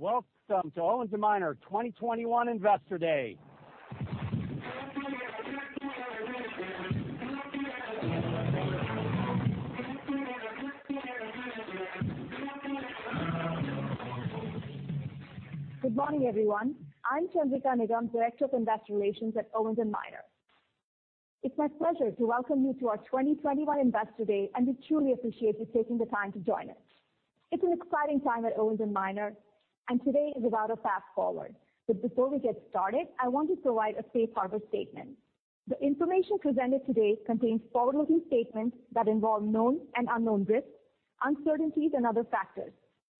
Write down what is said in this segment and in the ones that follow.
Good morning, everyone. I'm Chandrika Nigam, Director of Investor Relations at Owens & Minor. It's my pleasure to welcome you to our 2021 Investor Day. We truly appreciate you taking the time to join us. It's an exciting time at Owens & Minor. Today is about a path forward. Before we get started, I want to provide a safe harbor statement. The information presented today contains forward-looking statements that involve known and unknown risks, uncertainties, and other factors.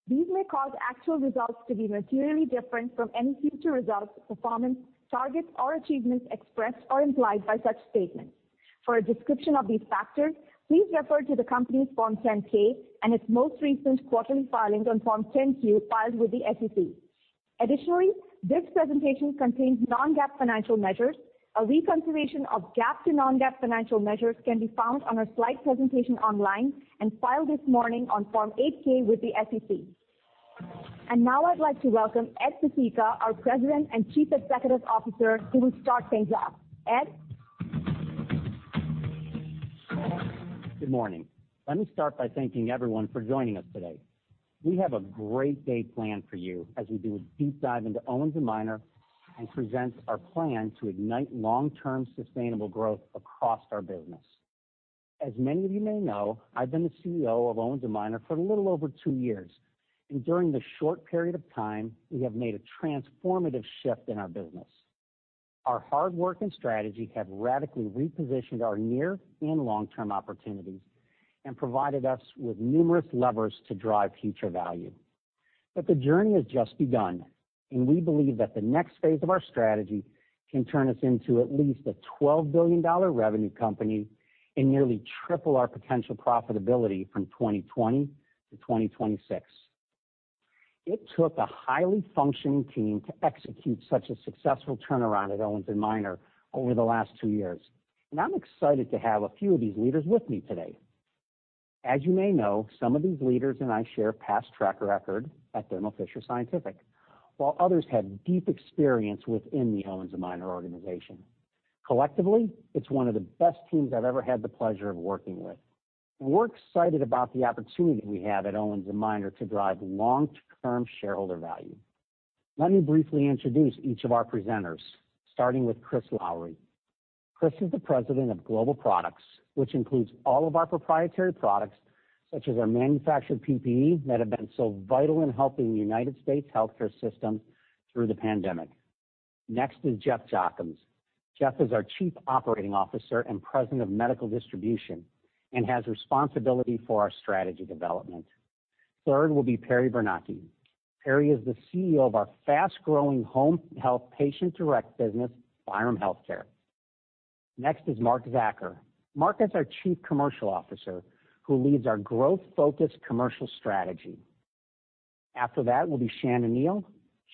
These may cause actual results to be materially different from any future results, performance, targets, or achievements expressed or implied by such statements. For a description of these factors, please refer to the company's Form 10-K and its most recent quarterly filing on Form 10-Q filed with the SEC. Additionally, this presentation contains non-GAAP financial measures. A reconciliation of GAAP to non-GAAP financial measures can be found on our slide presentation online and filed this morning on Form 8-K with the SEC. Now I'd like to welcome Ed Pesicka, our President and Chief Executive Officer, who will start things off. Edward? Good morning. Let me start by thanking everyone for joining us today. We have a great day planned for you as we do a deep dive into Owens & Minor and present our plan to ignite long-term sustainable growth across our business. As many of you may know, I've been the CEO of Owens & Minor for a little over two years, and during this short period of time, we have made a transformative shift in our business. Our hard work and strategy have radically repositioned our near and long-term opportunities and provided us with numerous levers to drive future value. The journey has just begun, and we believe that the next phase of our strategy can turn us into at least a $12 billion revenue company and nearly triple our potential profitability from 2020 to 2026. It took a highly functioning team to execute such a successful turnaround at Owens & Minor over the last two years, and I'm excited to have a few of these leaders with me today. As you may know, some of these leaders and I share a past track record at Thermo Fisher Scientific, while others have deep experience within the Owens & Minor organization. Collectively, it's one of the best teams I've ever had the pleasure of working with, and we're excited about the opportunity we have at Owens & Minor to drive long-term shareholder value. Let me briefly introduce each of our presenters, starting with Chris Lowery. Chris is the President of Global Products, which includes all of our proprietary products, such as our manufactured PPE that have been so vital in helping the U.S. healthcare system through the pandemic. Next is Jeff Jochims. Jeff Jochims is our Chief Operating Officer and President of Medical Distribution and has responsibility for our strategy development. Third will be Perry Bernocchi. Perry is the CEO of our fast-growing home health Patient Direct business, Byram Healthcare. Next is Mark Zacur. Mark is our Chief Commercial Officer, who leads our growth-focused commercial strategy. After that will be Shana Neal.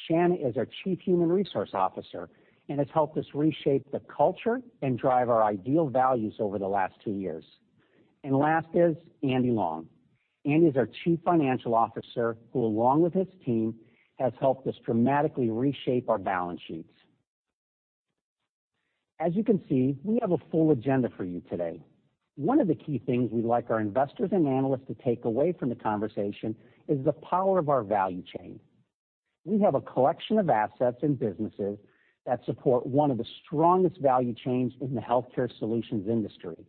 Shana is our Chief Human Resources Officer and has helped us reshape the culture and drive our IDEAL values over the last two years. Last is Andy Long. Andy is our Chief Financial Officer, who along with his team, has helped us dramatically reshape our balance sheets. As you can see, we have a full agenda for you today. One of the key things we'd like our investors and analysts to take away from the conversation is the power of our value chain. We have a collection of assets and businesses that support one of the strongest value chains in the healthcare solutions industry,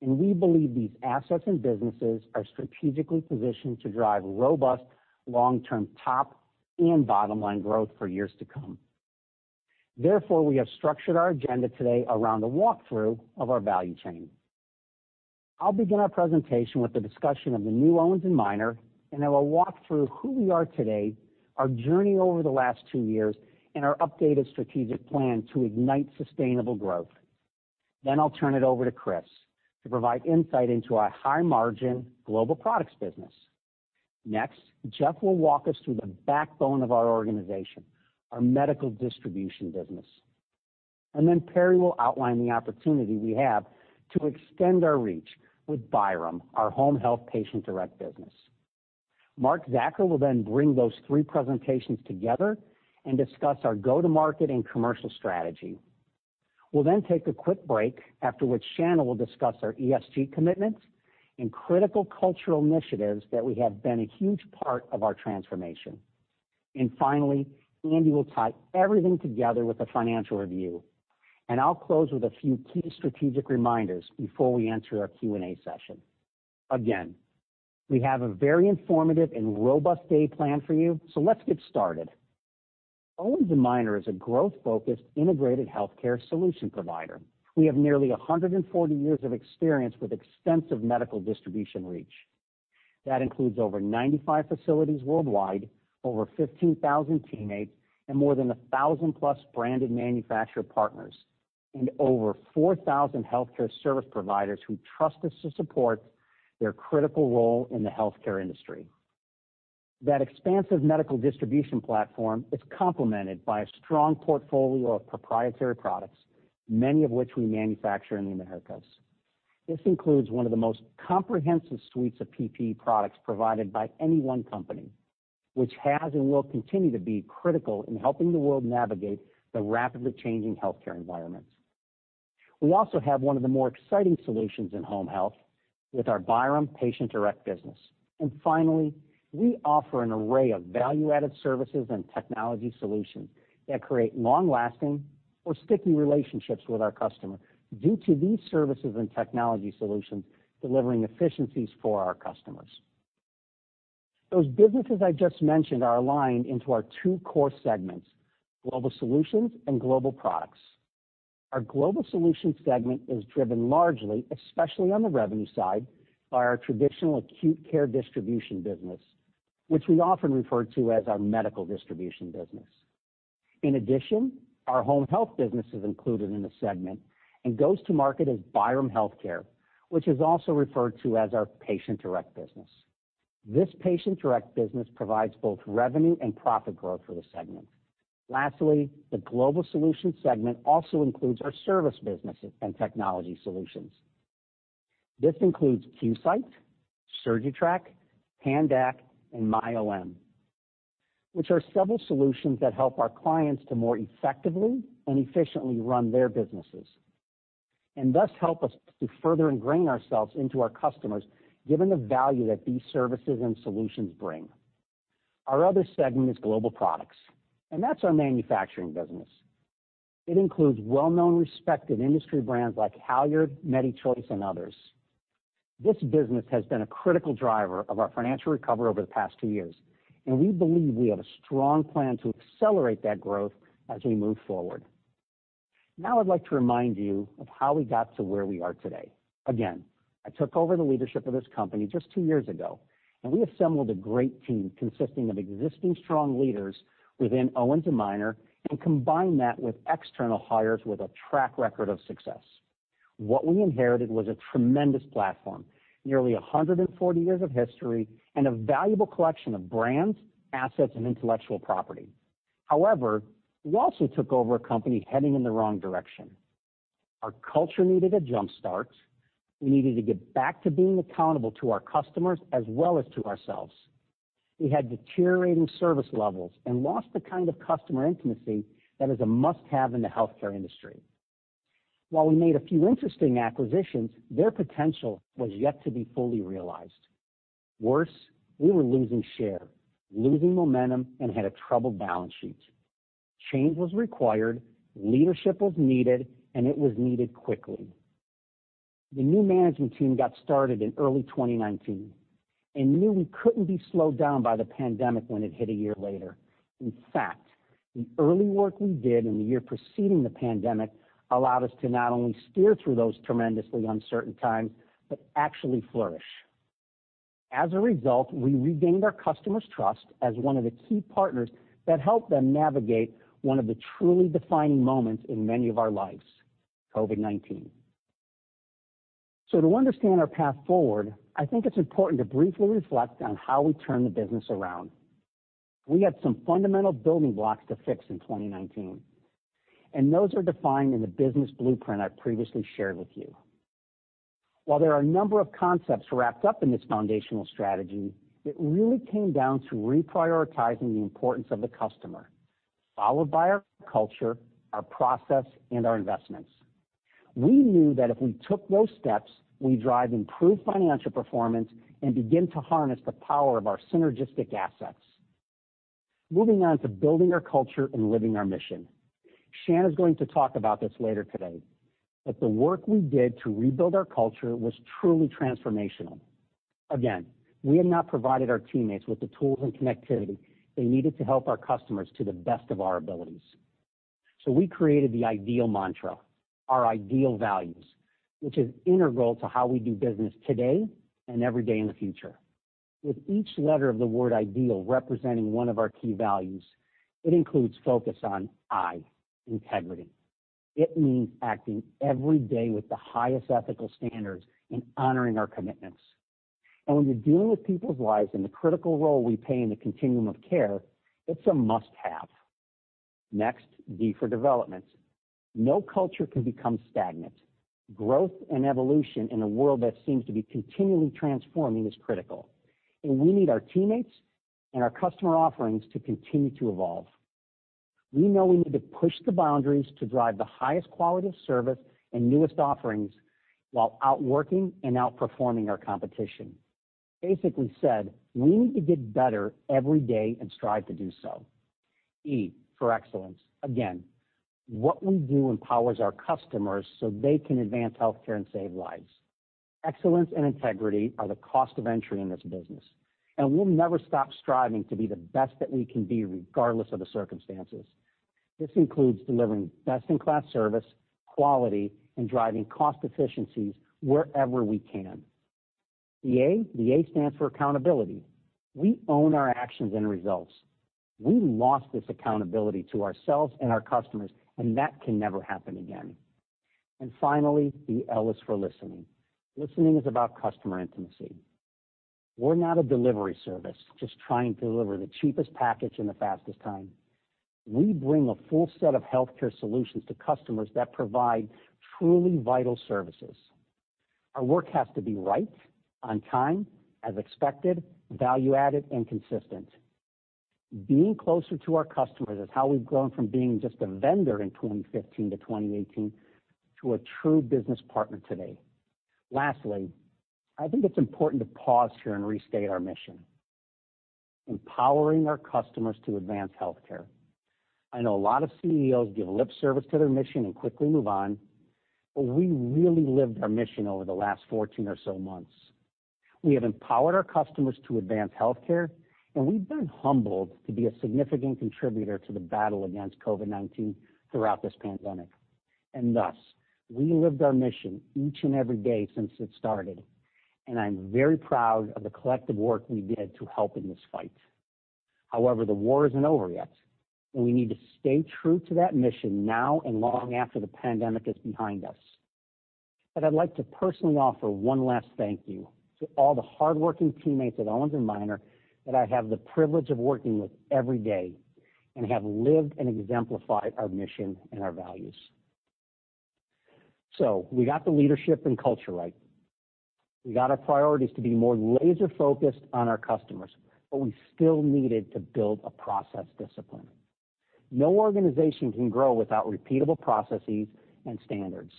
and we believe these assets and businesses are strategically positioned to drive robust long-term top and bottom-line growth for years to come. Therefore, we have structured our agenda today around a walkthrough of our value chain. I'll begin our presentation with a discussion of the new Owens & Minor, I will walk through who we are today, our journey over the last two years, and our updated strategic plan to ignite sustainable growth. I'll turn it over to Chris to provide insight into our high-margin Global Products business. Next, Jeff will walk us through the backbone of our organization, our Medical Distribution business. Perry will outline the opportunity we have to extend our reach with Byram, our home health Patient Direct business. Mark Zacur will bring those three presentations together and discuss our go-to-market and commercial strategy. We'll take a quick break, after which Shana Neal will discuss our ESG commitments and critical cultural initiatives that we have been a huge part of our transformation. Finally, Andy Long will tie everything together with a financial review. I'll close with a few key strategic reminders before we enter our Q&A session. Again, we have a very informative and robust day planned for you. Let's get started. Owens & Minor is a growth-focused integrated healthcare solution provider. We have nearly 140 years of experience with extensive medical distribution reach. That includes over 95 facilities worldwide, over 15,000 teammates, and more than 1,000+ branded manufacturer partners, and over 4,000 healthcare service providers who trust us to support their critical role in the healthcare industry. That expansive medical distribution platform is complemented by a strong portfolio of proprietary products, many of which we manufacture in the Americas. This includes one of the most comprehensive suites of PPE products provided by any one company, which has and will continue to be critical in helping the world navigate the rapidly changing healthcare environment. We also have one of the more exciting solutions in home health with our Byram Patient Direct business. Finally, we offer an array of value-added services and technology solutions that create long-lasting or sticky relationships with our customer due to these services and technology solutions delivering efficiencies for our customers. Those businesses I just mentioned are aligned into our two core segments, Global Solutions and Global Products. Our Global Solutions segment is driven largely, especially on the revenue side, by our traditional acute care distribution business, which we often refer to as our medical distribution business. In addition, our home health business is included in the segment and goes to market as Byram Healthcare, which is also referred to as our Patient Direct business. This Patient Direct business provides both revenue and profit growth for the segment. Lastly, the Global Solutions segment also includes our service businesses and technology solutions. This includes QSight, SurgiTrack, PANDAC, and MyOM, which are several solutions that help our clients to more effectively and efficiently run their businesses, and thus help us to further ingrain ourselves into our customers given the value that these services and solutions bring. Our other segment is Global Products, and that's our manufacturing business. It includes well-known, respected industry brands like HALYARD, MediChoice, and others. This business has been a critical driver of our financial recovery over the past two years, and we believe we have a strong plan to accelerate that growth as we move forward. I'd like to remind you of how we got to where we are today. I took over the leadership of this company just two years ago, and we assembled a great team consisting of existing strong leaders within Owens & Minor and combined that with external hires with a track record of success. What we inherited was a tremendous platform, nearly 140 years of history, and a valuable collection of brands, assets, and intellectual property. We also took over a company heading in the wrong direction. Our culture needed a jumpstart. We needed to get back to being accountable to our customers as well as to ourselves. We had deteriorating service levels and lost the kind of customer intimacy that is a must-have in the healthcare industry. While we made a few interesting acquisitions, their potential was yet to be fully realized. Worse, we were losing share, losing momentum, and had a troubled balance sheet. Change was required, leadership was needed, and it was needed quickly. The new management team got started in early 2019 and knew we couldn't be slowed down by the pandemic when it hit a year later. In fact, the early work we did in the year preceding the pandemic allowed us to not only steer through those tremendously uncertain times but actually flourish. As a result, we regained our customers' trust as one of the key partners that helped them navigate one of the truly defining moments in many of our lives, COVID-19. To understand our path forward, I think it's important to briefly reflect on how we turned the business around. We had some fundamental building blocks to fix in 2019, and those are defined in the business blueprint I previously shared with you. While there are a number of concepts wrapped up in this foundational strategy, it really came down to reprioritizing the importance of the customer, followed by our culture, our process, and our investments. We knew that if we took those steps, we'd drive improved financial performance and begin to harness the power of our synergistic assets. Moving on to building our culture and living our mission. Shana Neal is going to talk about this later today, but the work we did to rebuild our culture was truly transformational. Again, we had not provided our teammates with the tools and connectivity they needed to help our customers to the best of our abilities. We created the IDEAL mantra, our IDEAL values, which is integral to how we do business today and every day in the future. With each letter of the word IDEAL representing one of our key values, it includes focus on I, Integrity. It means acting every day with the highest ethical standards and honoring our commitments. When you're dealing with people's lives and the critical role we play in the continuum of care, it's a must-have. Next, D for Development. No culture can become stagnant. Growth and evolution in a world that seems to be continually transforming is critical, and we need our teammates and our customer offerings to continue to evolve. We know we need to push the boundaries to drive the highest quality of service and newest offerings while outworking and outperforming our competition. Basically said, we need to get better every day and strive to do so. E for excellence. What we do empowers our customers so they can advance healthcare and save lives. Excellence and integrity are the cost of entry in this business. We'll never stop striving to be the best that we can be regardless of the circumstances. This includes delivering best-in-class service, quality, and driving cost efficiencies wherever we can. The A, the A stands for accountability. We own our actions and results. We lost this accountability to ourselves and our customers. That can never happen again. Finally, the L is for listening. Listening is about customer intimacy. We're not a delivery service just trying to deliver the cheapest package in the fastest time. We bring a full set of healthcare solutions to customers that provide truly vital services. Our work has to be right, on time, as expected, value-added, and consistent. Being closer to our customers is how we've grown from being just a vendor in 2015 to 2018 to a true business partner today. I think it's important to pause here and restate our mission: Empowering our customers to advance healthcare. I know a lot of CEOs give lip service to their mission and quickly move on, but we really lived our mission over the last 14 or so months. We have empowered our customers to advance healthcare, and we've been humbled to be a significant contributor to the battle against COVID-19 throughout this pandemic. Thus, we lived our mission each and every day since it started, and I'm very proud of the collective work we did to help in this fight. However, the war isn't over yet, and we need to stay true to that mission now and long after the pandemic is behind us. I'd like to personally offer one last thank you to all the hardworking teammates at Owens & Minor that I have the privilege of working with every day and have lived and exemplified our mission and our values. We got the leadership and culture right. We got our priorities to be more laser-focused on our customers, we still needed to build a process discipline. No organization can grow without repeatable processes and standards.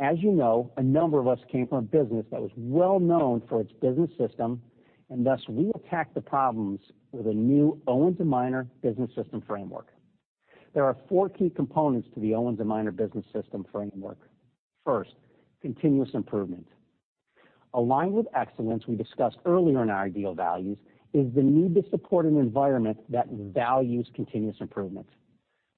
As you know, a number of us came from a business that was well-known for its business system, and thus we attacked the problems with a new Owens & Minor Business System framework. There are four key components to the Owens & Minor Business System framework. First, Continuous Improvement. Aligned with excellence we discussed earlier in our IDEAL values is the need to support an environment that values continuous improvement.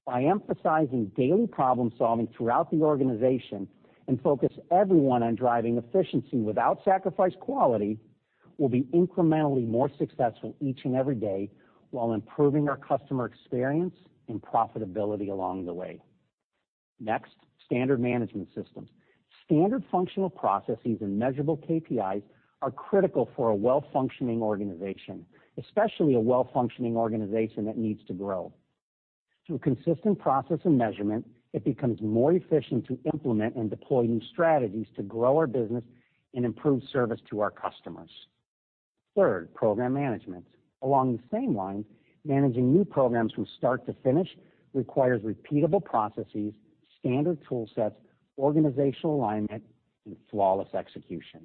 By emphasizing daily problem-solving throughout the organization and focus everyone on driving efficiency without sacrificed quality, we'll be incrementally more successful each and every day while improving our customer experience and profitability along the way. Next, Standard Management Systems. Standard functional processes and measurable KPIs are critical for a well-functioning organization, especially a well-functioning organization that needs to grow. Through consistent process and measurement, it becomes more efficient to implement and deploy new strategies to grow our business and improve service to our customers. Third, program management. Along the same lines, managing new programs from start to finish requires repeatable processes, standard tool sets, organizational alignment, and flawless execution.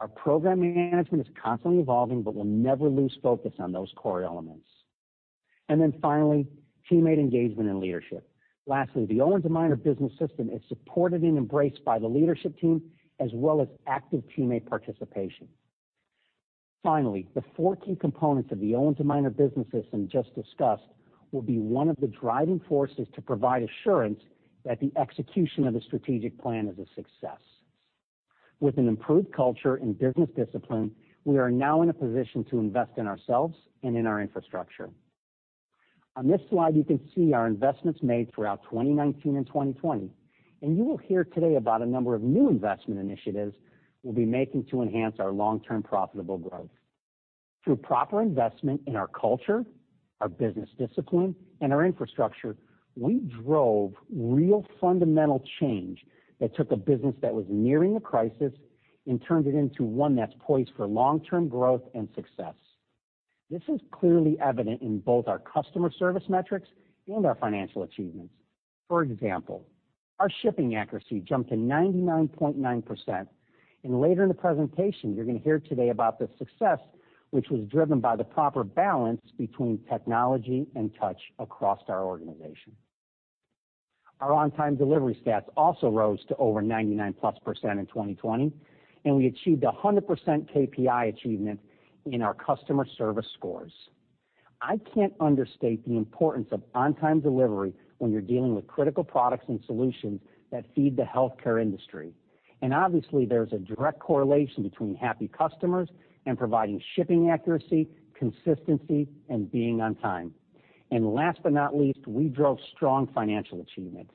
Our program management is constantly evolving, but we'll never lose focus on those core elements. Finally, teammate engagement and leadership. Lastly, the Owens & Minor business system is supported and embraced by the leadership team as well as active teammate participation. Finally, the four key components of the Owens & Minor business system just discussed will be one of the driving forces to provide assurance that the execution of the strategic plan is a success. With an improved culture and business discipline, we are now in a position to invest in ourselves and in our infrastructure. On this slide, you can see our investments made throughout 2019 and 2020. You will hear today about a number of new investment initiatives we'll be making to enhance our long-term profitable growth. Through proper investment in our culture, our business discipline, and our infrastructure, we drove real fundamental change that took a business that was nearing the crisis and turned it into one that's poised for long-term growth and success. This is clearly evident in both our customer service metrics and our financial achievements. For example, our shipping accuracy jumped to 99.9%. Later in the presentation, you're gonna hear today about the success which was driven by the proper balance between technology and touch across our organization. Our on-time delivery stats also rose to over 99+% in 2020. We achieved 100% KPI achievement in our customer service scores. I can't understate the importance of on-time delivery when you're dealing with critical products and solutions that feed the healthcare industry. Obviously, there's a direct correlation between happy customers and providing shipping accuracy, consistency, and being on time. Last but not least, we drove strong financial achievements.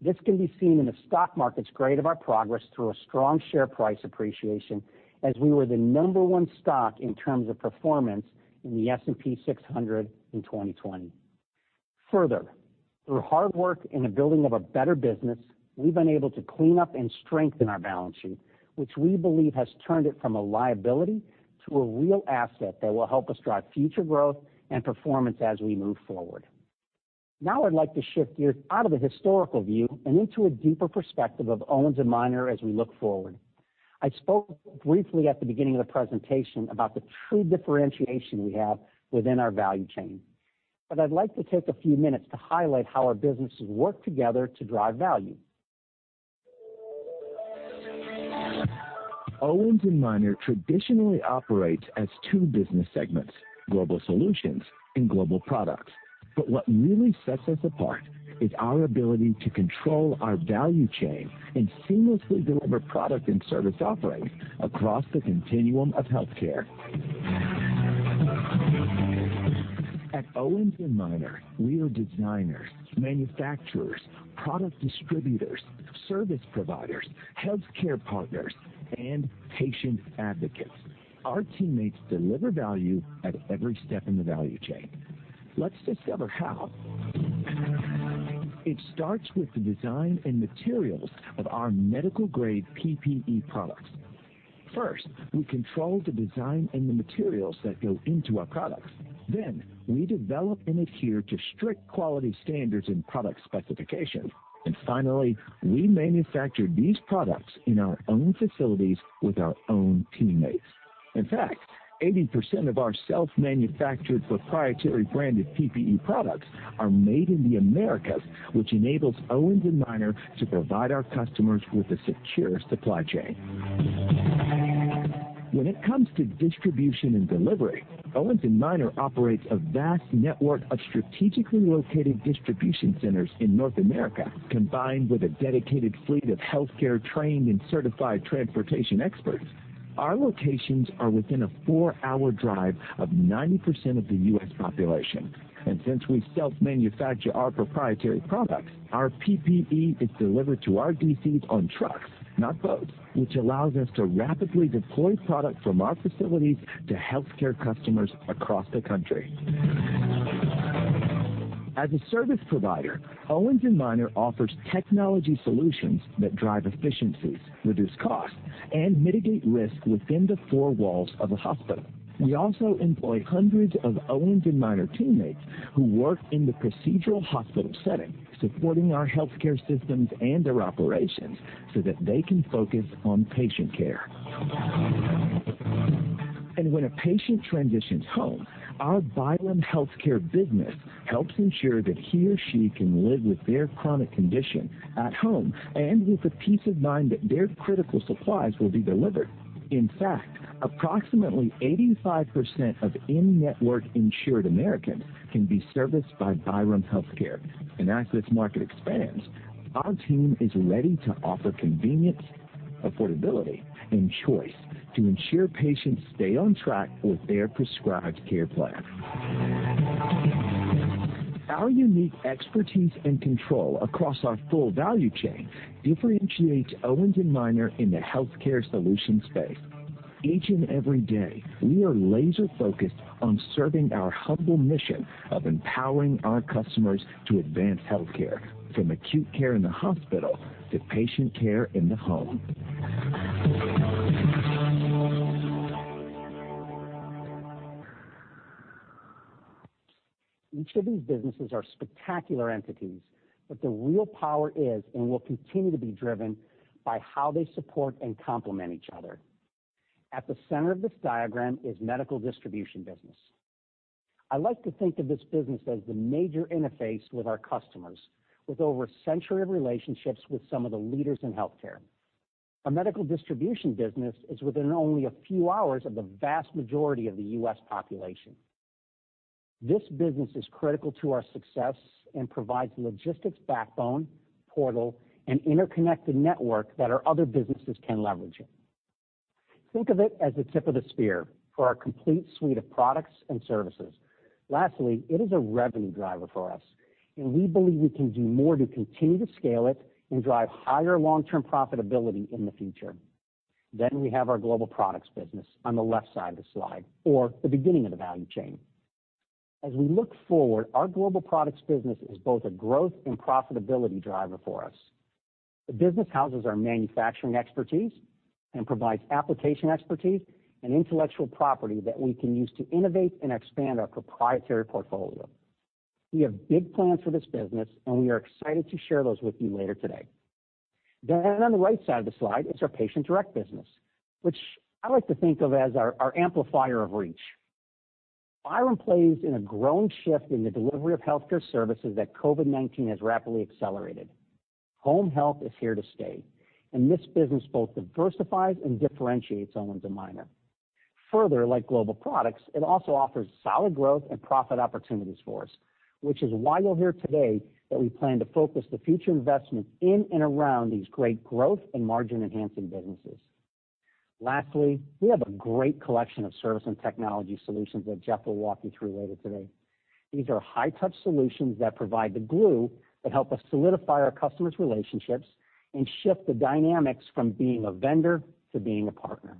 This can be seen in the stock market's grade of our progress through a strong share price appreciation as we were the number one stock in terms of performance in the S&P 600 in 2020. Through hard work and the building of a better business, we've been able to clean up and strengthen our balance sheet, which we believe has turned it from a liability to a real asset that will help us drive future growth and performance as we move forward. I'd like to shift gears out of the historical view and into a deeper perspective of Owens & Minor as we look forward. I spoke briefly at the beginning of the presentation about the true differentiation we have within our value chain, but I'd like to take a few minutes to highlight how our businesses work together to drive value. Owens & Minor traditionally operates as two business segments: Global Solutions and Global Products. What really sets us apart is our ability to control our value chain and seamlessly deliver product and service offerings across the continuum of healthcare. At Owens & Minor, we are designers, manufacturers, product distributors, service providers, healthcare partners, and patient advocates. Our teammates deliver value at every step in the value chain. Let's discover how. It starts with the design and materials of our medical grade PPE products. First, we control the design and the materials that go into our products. We develop and adhere to strict quality standards and product specifications. Finally, we manufacture these products in our own facilities with our own teammates. In fact, 80% of our self-manufactured proprietary branded PPE products are made in the Americas, which enables Owens & Minor to provide our customers with a secure supply chain. When it comes to distribution and delivery, Owens & Minor operates a vast network of strategically located distribution centers in North America, combined with a dedicated fleet of healthcare trained and certified transportation experts. Our locations are within a four-hour drive of 90% of the U.S. population. Since we self-manufacture our proprietary products, our PPE is delivered to our DCs on trucks, not boats, which allows us to rapidly deploy product from our facilities to healthcare customers across the country. As a service provider, Owens & Minor offers technology solutions that drive efficiencies, reduce costs, and mitigate risk within the four walls of a hospital. We also employ hundreds of Owens & Minor teammates who work in the procedural hospital setting, supporting our healthcare systems and their operations so that they can focus on patient care. When a patient transitions home, our Byram Healthcare business helps ensure that he or she can live with their chronic condition at home and with the peace of mind that their critical supplies will be delivered. In fact, approximately 85% of in-network insured Americans can be serviced by Byram Healthcare. As this market expands, our team is ready to offer convenience, affordability, and choice to ensure patients stay on track with their prescribed care plan. Our unique expertise and control across our full value chain differentiates Owens & Minor in the healthcare solution space. Each and every day, we are laser-focused on serving our humble mission of empowering our customers to advance healthcare from acute care in the hospital to patient care in the home. Each of these businesses are spectacular entities, but the real power is and will continue to be driven by how they support and complement each other. At the center of this diagram is medical distribution business. I like to think of this business as the major interface with our customers, with over a century of relationships with some of the leaders in healthcare. Our medical distribution business is within only a few hours of the vast majority of the U.S. population. This business is critical to our success and provides the logistics backbone, portal, and interconnected network that our other businesses can leverage in. Think of it as the tip of the spear for our complete suite of products and services. Lastly, it is a revenue driver for us, and we believe we can do more to continue to scale it and drive higher long-term profitability in the future. We have our Global Products business on the left side of the slide or the beginning of the value chain. As we look forward, our Global Products business is both a growth and profitability driver for us. The business houses our manufacturing expertise and provides application expertise and intellectual property that we can use to innovate and expand our proprietary portfolio. We have big plans for this business, and we are excited to share those with you later today. On the right side of the slide is our Patient Direct business, which I like to think of as our amplifier of reach. Byram plays in a growing shift in the delivery of healthcare services that COVID-19 has rapidly accelerated. Home health is here to stay, and this business both diversifies and differentiates Owens & Minor. Like Global Products, it also offers solid growth and profit opportunities for us, which is why you'll hear today that we plan to focus the future investment in and around these great growth and margin-enhancing businesses. We have a great collection of service and technology solutions that Jeff will walk you through later today. These are high-touch solutions that provide the glue that help us solidify our customers' relationships and shift the dynamics from being a vendor to being a partner.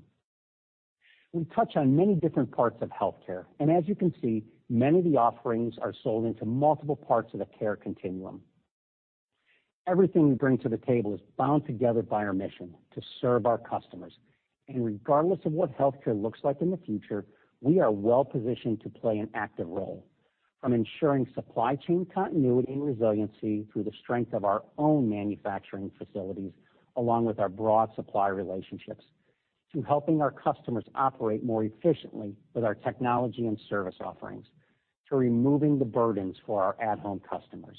We touch on many different parts of healthcare. As you can see, many of the offerings are sold into multiple parts of the care continuum. Everything we bring to the table is bound together by our mission to serve our customers. Regardless of what healthcare looks like in the future, we are well-positioned to play an active role, from ensuring supply chain continuity and resiliency through the strength of our own manufacturing facilities, along with our broad supply relationships, to helping our customers operate more efficiently with our technology and service offerings, to removing the burdens for our at-home customers.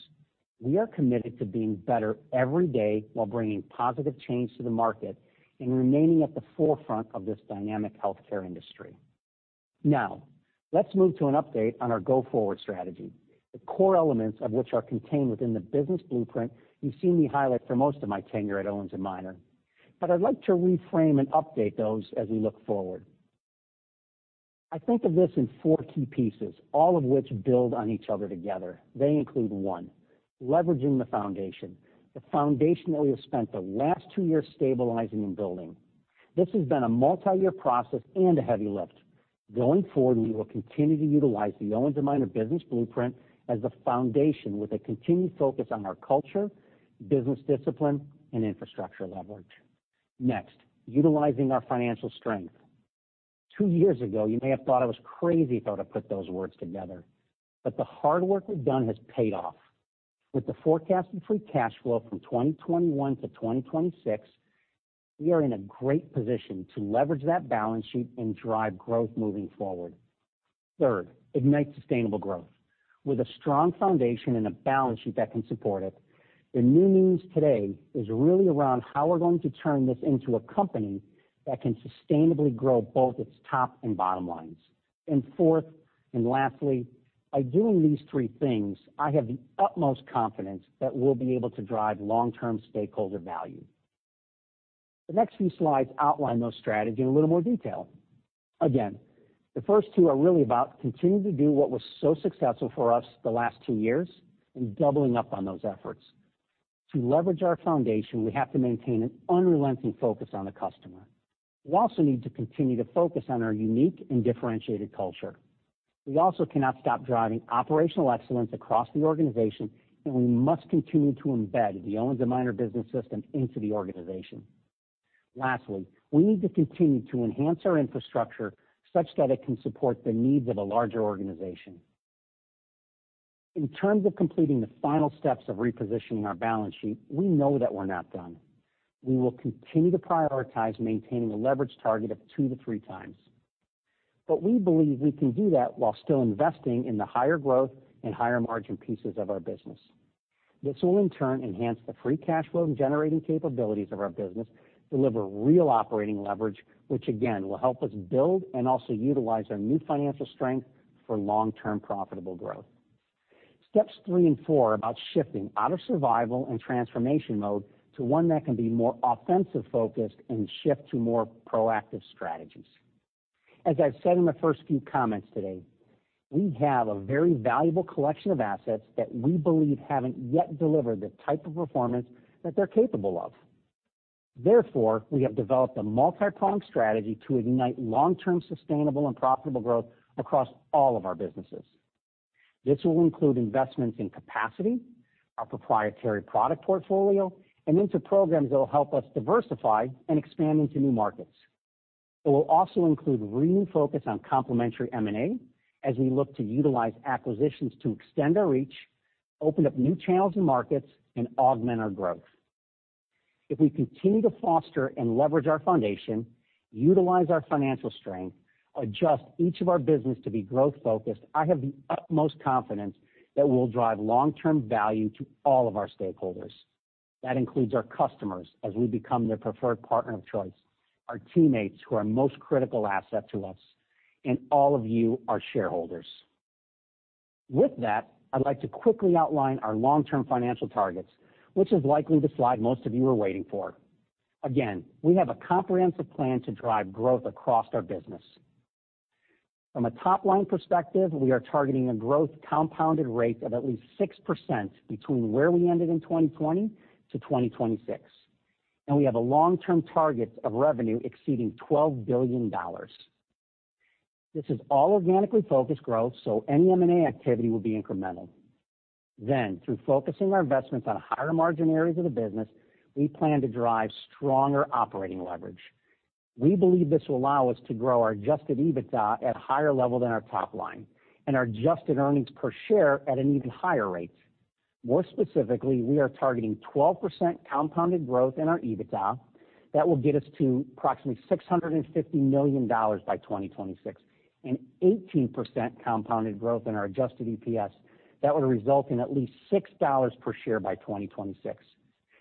We are committed to being better every day while bringing positive change to the market and remaining at the forefront of this dynamic healthcare industry. Let's move to an update on our go-forward strategy, the core elements of which are contained within the business blueprint you've seen me highlight for most of my tenure at Owens & Minor. I'd like to reframe and update those as we look forward. I think of this in four key pieces, all of which build on each other together. They include, one, leveraging the foundation, the foundation where we have spent the last two years stabilizing and building. This has been a multiyear process and a heavy lift. Going forward, we will continue to utilize the Owens & Minor business system as the foundation with a continued focus on our culture, business discipline, and infrastructure leverage. Next, utilizing our financial strength. two years ago, you may have thought I was crazy if I were to put those words together, but the hard work we've done has paid off. With the forecasted free cash flow from 2021 to 2026, we are in a great position to leverage that balance sheet and drive growth moving forward. third, ignite sustainable growth. With a strong foundation and a balance sheet that can support it, the new news today is really around how we're going to turn this into a company that can sustainably grow both its top and bottom lines. Fourth, and lastly, by doing these three things, I have the utmost confidence that we'll be able to drive long-term stakeholder value. The next few slides outline those strategy in a little more detail. Again, the first two are really about continuing to do what was so successful for us the last two years and doubling up on those efforts. To leverage our foundation, we have to maintain an unrelenting focus on the customer. We also need to continue to focus on our unique and differentiated culture. We also cannot stop driving operational excellence across the organization, and we must continue to embed the Owens & Minor business system into the organization. Lastly, we need to continue to enhance our infrastructure such that it can support the needs of a larger organization. In terms of completing the final steps of repositioning our balance sheet, we know that we're not done. We will continue to prioritize maintaining a leverage target of 2 to 3x. We believe we can do that while still investing in the higher growth and higher margin pieces of our business. This will, in turn, enhance the free cash flow and generating capabilities of our business, deliver real operating leverage, which again, will help us build and also utilize our new financial strength for long-term profitable growth. Steps three and four are about shifting out of survival and transformation mode to one that can be more offensive-focused and shift to more proactive strategies. As I've said in my first few comments today, we have a very valuable collection of assets that we believe haven't yet delivered the type of performance that they're capable of. Therefore, we have developed a multipronged strategy to ignite long-term sustainable and profitable growth across all of our businesses. This will include investments in capacity, our proprietary product portfolio, and into programs that will help us diversify and expand into new markets. It will also include renewed focus on complementary M&A as we look to utilize acquisitions to extend our reach, open up new channels and markets, and augment our growth. If we continue to foster and leverage our foundation, utilize our financial strength, adjust each of our business to be growth-focused, I have the utmost confidence that we'll drive long-term value to all of our stakeholders. That includes our customers as we become their preferred partner of choice, our teammates who are our most critical asset to us, and all of you, our shareholders. With that, I'd like to quickly outline our long-term financial targets, which is likely the slide most of you are waiting for. We have a comprehensive plan to drive growth across our business. From a top-line perspective, we are targeting a growth compounded rate of at least 6% between where we ended in 2020 to 2026, and we have a long-term target of revenue exceeding $12 billion. This is all organically focused growth, any M&A activity will be incremental. Through focusing our investments on higher margin areas of the business, we plan to drive stronger operating leverage. We believe this will allow us to grow our adjusted EBITDA at a higher level than our top line and our adjusted earnings per share at an even higher rate. More specifically, we are targeting 12% compounded growth in our EBITDA. That will get us to approximately $650 million by 2026, and 18% compounded growth in our adjusted EPS that would result in at least $6 per share by 2026.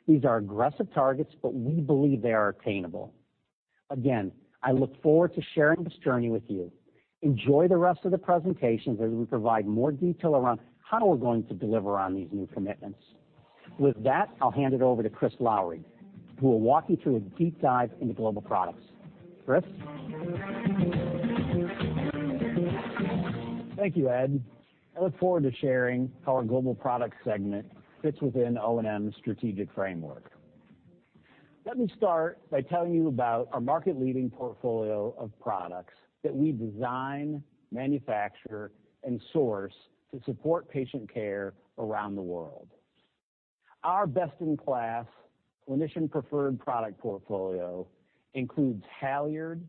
These are aggressive targets, but we believe they are attainable. Again, I look forward to sharing this journey with you. Enjoy the rest of the presentation as we provide more detail around how we're going to deliver on these new commitments. With that, I'll hand it over to Chris Lowery, who will walk you through a deep dive into Global Products. Chris? Thank you, Ed. I look forward to sharing how our Global Products segment fits within O&M's strategic framework. Let me start by telling you about our market-leading portfolio of products that we design, manufacture, and source to support patient care around the world. Our best-in-class, clinician-preferred product portfolio includes HALYARD,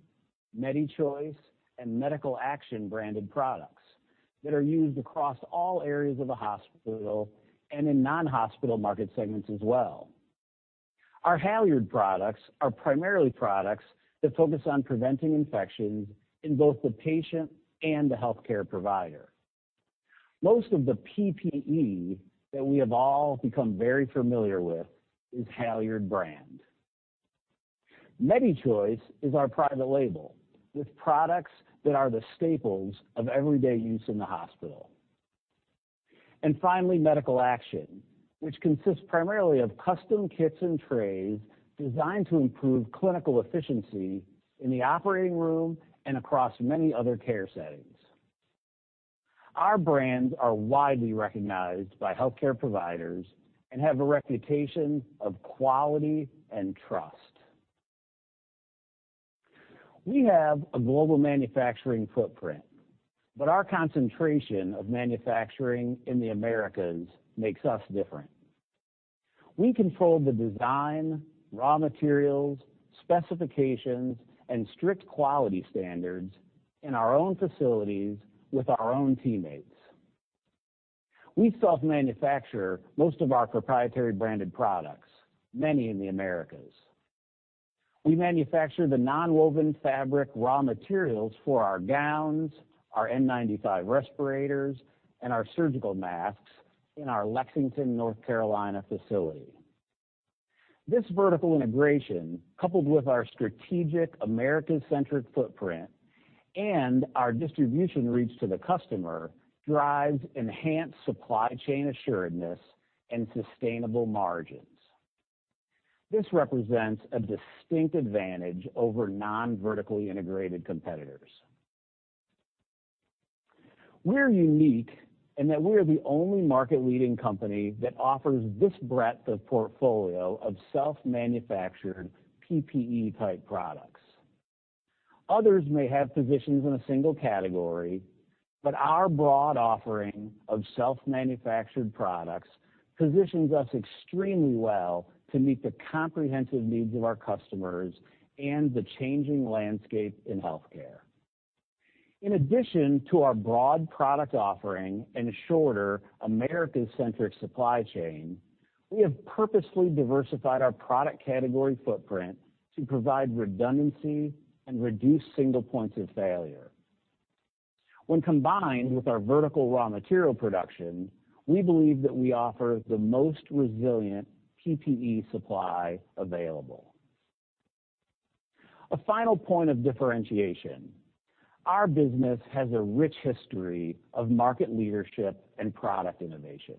MediChoice, and Medical Action branded products that are used across all areas of the hospital and in non-hospital market segments as well. Our HALYARD products are primarily products that focus on preventing infections in both the patient and the healthcare provider. Most of the PPE that we have all become very familiar with is HALYARD brand. MediChoice is our private label with products that are the staples of everyday use in the hospital. Finally, Medical Action, which consists primarily of custom kits and trays designed to improve clinical efficiency in the operating room and across many other care settings. Our brands are widely recognized by healthcare providers and have a reputation of quality and trust. We have a global manufacturing footprint. Our concentration of manufacturing in the Americas makes us different. We control the design, raw materials, specifications, and strict quality standards in our own facilities with our own teammates. We self-manufacture most of our proprietary branded products, many in the Americas. We manufacture the nonwoven fabric raw materials for our gowns, our N95 respirators, and our surgical masks in our Lexington, North Carolina, facility. This vertical integration, coupled with our strategic America-centric footprint and our distribution reach to the customer, drives enhanced supply chain assuredness and sustainable margins. This represents a distinct advantage over nonvertically integrated competitors. We're unique in that we are the only market-leading company that offers this breadth of portfolio of self-manufactured PPE-type products. Others may have positions in a single category, but our broad offering of self-manufactured products positions us extremely well to meet the comprehensive needs of our customers and the changing landscape in healthcare. In addition to our broad product offering and shorter America-centric supply chain, we have purposefully diversified our product category footprint to provide redundancy and reduce single points of failure. When combined with our vertical raw material production, we believe that we offer the most resilient PPE supply available. A final point of differentiation, our business has a rich history of market leadership and product innovation.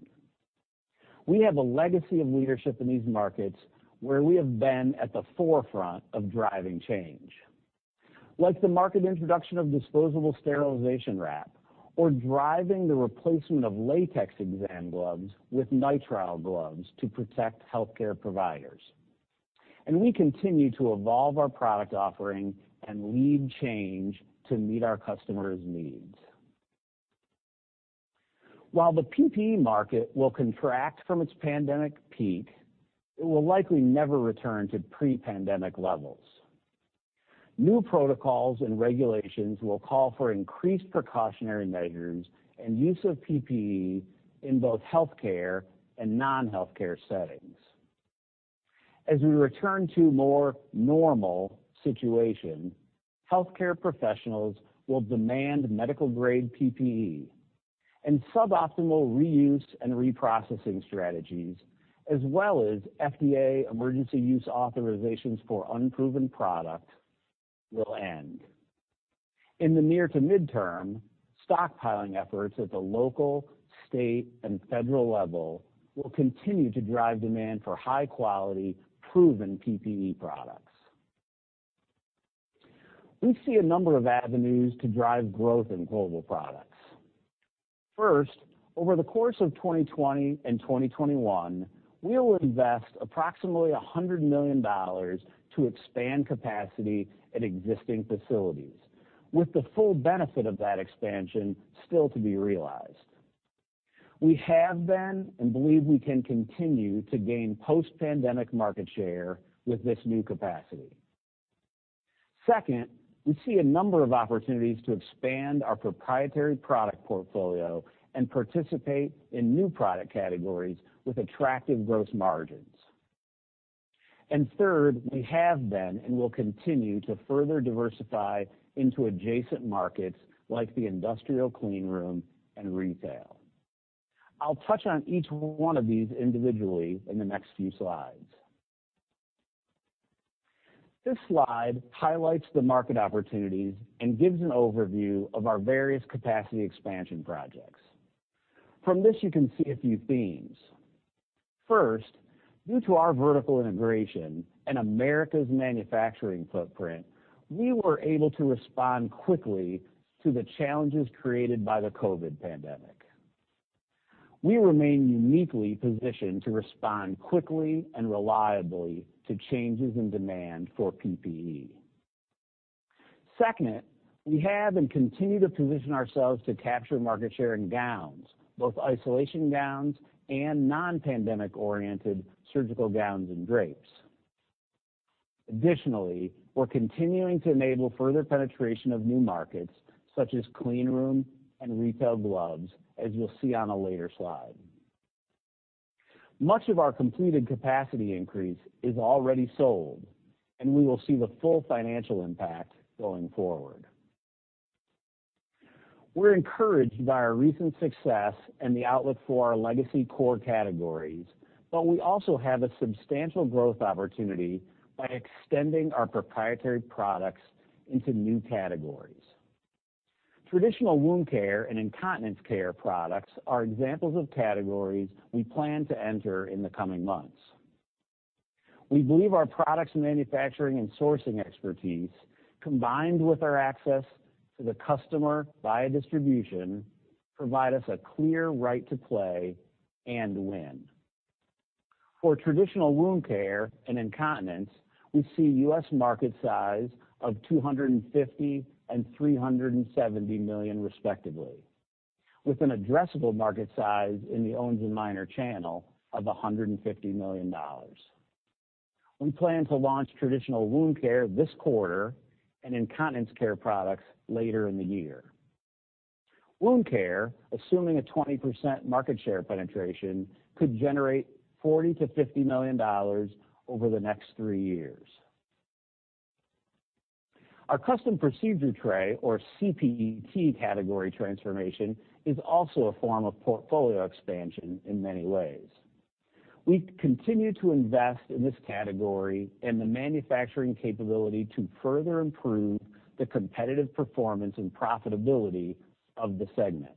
We have a legacy of leadership in these markets, where we have been at the forefront of driving change, like the market introduction of disposable sterilization wrap or driving the replacement of latex exam gloves with nitrile gloves to protect healthcare providers, and we continue to evolve our product offering and lead change to meet our customers' needs. While the PPE market will contract from its pandemic peak, it will likely never return to pre-pandemic levels. New protocols and regulations will call for increased precautionary measures and use of PPE in both healthcare and non-healthcare settings. As we return to a more normal situation, healthcare professionals will demand medical-grade PPE and suboptimal reuse and reprocessing strategies as well as FDA Emergency Use Authorizations for unproven product will end. In the near to midterm, stockpiling efforts at the local, state, and federal level will continue to drive demand for high-quality, proven PPE products. We see a number of avenues to drive growth in Global Products. First, over the course of 2020 and 2021, we will invest approximately $100 million to expand capacity at existing facilities, with the full benefit of that expansion still to be realized. We have been and believe we can continue to gain post-pandemic market share with this new capacity. Second, we see a number of opportunities to expand our proprietary product portfolio and participate in new product categories with attractive gross margins. Third, we have been and will continue to further diversify into adjacent markets like the industrial clean room and retail. I'll touch on each one of these individually in the next few slides. This slide highlights the market opportunities and gives an overview of our various capacity expansion projects. From this, you can see a few themes. First, due to our vertical integration and America's manufacturing footprint, we were able to respond quickly to the challenges created by the COVID pandemic. We remain uniquely positioned to respond quickly and reliably to changes in demand for PPE. Second, we have and continue to position ourselves to capture market share in gowns, both isolation gowns and non-pandemic-oriented surgical gowns and drapes. Additionally, we're continuing to enable further penetration of new markets, such as clean room and retail gloves, as you'll see on a later slide. Much of our completed capacity increase is already sold, and we will see the full financial impact going forward. We're encouraged by our recent success and the outlook for our legacy core categories. We also have a substantial growth opportunity by extending our proprietary products into new categories. Traditional wound care and incontinence care products are examples of categories we plan to enter in the coming months. We believe our products, manufacturing, and sourcing expertise, combined with our access to the customer via distribution, provide us a clear right to play and win. For traditional wound care and incontinence, we see U.S. market size of $250 million and $370 million respectively, with an addressable market size in the Owens & Minor channel of $150 million. We plan to launch traditional wound care this quarter and incontinence care products later in the year. Wound care, assuming a 20% market share penetration, could generate $40-$50 million over the next three years. Our custom procedure tray or CPT category transformation is also a form of portfolio expansion in many ways. We continue to invest in this category and the manufacturing capability to further improve the competitive performance and profitability of the segment.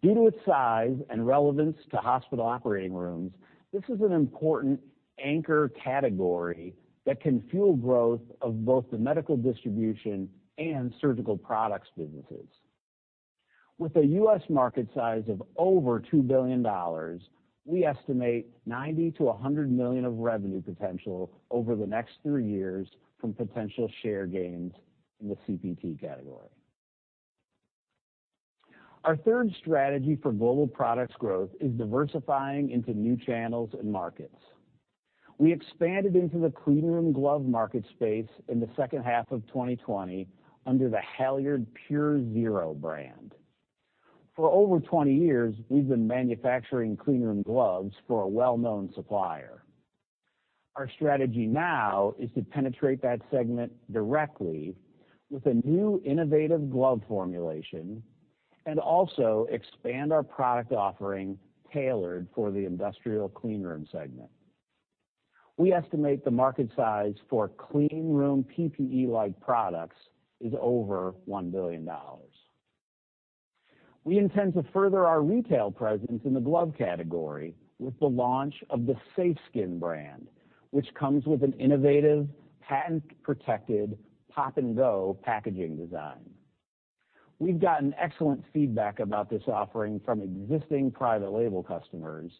Due to its size and relevance to hospital operating rooms, this is an important anchor category that can fuel growth of both the medical distribution and surgical products businesses. With a U.S. market size of over $2 billion, we estimate $90 million to $100 million of revenue potential over the next three years from potential share gains in the CPT category. Our third strategy for Global Products growth is diversifying into new channels and markets. We expanded into the clean room glove market space in the second half of 2020 under the HALYARD PUREZERO brand. For over 20 years, we've been manufacturing clean room gloves for a well-known supplier. Our strategy now is to penetrate that segment directly with a new innovative glove formulation and also expand our product offering tailored for the industrial clean room segment. We estimate the market size for clean room PPE-like products is over $1 billion. We intend to further our retail presence in the glove category with the launch of the SAFESKIN brand, which comes with an innovative, patent-protected POP-N-GO packaging design. We've gotten excellent feedback about this offering from existing private label customers.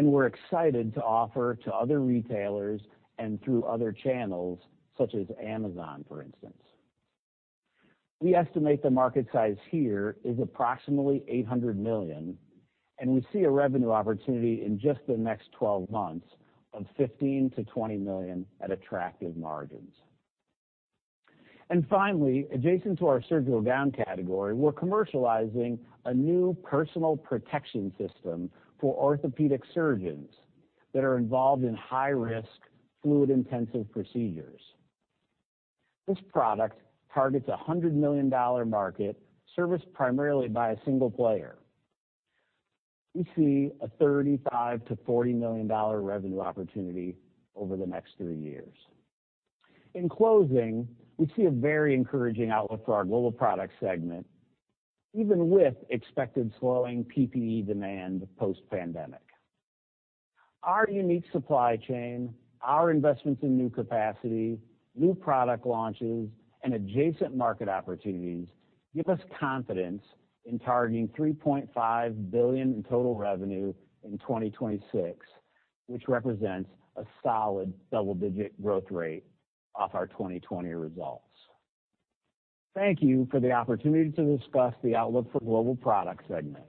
We're excited to offer to other retailers and through other channels, such as Amazon, for instance. We estimate the market size here is approximately $800 million. We see a revenue opportunity in just the next 12 months of $15 million to $20 million at attractive margins. Finally, adjacent to our surgical gown category, we're commercializing a new personal protection system for orthopedic surgeons that are involved in high-risk fluid-intensive procedures. This product targets a $100 million market serviced primarily by a single player. We see a $35 million to $40 million revenue opportunity over the next three years. In closing, we see a very encouraging outlook for our Global Products segment, even with expected slowing PPE demand post-pandemic. Our unique supply chain, our investments in new capacity, new product launches, and adjacent market opportunities give us confidence in targeting $3.5 billion in total revenue in 2026, which represents a solid double-digit growth rate off our 2020 results. Thank you for the opportunity to discuss the outlook for Global Products segment.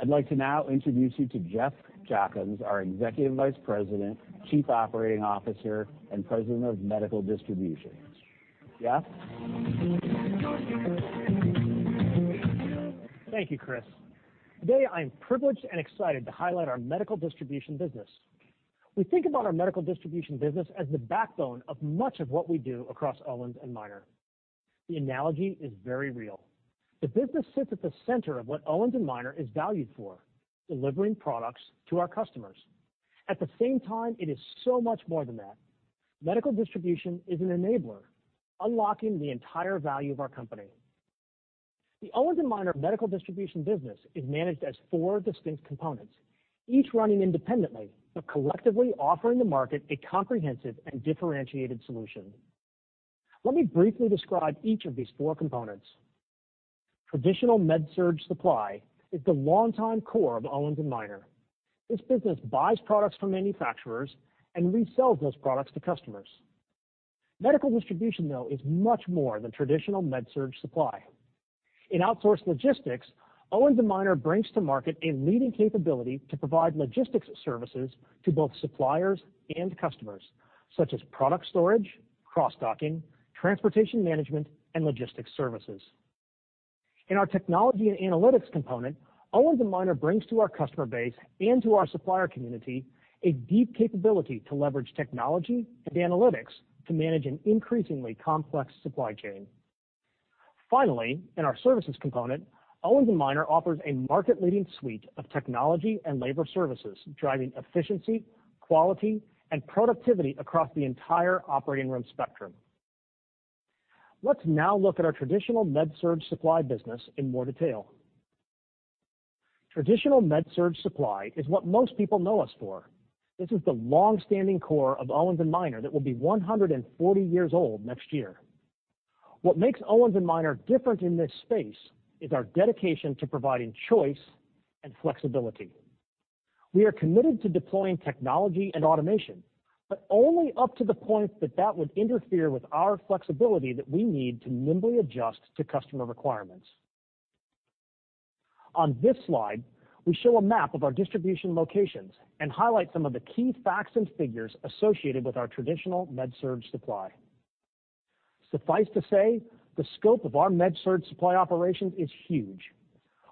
I'd like to now introduce you to Jeff Jochims, our Executive Vice President, Chief Operating Officer, and President of Medical Distribution. Jeff? Thank you, Chris. Today, I'm privileged and excited to highlight our Medical Distribution business. We think about our Medical Distribution business as the backbone of much of what we do across Owens & Minor. The analogy is very real. The business sits at the center of what Owens & Minor is valued for, delivering products to our customers. At the same time, it is so much more than that. Medical Distribution is an enabler, unlocking the entire value of our company. The Owens & Minor Medical Distribution business is managed as four distinct components, each running independently, but collectively offering the market a comprehensive and differentiated solution. Let me briefly describe each of these four components. Traditional med surg supply is the longtime core of Owens & Minor. This business buys products from manufacturers and resells those products to customers. Medical Distribution, though, is much more than traditional med surg supply. In outsourced logistics, Owens & Minor brings to market a leading capability to provide logistics services to both suppliers and customers, such as product storage, cross-docking, transportation management, and logistics services. In our technology and analytics component, Owens & Minor brings to our customer base and to our supplier community a deep capability to leverage technology and analytics to manage an increasingly complex supply chain. Finally, in our services component, Owens & Minor offers a market-leading suite of technology and labor services, driving efficiency, quality, and productivity across the entire operating room spectrum. Let's now look at our traditional med surg supply business in more detail. Traditional med surg supply is what most people know us for. This is the long-standing core of Owens & Minor that will be 140 years old next year. What makes Owens & Minor different in this space is our dedication to providing choice and flexibility. We are committed to deploying technology and automation, only up to the point that would interfere with our flexibility that we need to nimbly adjust to customer requirements. On this slide, we show a map of our distribution locations and highlight some of the key facts and figures associated with our traditional med surg supply. Suffice to say, the scope of our med surg supply operations is huge.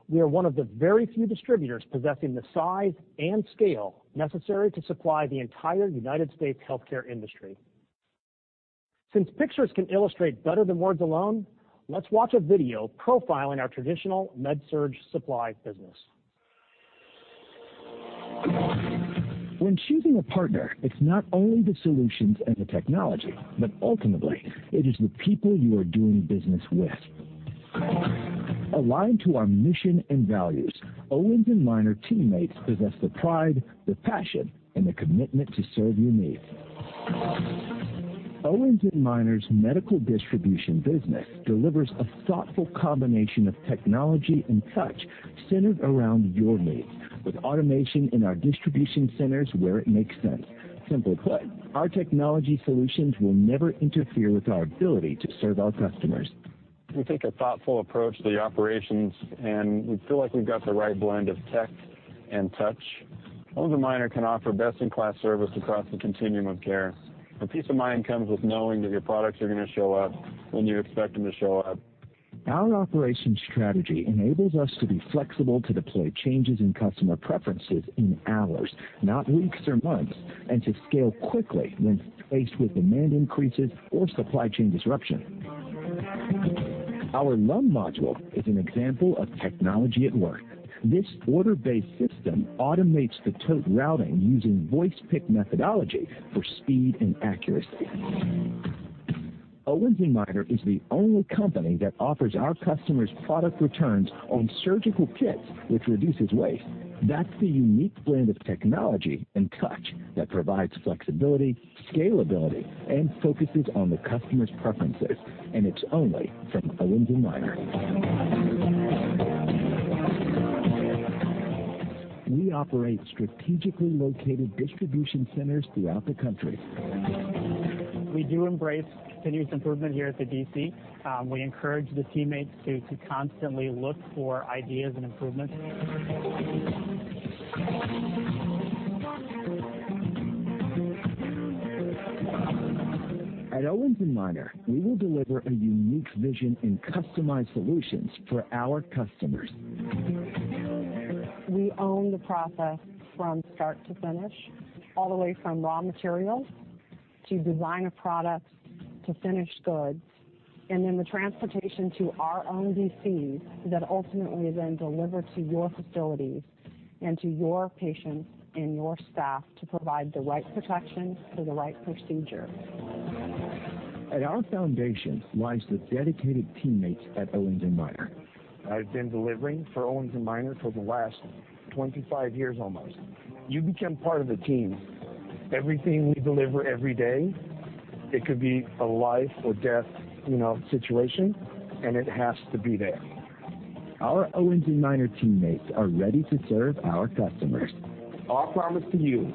We are one of the very few distributors possessing the size and scale necessary to supply the entire U.S. healthcare industry. Pictures can illustrate better than words alone, let's watch a video profiling our traditional med surg supply business. When choosing a partner, it's not only the solutions and the technology, but ultimately it is the people you are doing business with. Aligned to our mission and values, Owens & Minor teammates possess the pride, the passion, and the commitment to serve your needs. Owens & Minor's medical distribution business delivers a thoughtful combination of technology and touch centered around your needs with automation in our distribution centers where it makes sense. Simply put, our technology solutions will never interfere with our ability to serve our customers. We take a thoughtful approach to the operations, and we feel like we've got the right blend of tech and touch. Owens & Minor can offer best-in-class service across the continuum of care. Peace of mind comes with knowing that your products are going to show up when you expect them to show up. Our operations strategy enables us to be flexible to deploy changes in customer preferences in hours, not weeks or months, and to scale quickly when faced with demand increases or supply chain disruption. Our LUM module is an example of technology at work. This order-based system automates the tote routing using voice pick methodology for speed and accuracy. Owens & Minor is the only company that offers our customers product returns on surgical kits which reduces waste. That's the unique blend of technology and touch that provides flexibility, scalability, and focuses on the customer's preferences, and it's only from Owens & Minor. We operate strategically located distribution centers throughout the country. We do embrace continuous improvement here at the D.C. We encourage the teammates to constantly look for ideas and improvements. At Owens & Minor, we will deliver a unique vision and customized solutions for our customers. We own the process from start to finish, all the way from raw materials to design of products to finished goods, and then the transportation to our own DCs that ultimately then deliver to your facilities and to your patients and your staff to provide the right protection for the right procedure. At our foundation lies the dedicated teammates at Owens & Minor. I've been delivering for Owens & Minor for the last 25 years almost. You become part of the team. Everything we deliver every day, it could be a life or death, you know, situation, and it has to be there. Our Owens & Minor teammates are ready to serve our customers. Our promise to you.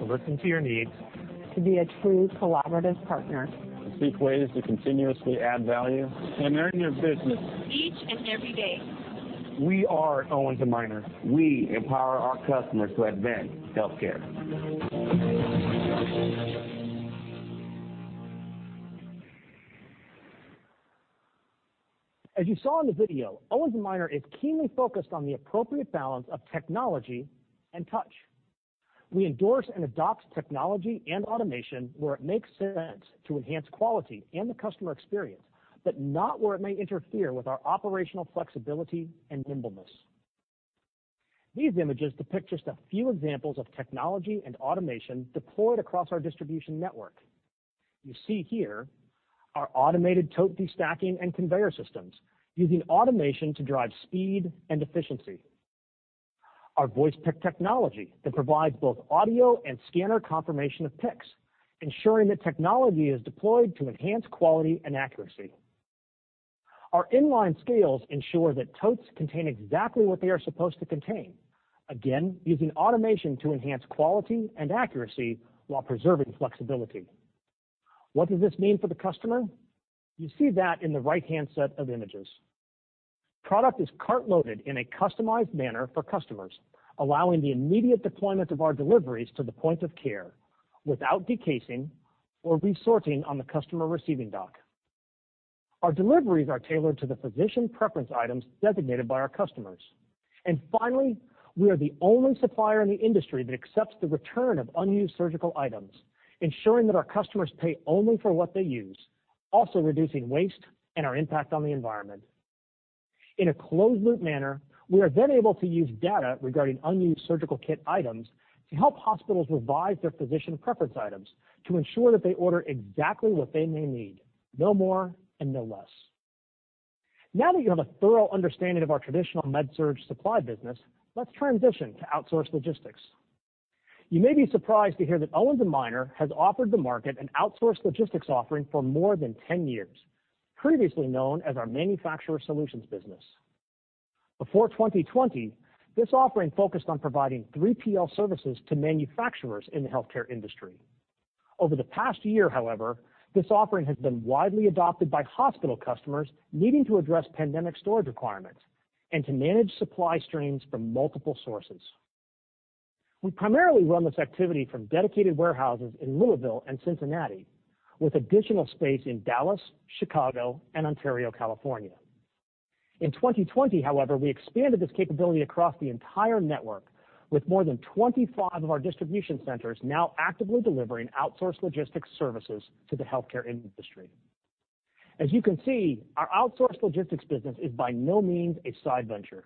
To listen to your needs. To be a true collaborative partner. To seek ways to continuously add value. To earn your business. Each and every day. We are Owens & Minor. We empower our customers to advance healthcare. As you saw in the video, Owens & Minor is keenly focused on the appropriate balance of technology and touch. We endorse and adopt technology and automation where it makes sense to enhance quality and the customer experience, but not where it may interfere with our operational flexibility and nimbleness. These images depict just a few examples of technology and automation deployed across our distribution network. You see here our automated tote destacking and conveyor systems using automation to drive speed and efficiency. Our voice pick technology that provides both audio and scanner confirmation of picks, ensuring that technology is deployed to enhance quality and accuracy. Our in-line scales ensure that totes contain exactly what they are supposed to contain, again, using automation to enhance quality and accuracy while preserving flexibility. What does this mean for the customer? You see that in the right-hand set of images. Product is cart loaded in a customized manner for customers, allowing the immediate deployment of our deliveries to the point of care without decasing or resorting on the customer receiving dock. Our deliveries are tailored to the physician preference items designated by our customers. Finally, we are the only supplier in the industry that accepts the return of unused surgical items, ensuring that our customers pay only for what they use, also reducing waste and our impact on the environment. In a closed loop manner, we are then able to use data regarding unused surgical kit items to help hospitals revise their physician preference items to ensure that they order exactly what they may need. No more and no less. Now that you have a thorough understanding of our traditional med surg supply business, let's transition to outsourced logistics. You may be surprised to hear that Owens & Minor has offered the market an outsourced logistics offering for more than 10 years, previously known as our Manufacturer Solutions business. Before 2020, this offering focused on providing 3PL services to manufacturers in the healthcare industry. Over the past year, however, this offering has been widely adopted by hospital customers needing to address pandemic storage requirements and to manage supply streams from multiple sources. We primarily run this activity from dedicated warehouses in Louisville and Cincinnati, with additional space in Dallas, Chicago, and Ontario, California. In 2020, however, we expanded this capability across the entire network with more than 25 of our distribution centers now actively delivering outsourced logistics services to the healthcare industry. As you can see, our outsourced logistics business is by no means a side venture.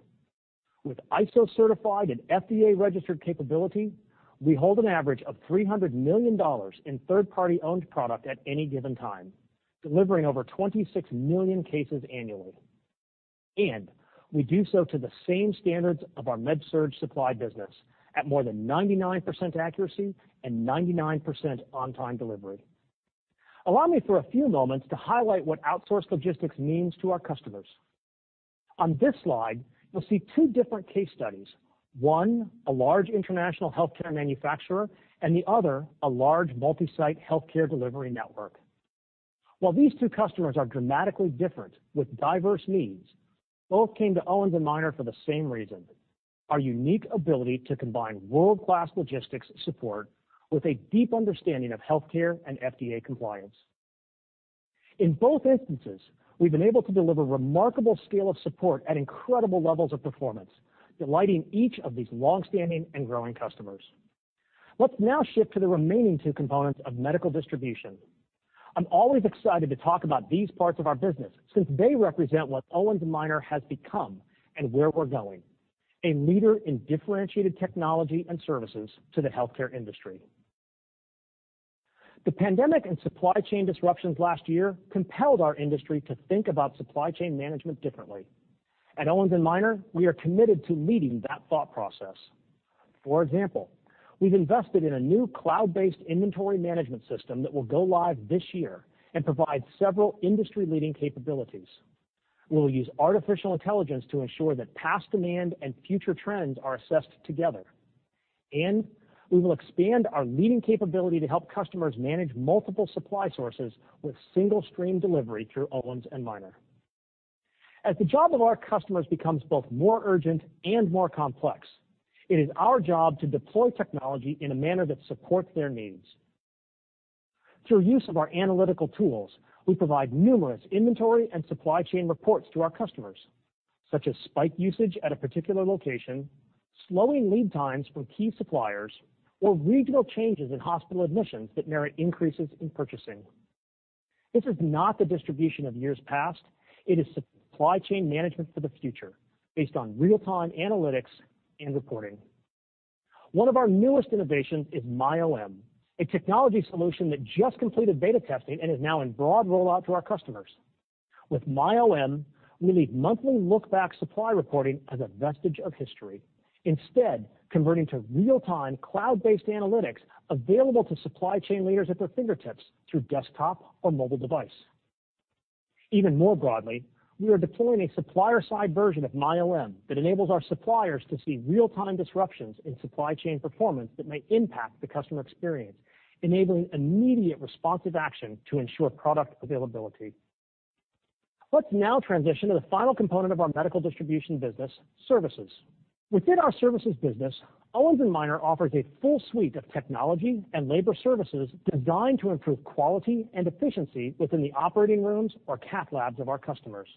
With ISO-certified and FDA-registered capability, we hold an average of $300 million in third-party owned product at any given time, delivering over 26 million cases annually. We do so to the same standards of our med surg supply business at more than 99% accuracy and 99% on-time delivery. Allow me for a few moments to highlight what outsourced logistics means to our customers. On this slide, you'll see two different case studies. One, a large international healthcare manufacturer, and the other, a large multi-site healthcare delivery network. While these two customers are dramatically different with diverse needs, both came to Owens & Minor for the same reason: our unique ability to combine world-class logistics support with a deep understanding of healthcare and FDA compliance. In both instances, we've been able to deliver remarkable scale of support at incredible levels of performance, delighting each of these long-standing and growing customers. Let's now shift to the remaining two components of medical distribution. I'm always excited to talk about these parts of our business since they represent what Owens & Minor has become and where we're going, a leader in differentiated technology and services to the healthcare industry. The pandemic and supply chain disruptions last year compelled our industry to think about supply chain management differently. At Owens & Minor, we are committed to leading that thought process. For example, we've invested in a new cloud-based inventory management system that will go live this year and provide several industry-leading capabilities. We'll use artificial intelligence to ensure that past demand and future trends are assessed together, and we will expand our leading capability to help customers manage multiple supply sources with single stream delivery through Owens & Minor. As the job of our customers becomes both more urgent and more complex, it is our job to deploy technology in a manner that supports their needs. Through use of our analytical tools, we provide numerous inventory and supply chain reports to our customers, such as spike usage at a particular location, slowing lead times from key suppliers, or regional changes in hospital admissions that merit increases in purchasing. This is not the distribution of years past. It is supply chain management for the future based on real-time analytics and reporting. One of our newest innovations is MyOM, a technology solution that just completed beta testing and is now in broad rollout to our customers. With MyOM, we leave monthly look back supply reporting as a vestige of history, instead converting to real-time cloud-based analytics available to supply chain leaders at their fingertips through desktop or mobile device. Even more broadly, we are deploying a supplier side version of MyOM that enables our suppliers to see real-time disruptions in supply chain performance that may impact the customer experience, enabling immediate responsive action to ensure product availability. Let's now transition to the final component of our medical distribution business, services. Within our services business, Owens & Minor offers a full suite of technology and labor services designed to improve quality and efficiency within the operating rooms or cath labs of our customers.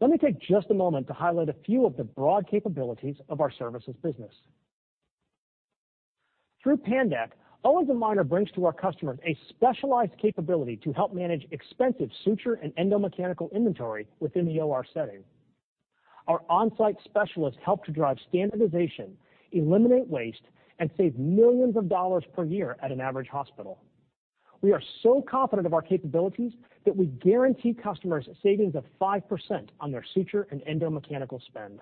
Let me take just a moment to highlight a few of the broad capabilities of our services business. Through PANDAC, Owens & Minor brings to our customers a specialized capability to help manage expensive suture and endomechanical inventory within the OR setting. Our on-site specialists help to drive standardization, eliminate waste, and save millions of dollars per year at an average hospital. We are so confident of our capabilities that we guarantee customers savings of 5% on their suture and endomechanical spend.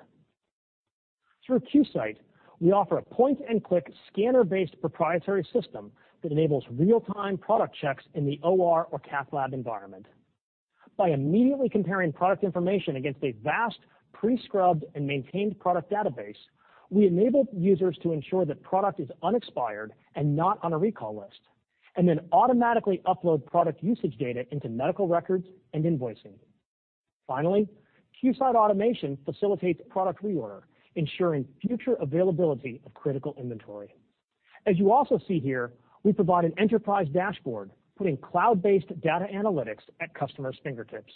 Through QSight, we offer a point-and-click scanner-based proprietary system that enables real-time product checks in the OR or cath lab environment. By immediately comparing product information against a vast pre-scrubbed and maintained product database, we enable users to ensure that product is unexpired and not on a recall list, and then automatically upload product usage data into medical records and invoicing. Finally, QSight automation facilitates product reorder, ensuring future availability of critical inventory. As you also see here, we provide an enterprise dashboard, putting cloud-based data analytics at customers' fingertips.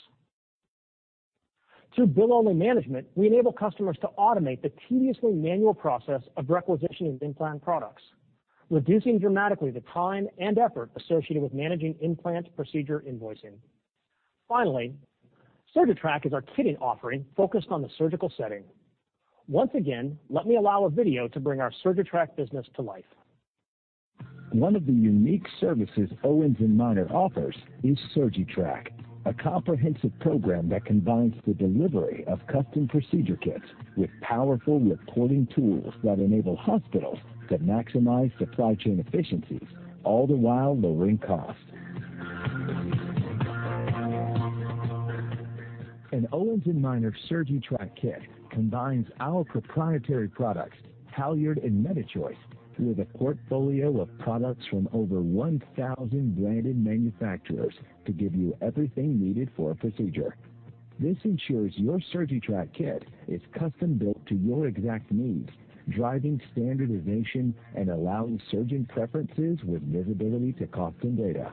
Through bill only management, we enable customers to automate the tediously manual process of requisitioning implant products, reducing dramatically the time and effort associated with managing implant procedure invoicing. Finally, SurgiTrack is our kitting offering focused on the surgical setting. Once again, let me allow a video to bring our SurgiTrack business to life. One of the unique services Owens & Minor offers is SurgiTrack, a comprehensive program that combines the delivery of custom procedure kits with powerful reporting tools that enable hospitals to maximize supply chain efficiencies, all the while lowering costs. An Owens & Minor SurgiTrack kit combines our proprietary products, HALYARD and MediChoice, with a portfolio of products from over 1,000 branded manufacturers to give you everything needed for a procedure. This ensures your SurgiTrack kit is custom-built to your exact needs, driving standardization and allowing surgeon preferences with visibility to cost and data.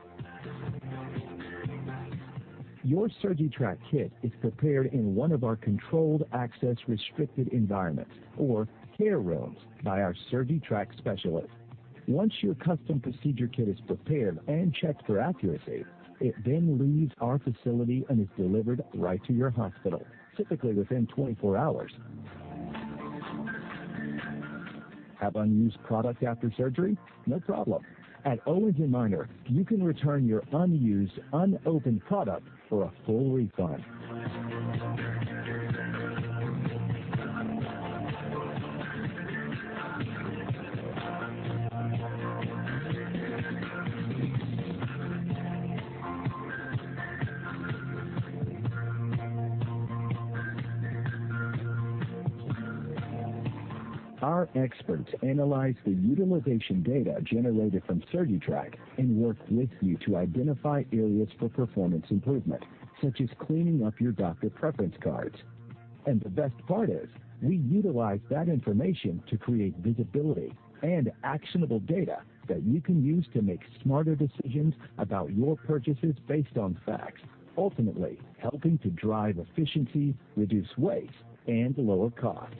Your SurgiTrack kit is prepared in one of our controlled access restricted environments or CARE rooms by our SurgiTrack specialists. Once your custom procedure kit is prepared and checked for accuracy, it then leaves our facility and is delivered right to your hospital, typically within 24 hours. Have unused product after surgery? No problem. At Owens & Minor, you can return your unused, unopened product for a full refund. Our experts analyze the utilization data generated from SurgiTrack and work with you to identify areas for performance improvement, such as cleaning up your doctor preference cards. The best part is we utilize that information to create visibility and actionable data that you can use to make smarter decisions about your purchases based on facts, ultimately helping to drive efficiency, reduce waste, and lower costs.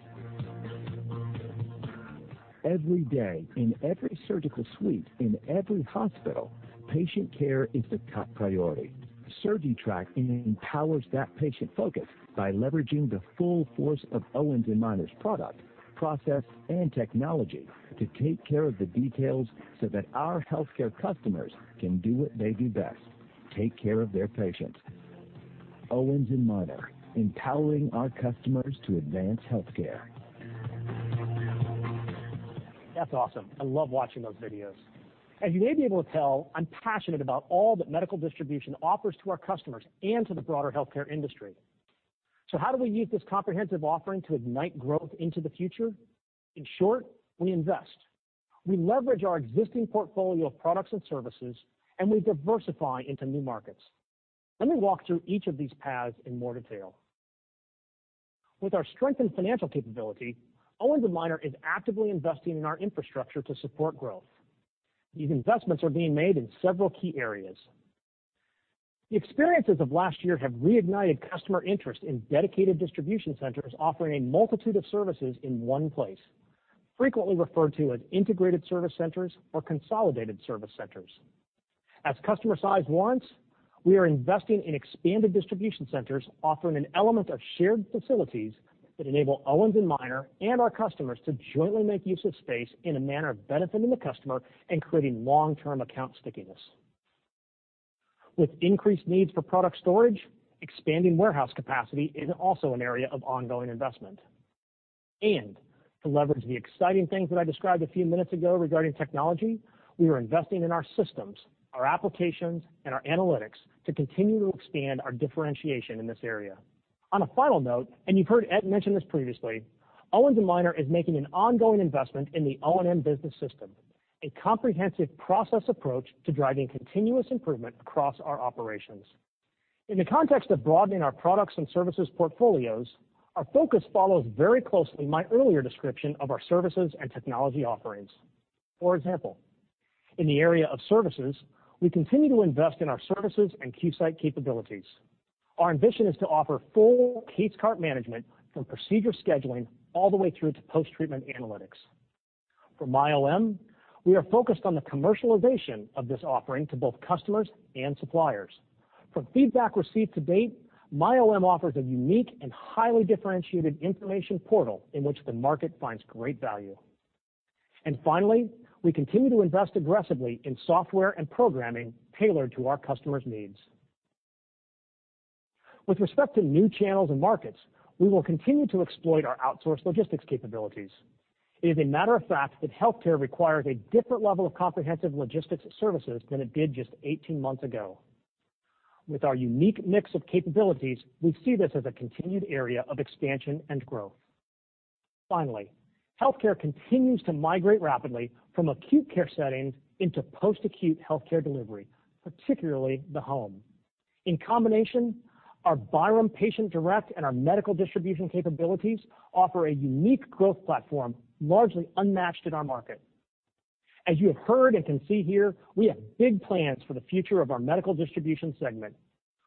Every day in every surgical suite in every hospital, patient care is the top priority. SurgiTrack empowers that patient focus by leveraging the full force of Owens & Minor's product, process, and technology to take care of the details so that our healthcare customers can do what they do best, take care of their patients. Owens & Minor, empowering our customers to advance healthcare. That's awesome. I love watching those videos. As you may be able to tell, I'm passionate about all that medical distribution offers to our customers and to the broader healthcare industry. How do we use this comprehensive offering to ignite growth into the future? In short, we invest. We leverage our existing portfolio of products and services, and we diversify into new markets. Let me walk through each of these paths in more detail. With our strength and financial capability, Owens & Minor is actively investing in our infrastructure to support growth. These investments are being made in several key areas. The experiences of last year have reignited customer interest in dedicated distribution centers offering a multitude of services in one place, frequently referred to as integrated service centers or consolidated service centers. As customer size warrants, we are investing in expanded distribution centers offering an element of shared facilities that enable Owens & Minor and our customers to jointly make use of space in a manner benefiting the customer and creating long-term account stickiness. With increased needs for product storage, expanding warehouse capacity is also an area of ongoing investment. To leverage the exciting things that I described a few minutes ago regarding technology, we are investing in our systems, our applications, and our analytics to continue to expand our differentiation in this area. On a final note, and you've heard Ed mention this previously, Owens & Minor is making an ongoing investment in the O&M Business System, a comprehensive process approach to driving continuous improvement across our operations. In the context of broadening our products and services portfolios, our focus follows very closely my earlier description of our services and technology offerings. For example, in the area of services, we continue to invest in our services and QSight capabilities. Our ambition is to offer full case cart management from procedure scheduling all the way through to post-treatment analytics. For MyOM, we are focused on the commercialization of this offering to both customers and suppliers. From feedback received to date, MyOM offers a unique and highly differentiated information portal in which the market finds great value. Finally, we continue to invest aggressively in software and programming tailored to our customers' needs. With respect to new channels and markets, we will continue to exploit our outsourced logistics capabilities. It is a matter of fact that healthcare requires a different level of comprehensive logistics services than it did just 18 months ago. With our unique mix of capabilities, we see this as a continued area of expansion and growth. Finally, healthcare continues to migrate rapidly from acute care settings into post-acute healthcare delivery, particularly the home. In combination, our Byram Patient Direct and our medical distribution capabilities offer a unique growth platform largely unmatched in our market. As you have heard and can see here, we have big plans for the future of our medical distribution segment.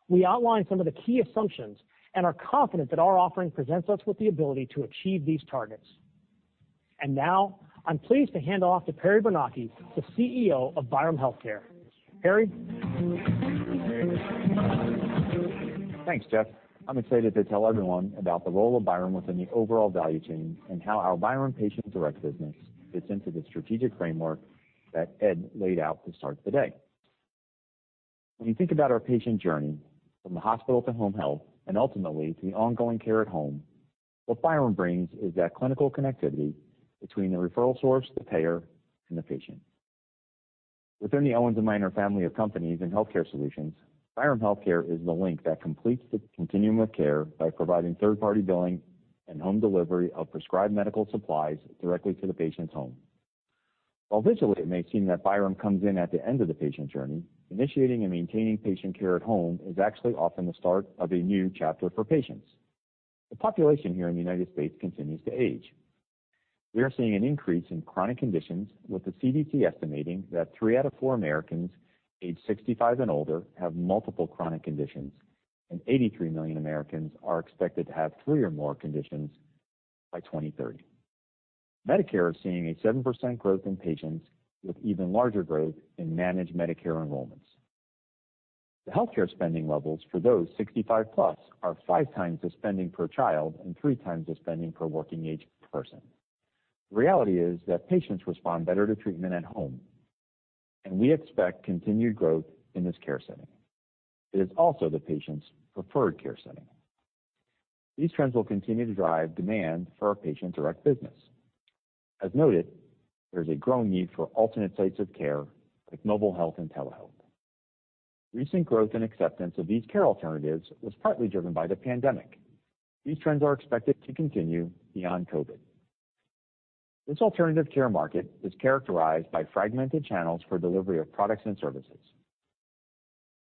We outlined some of the key assumptions and are confident that our offering presents us with the ability to achieve these targets. Now I'm pleased to hand off to Perry Bernocchi, the CEO of Byram Healthcare. Perry? Thanks, Jeff. I'm excited to tell everyone about the role of Byram within the overall value chain and how our Byram Patient Direct business fits into the strategic framework that Ed laid out to start the day. When you think about our patient journey from the hospital to home health and ultimately to the ongoing care at home, what Byram brings is that clinical connectivity between the referral source, the payer, and the patient. Within the Owens & Minor family of companies and healthcare solutions, Byram Healthcare is the link that completes the continuum of care by providing third-party billing and home delivery of prescribed medical supplies directly to the patient's home. While visually it may seem that Byram comes in at the end of the patient journey, initiating and maintaining patient care at home is actually often the start of a new chapter for patients. The population here in the U.S. continues to age. We are seeing an increase in chronic conditions, with the CDC estimating that three out of four Americans aged 65 and older have multiple chronic conditions, and 83 million Americans are expected to have three or more conditions by 2030. Medicare is seeing a 7% growth in patients with even larger growth in managed Medicare enrollments. The healthcare spending levels for those 65+ are 5x the spending per child and 3x the spending per working age person. The reality is that patients respond better to treatment at home, and we expect continued growth in this care setting. It is also the patient's preferred care setting. These trends will continue to drive demand for our Patient Direct business. As noted, there's a growing need for alternate sites of care like mobile health and telehealth. Recent growth and acceptance of these care alternatives was partly driven by the pandemic. These trends are expected to continue beyond COVID. This alternative care market is characterized by fragmented channels for delivery of products and services.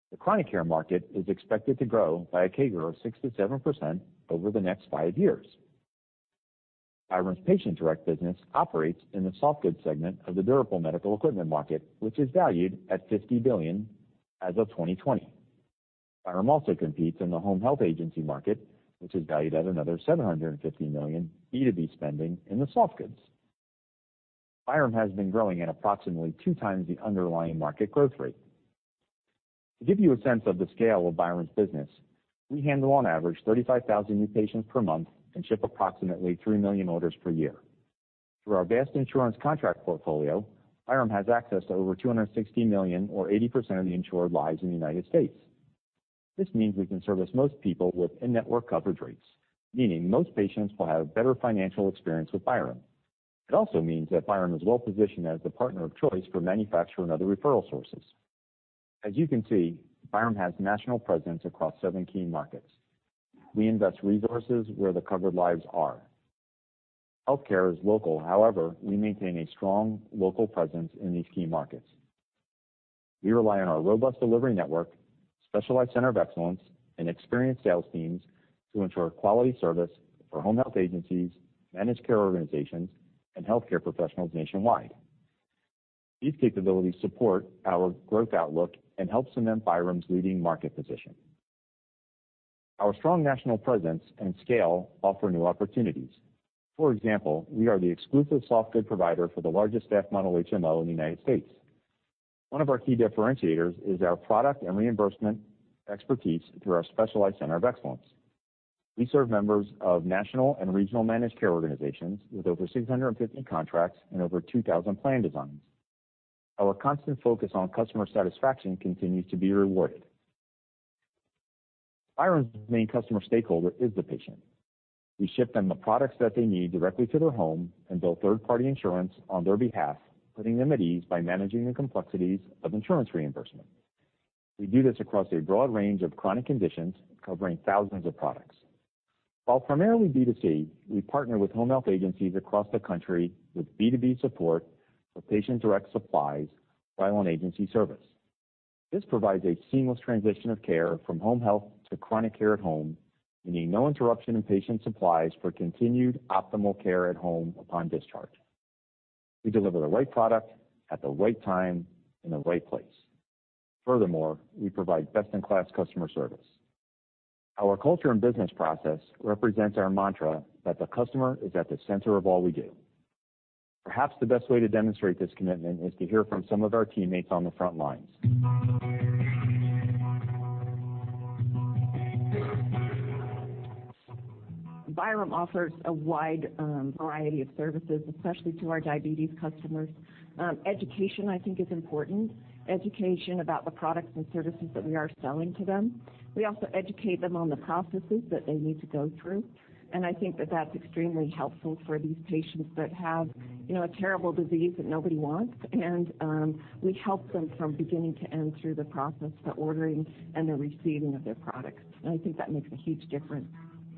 The chronic care market is expected to grow by a CAGR of 6%-7% over the next five years. Byram's Patient Direct business operates in the softgoods segment of the durable medical equipment market, which is valued at $50 billion as of 2020. Byram also competes in the home health agency market, which is valued at another $750 million B2B spending in the softgoods. Byram has been growing at approximately 2x the underlying market growth rate. To give you a sense of the scale of Byram's business, we handle on average 35,000 new patients per month and ship approximately 3 million orders per year. Through our vast insurance contract portfolio, Byram has access to over $260 million or 80% of the insured lives in the United States. This means we can service most people with in-network coverage rates, meaning most patients will have a better financial experience with Byram. It also means that Byram is well positioned as the partner of choice for manufacturer and other referral sources. As you can see, Byram has national presence across seven key markets. We invest resources where the covered lives are. Healthcare is local. However, we maintain a strong local presence in these key markets. We rely on our robust delivery network, specialized center of excellence, and experienced sales teams to ensure quality service for home health agencies, managed care organizations, and healthcare professionals nationwide. These capabilities support our growth outlook and help cement Byram's leading market position. Our strong national presence and scale offer new opportunities. For example, we are the exclusive softgood provider for the largest staff model HMO in the United States. One of our key differentiators is our product and reimbursement expertise through our specialized center of excellence. We serve members of national and regional managed care organizations with over 650 contracts and over 2,000 plan designs. Our constant focus on customer satisfaction continues to be rewarded. Byram's main customer stakeholder is the patient. We ship them the products that they need directly to their home and bill third-party insurance on their behalf, putting them at ease by managing the complexities of insurance reimbursement. We do this across a broad range of chronic conditions covering thousands of products. While primarily B2C, we partner with home health agencies across the country with B2B support for Patient Direct supplies by own agency service. This provides a seamless transition of care from home health to chronic care at home, meaning no interruption in patient supplies for continued optimal care at home upon discharge. We deliver the right product at the right time in the right place. Furthermore, we provide best in class customer service. Our culture and business process represents our mantra that the customer is at the center of all we do. Perhaps the best way to demonstrate this commitment is to hear from some of our teammates on the front lines. Byram offers a wide variety of services, especially to our diabetes customers. Education, I think, is important. Education about the products and services that we are selling to them. We also educate them on the processes that they need to go through. I think that that's extremely helpful for these patients that have, you know, a terrible disease that nobody wants. We help them from beginning to end through the process, the ordering and the receiving of their products. I think that makes a huge difference.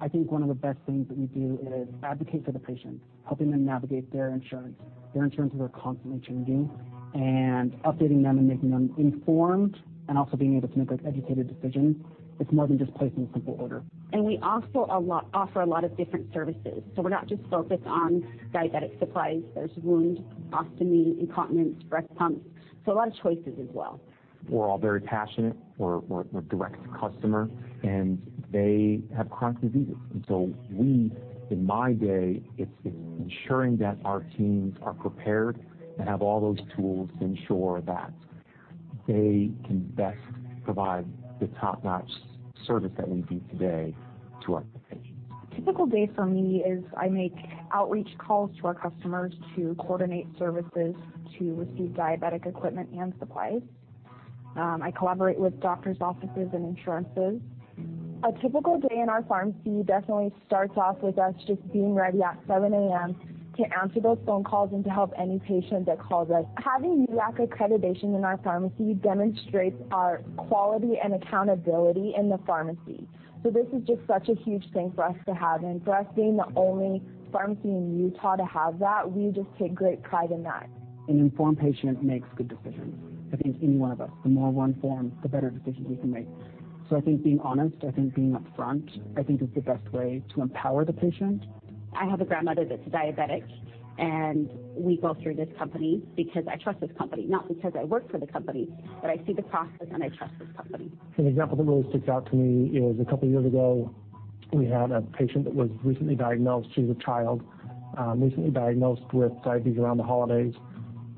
I think one of the best things that we do is advocate for the patient, helping them navigate their insurance. Their insurances are constantly changing and updating them and making them informed and also being able to make those educated decisions. It's more than just placing a simple order. We also offer a lot of different services. We're not just focused on diabetic supplies. There's wound, ostomy, incontinence, breast pumps. A lot of choices as well. We're all very passionate. We're direct to customer, and they have chronic diseases. We, in my day, it's ensuring that our teams are prepared and have all those tools to ensure that They can best provide the top-notch service that we do today to our patients. A typical day for me is I make outreach calls to our customers to coordinate services to receive diabetic equipment and supplies. I collaborate with doctor's offices and insurances. A typical day in our pharmacy definitely starts off with us just being ready at 7:00 A.M. to answer those phone calls and to help any patient that calls us. Having URAC accreditation in our pharmacy demonstrates our quality and accountability in the pharmacy. This is just such a huge thing for us to have, and for us being the only pharmacy in Utah to have that, we just take great pride in that. An informed patient makes good decisions. I think any one of us, the more we're informed, the better decisions we can make. I think being honest, I think being upfront, I think is the best way to empower the patient. I have a grandmother that's diabetic, and we go through this company because I trust this company, not because I work for the company, but I see the process and I trust this company. An example that really sticks out to me is a couple of years ago, we had a patient that was recently diagnosed. She was a child, recently diagnosed with diabetes around the holidays.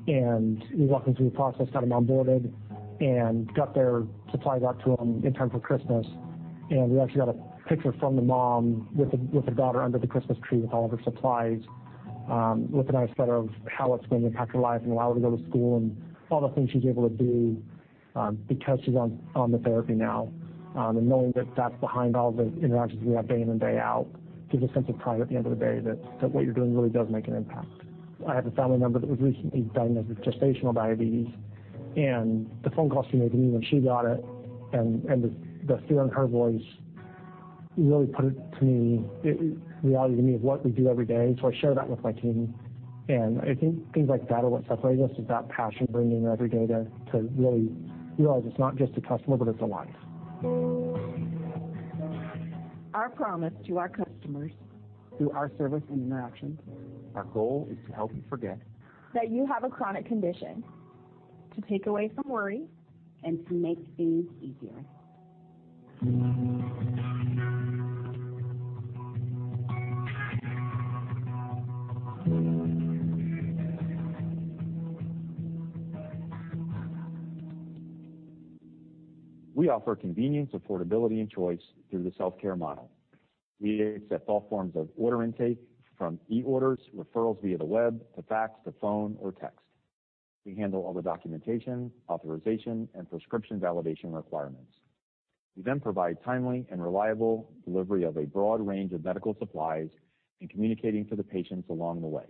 We walked them through the process, got them onboarded, and got their supplies out to them in time for Christmas. We actually got a picture from the mom with the daughter under the Christmas tree with all of her supplies, with a nice letter of how it's going to impact her life and allow her to go to school and all the things she's able to do, because she's on the therapy now. Knowing that that's behind all the interactions we have day in and day out gives a sense of pride at the end of the day that what you're doing really does make an impact. I have a family member that was recently diagnosed with gestational diabetes. The phone call she made to me when she got it, the fear in her voice really put it to me, reality to me of what we do every day. I share that with my team. I think things like that are what separate us is that passion we bring in every day to really realize it's not just a customer, but it's a life. Our promise to our customers through our service and interactions. Our goal is to help you forget. That you have a chronic condition. To take away from worry and to make things easier. We offer convenience, affordability, and choice through the self-care model. We accept all forms of order intake from eOrders, referrals via the web, to fax, to phone, or text. We handle all the documentation, authorization, and prescription validation requirements. We provide timely and reliable delivery of a broad range of medical supplies and communicating to the patients along the way.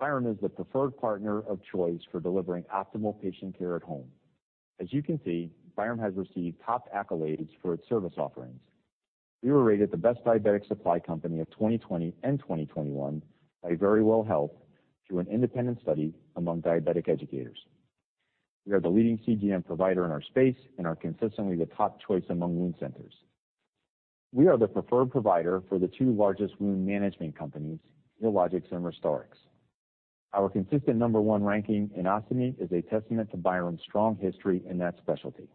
Byram is the preferred partner of choice for delivering optimal patient care at home. As you can see, Byram has received top accolades for its service offerings. We were rated the best diabetic supply company of 2020 and 2021 by Verywell Health through an independent study among diabetic educators. We are the leading CGM provider in our space and are consistently the top choice among wound centers. We are the preferred provider for the two largest wound management companies, Hollister and RestorixHealth. Our consistent number one ranking in ostomy is a testament to Byram's strong history in that specialty.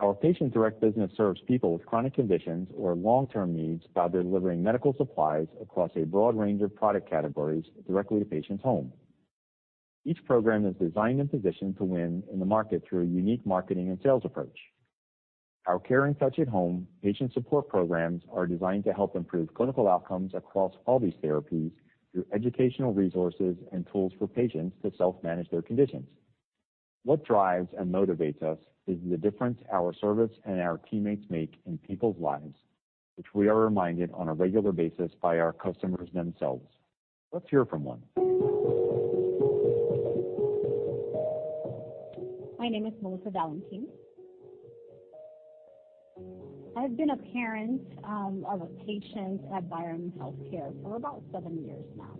Our Patient Direct business serves people with chronic conditions or long-term needs by delivering medical supplies across a broad range of product categories directly to patients' home. Each program is designed and positioned to win in the market through a unique marketing and sales approach. Our Caring Touch at Home patient support programs are designed to help improve clinical outcomes across all these therapies through educational resources and tools for patients to self-manage their conditions. What drives and motivates us is the difference our service and our teammates make in people's lives, which we are reminded on a regular basis by our customers themselves. Let's hear from one. My name is Melissa Valentin. I've been a parent of a patient at Byram Healthcare for about seven years now.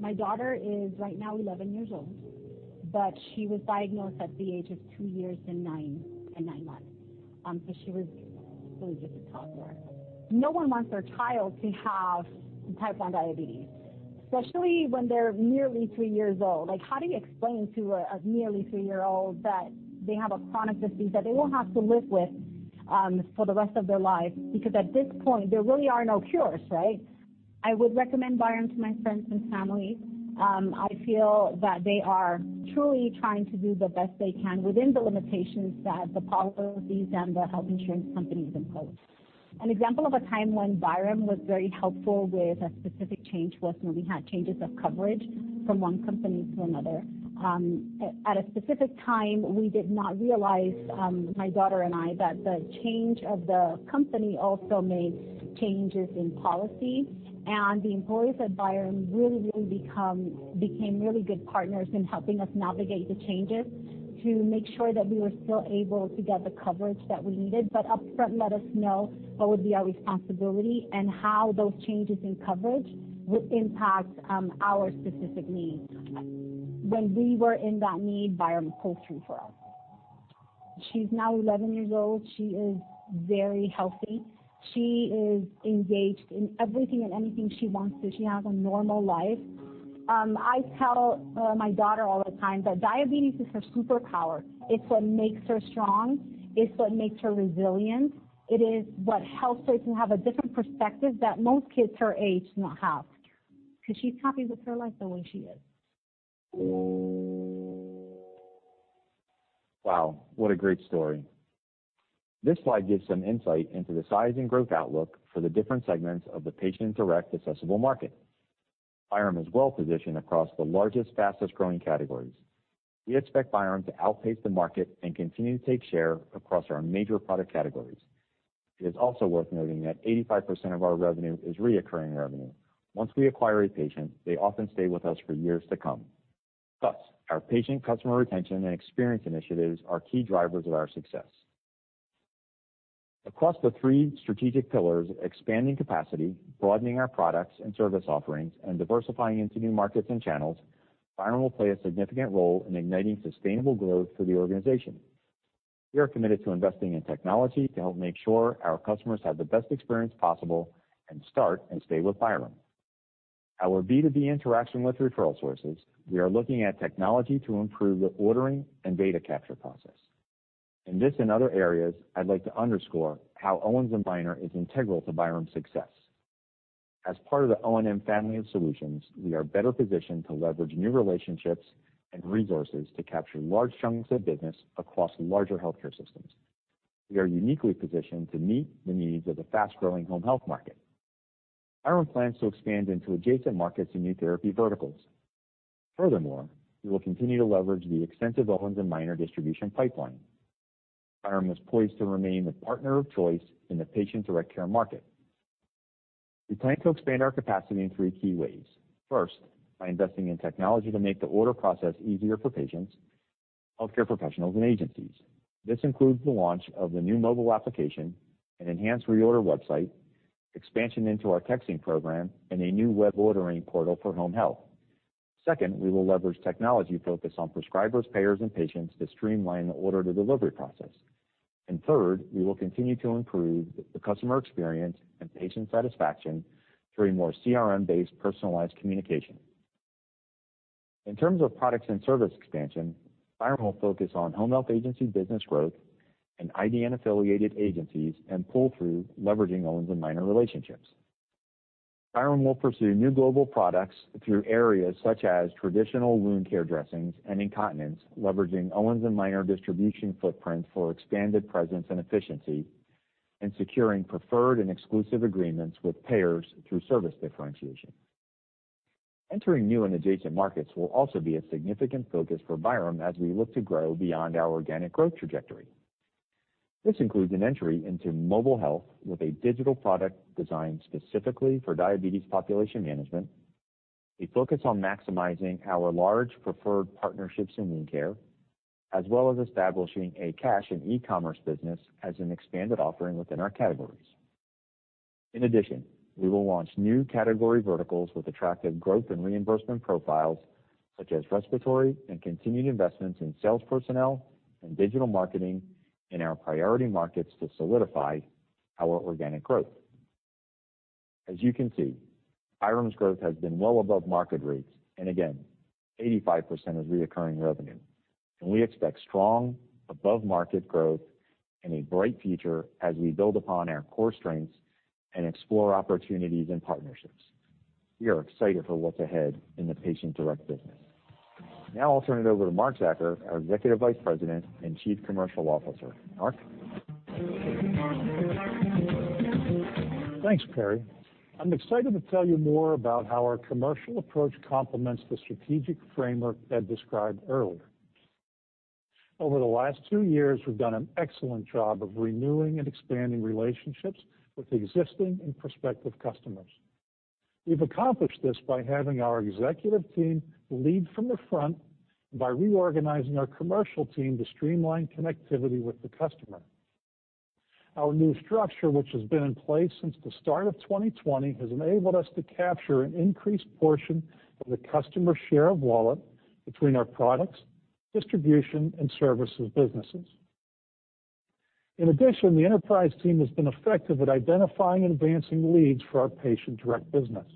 My daughter is right now 11 years old, but she was diagnosed at the age of two years and nine months. She was really just a toddler. No one wants their child to have Type I diabetes, especially when they're nearly three years old. Like, how do you explain to a nearly three year-old that they have a chronic disease that they will have to live with for the rest of their life? At this point, there really are no cures, right? I would recommend Byram to my friends and family. I feel that they are truly trying to do the best they can within the limitations that the policies and the health insurance companies imposed. An example of a time when Byram was very helpful with a specific change was when we had changes of coverage from one company to another. At a specific time, we did not realize, my daughter and I, that the change of the company also made changes in policy. The employees at Byram became really good partners in helping us navigate the changes to make sure that we were still able to get the coverage that we needed. Upfront let us know what would be our responsibility and how those changes in coverage would impact our specific needs. When we were in that need, Byram pulled through for us. She's now 11 years old. She is very healthy. She is engaged in everything and anything she wants to. She has a normal life. I tell my daughter all the time that diabetes is her superpower. It's what makes her strong. It's what makes her resilient. It is what helps her to have a different perspective that most kids her age do not have, 'cause she's happy with her life the way she is. Wow, what a great story. This slide gives some insight into the size and growth outlook for the different segments of the Patient Direct addressable market. Byram is well-positioned across the largest, fastest-growing categories. We expect Byram to outpace the market and continue to take share across our major product categories. It is also worth noting that 85% of our revenue is recurring revenue. Once we acquire a patient, they often stay with us for years to come. Our patient customer retention and experience initiatives are key drivers of our success. Across the three strategic pillars, expanding capacity, broadening our products and service offerings, and diversifying into new markets and channels, Byram will play a significant role in igniting sustainable growth for the organization. We are committed to investing in technology to help make sure our customers have the best experience possible and start and stay with Byram. Our B2B interaction with referral sources, we are looking at technology to improve the ordering and data capture process. In this and other areas, I'd like to underscore how Owens & Minor is integral to Byram's success. As part of the O&M family of solutions, we are better positioned to leverage new relationships and resources to capture large chunks of business across larger healthcare systems. We are uniquely positioned to meet the needs of the fast-growing home health market. Byram plans to expand into adjacent markets and new therapy verticals. Furthermore, we will continue to leverage the extensive Owens & Minor distribution pipeline. Byram is poised to remain the partner of choice in the Patient Direct care market. We plan to expand our capacity in three key ways. First, by investing in technology to make the order process easier for patients, healthcare professionals, and agencies. This includes the launch of the new mobile application, an enhanced reorder website, expansion into our texting program, and a new web ordering portal for home health. Second, we will leverage technology focused on prescribers, payers, and patients to streamline the order-to-delivery process. Third, we will continue to improve the customer experience and patient satisfaction through more CRM-based personalized communication. In terms of products and service expansion, Byram will focus on home health agency business growth and IDN-affiliated agencies and pull through leveraging Owens & Minor relationships. Byram will pursue new Global Products through areas such as traditional wound care dressings and incontinence, leveraging Owens & Minor distribution footprint for expanded presence and efficiency and securing preferred and exclusive agreements with payers through service differentiation. Entering new and adjacent markets will also be a significant focus for Byram as we look to grow beyond our organic growth trajectory. This includes an entry into mobile health with a digital product designed specifically for diabetes population management. We focus on maximizing our large preferred partnerships in wound care, as well as establishing a cash and e-commerce business as an expanded offering within our categories. We will launch new category verticals with attractive growth and reimbursement profiles such as respiratory and continued investments in sales personnel and digital marketing in our priority markets to solidify our organic growth. As you can see, Byram's growth has been well above market rates, and again, 85% is recurring revenue. We expect strong above-market growth and a bright future as we build upon our core strengths and explore opportunities and partnerships. We are excited for what's ahead in the Patient Direct business. Now I'll turn it over to Mark Zacur, our Executive Vice President and Chief Commercial Officer. Mark? Thanks, Perry. I'm excited to tell you more about how our commercial approach complements the strategic framework Ed described earlier. Over the last two years, we've done an excellent job of renewing and expanding relationships with existing and prospective customers. We've accomplished this by having our executive team lead from the front and by reorganizing our commercial team to streamline connectivity with the customer. Our new structure, which has been in place since the start of 2020, has enabled us to capture an increased portion of the customer share of wallet between our products, distribution, and services businesses. In addition, the enterprise team has been effective at identifying and advancing leads for our Patient Direct business.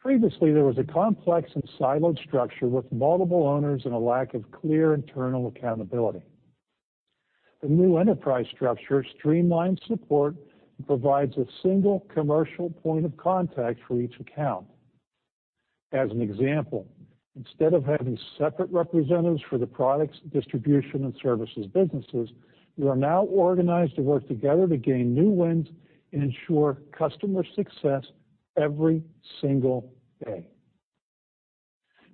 Previously, there was a complex and siloed structure with multiple owners and a lack of clear internal accountability. The new enterprise structure streamlines support and provides a single commercial point of contact for each account. As an example, instead of having separate representatives for the products, distribution, and services businesses, we are now organized to work together to gain new wins and ensure customer success every single day.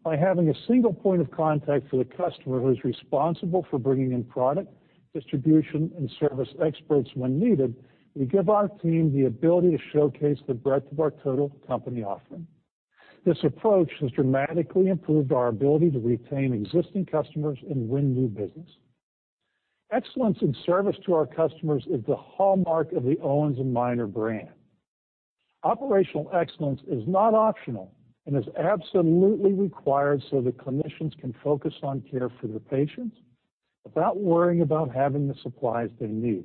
By having a single point of contact for the customer who is responsible for bringing in product, distribution, and service experts when needed, we give our team the ability to showcase the breadth of our total company offering. This approach has dramatically improved our ability to retain existing customers and win new business. Excellence in service to our customers is the hallmark of the Owens & Minor brand. Operational excellence is not optional and is absolutely required so that clinicians can focus on care for their patients without worrying about having the supplies they need.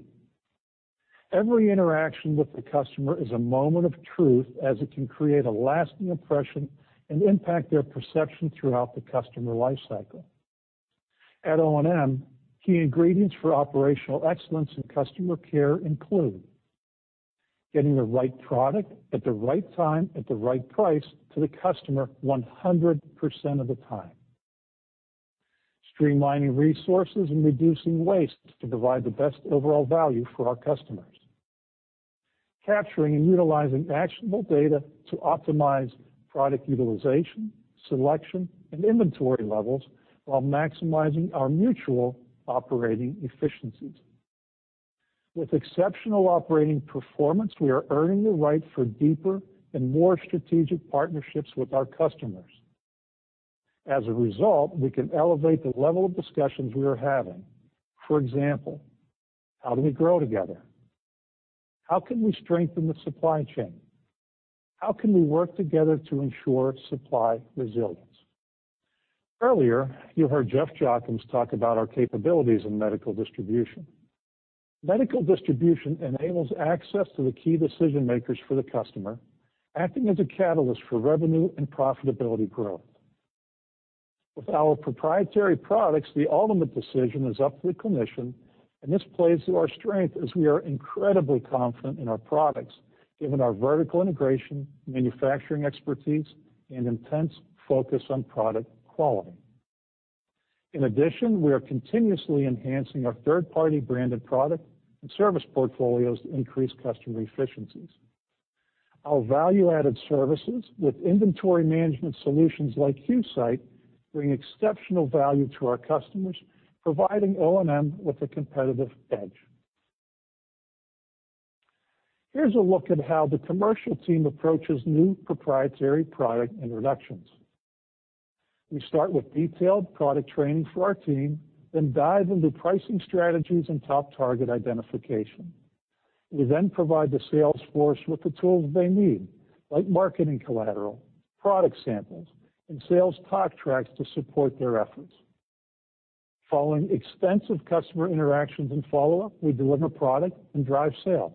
Every interaction with the customer is a moment of truth as it can create a lasting impression and impact their perception throughout the customer life cycle. At O&M, key ingredients for operational excellence in customer care include getting the right product at the right time, at the right price to the customer 100% of the time, streamlining resources and reducing waste to provide the best overall value for our customers, and capturing and utilizing actionable data to optimize product utilization, selection, and inventory levels while maximizing our mutual operating efficiencies. With exceptional operating performance, we are earning the right for deeper and more strategic partnerships with our customers. As a result, we can elevate the level of discussions we are having. For example, how do we grow together? How can we strengthen the supply chain? How can we work together to ensure supply resilience? Earlier, you heard Jeff Jochims talk about our capabilities in medical distribution. Medical distribution enables access to the key decision-makers for the customer, acting as a catalyst for revenue and profitability growth. With our proprietary products, the ultimate decision is up to the clinician, and this plays to our strength as we are incredibly confident in our products, given our vertical integration, manufacturing expertise, and intense focus on product quality. In addition, we are continuously enhancing our third-party branded product and service portfolios to increase customer efficiencies. Our value-added services with inventory management solutions like QSight bring exceptional value to our customers, providing O&M with a competitive edge. Here's a look at how the commercial team approaches new proprietary product introductions. We start with detailed product training for our team, then dive into pricing strategies and top target identification. We then provide the sales force with the tools they need, like marketing collateral, product samples, and sales talk tracks to support their efforts. Following extensive customer interactions and follow-up, we deliver product and drive sales.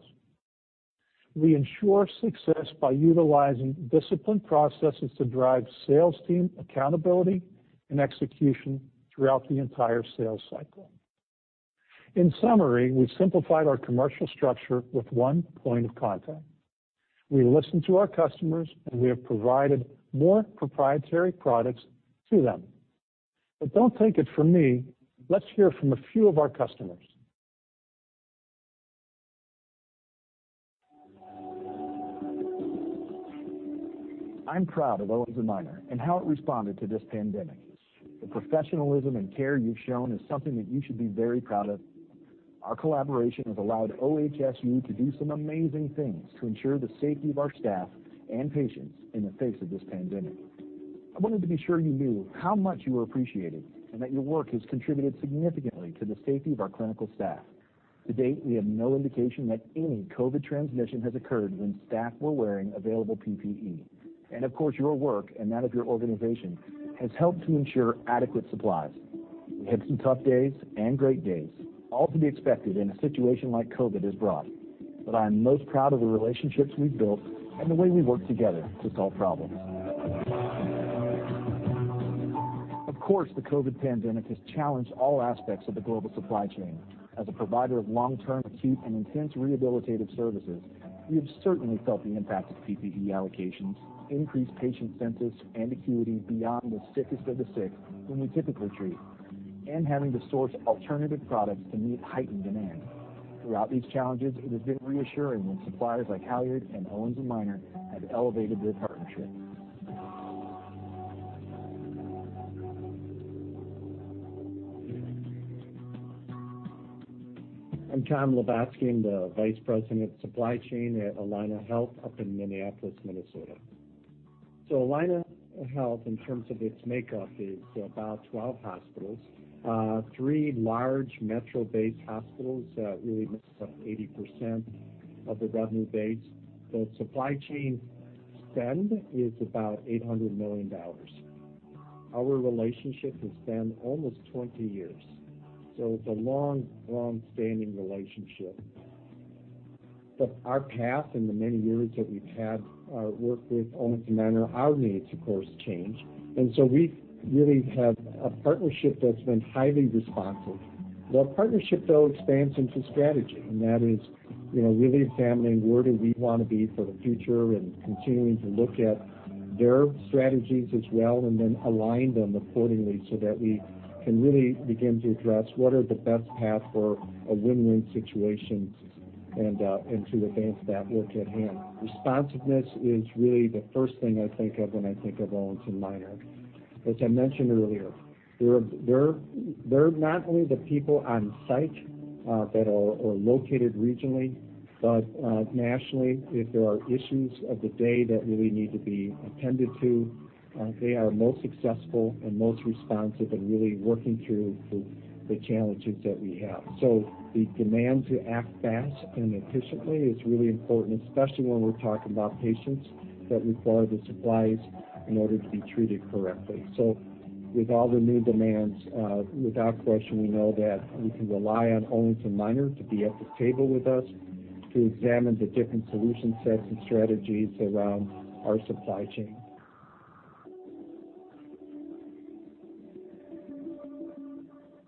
We ensure success by utilizing disciplined processes to drive sales team accountability and execution throughout the entire sales cycle. In summary, we've simplified our commercial structure with one point of contact. We listen to our customers, and we have provided more proprietary products to them. Don't take it from me. Let's hear from a few of our customers. I'm proud of Owens & Minor and how it responded to this pandemic. The professionalism and care you've shown is something that you should be very proud of. Our collaboration has allowed OHSU to do some amazing things to ensure the safety of our staff and patients in the face of this pandemic. I wanted to be sure you knew how much you were appreciated and that your work has contributed significantly to the safety of our clinical staff. To date, we have no indication that any COVID transmission has occurred when staff were wearing available PPE. Of course, your work and that of your organization has helped to ensure adequate supplies. We had some tough days and great days, all to be expected in a situation like COVID has brought. I am most proud of the relationships we've built and the way we work together to solve problems. Of course, the COVID pandemic has challenged all aspects of the global supply chain. As a provider of long-term acute and intense rehabilitative services, we have certainly felt the impact of PPE allocations, increased patient census and acuity beyond the sickest of the sick whom we typically treat, and having to source alternative products to meet heightened demand. Throughout these challenges, it has been reassuring when suppliers like HALYARD and Owens & Minor have elevated their partnership. I'm Tom Lubotsky, the Vice President of Supply Chain at Allina Health up in Minneapolis, Minnesota. Allina Health, in terms of its makeup, is about 12 hospitals, three large metro-based hospitals that really makes up 80% of the revenue base. The supply chain spend is about $800 million. Our relationship has spanned almost 20 years, so it's a long, long-standing relationship. Our path in the many years that we've had worked with Owens & Minor, our needs, of course, change. We really have a partnership that's been highly responsive. The partnership, though, expands into strategy, and that is, you know, really examining where do we wanna be for the future and continuing to look at their strategies as well, and then align them accordingly so that we can really begin to address what are the best path for a win-win situation and to advance that work at hand. Responsiveness is really the first thing I think of when I think of Owens & Minor. As I mentioned earlier, they're not only the people on site that are located regionally, but nationally, if there are issues of the day that really need to be attended to, they are most successful and most responsive and really working through the challenges that we have. The demand to act fast and efficiently is really important, especially when we're talking about patients that require the supplies in order to be treated correctly. With all the new demands, without question, we know that we can rely on Owens & Minor to be at the table with us to examine the different solution sets and strategies around our supply chain.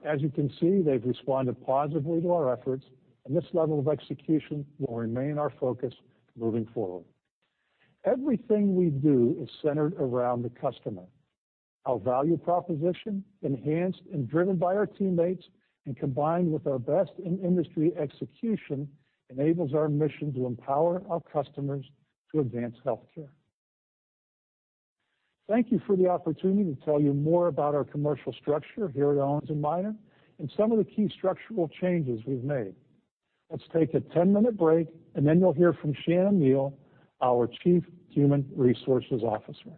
As you can see, they've responded positively to our efforts. This level of execution will remain our focus moving forward. Everything we do is centered around the customer. Our value proposition, enhanced and driven by our teammates and combined with our best in industry execution, enables our mission to empower our customers to advance healthcare. Thank you for the opportunity to tell you more about our commercial structure here at Owens & Minor and some of the key structural changes we've made. Let's take a 10-minute break. Then you'll hear from Shana Neal, our Chief Human Resources Officer.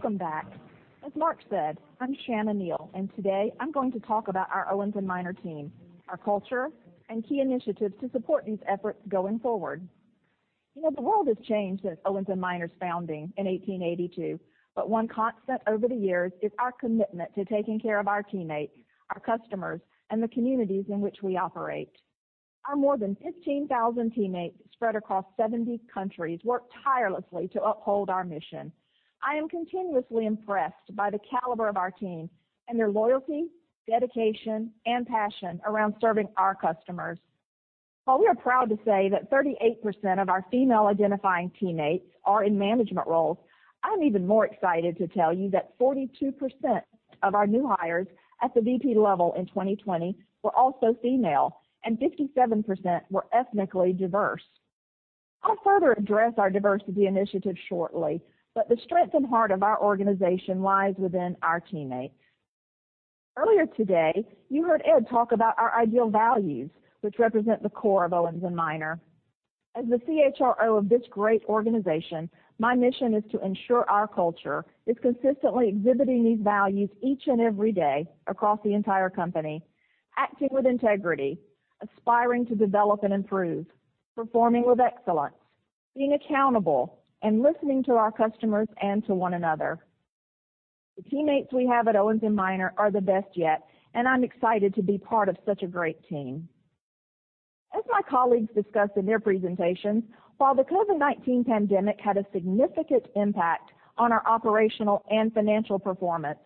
Welcome back. As Mark said, I'm Shana Neal. Today I'm going to talk about our Owens & Minor team, our culture, and key initiatives to support these efforts going forward. You know, the world has changed since Owens & Minor's founding in 1882. One constant over the years is our commitment to taking care of our teammates, our customers, and the communities in which we operate. Our more than 15,000 teammates spread across 70 countries work tirelessly to uphold our mission. I am continuously impressed by the caliber of our team and their loyalty, dedication, and passion around serving our customers. While we are proud to say that 38% of our female-identifying teammates are in management roles, I'm even more excited to tell you that 42% of our new hires at the VP level in 2020 were also female, and 57% were ethnically diverse. I'll further address our diversity initiatives shortly, but the strength and heart of our organization lies within our teammates. Earlier today, you heard Ed talk about our IDEAL values, which represent the core of Owens & Minor. As the CHRO of this great organization, my mission is to ensure our culture is consistently exhibiting these values each and every day across the entire company, acting with integrity, aspiring to develop and improve, performing with excellence, being accountable, and listening to our customers and to one another. The teammates we have at Owens & Minor are the best yet, and I'm excited to be part of such a great team. As my colleagues discussed in their presentations, while the COVID-19 pandemic had a significant impact on our operational and financial performance,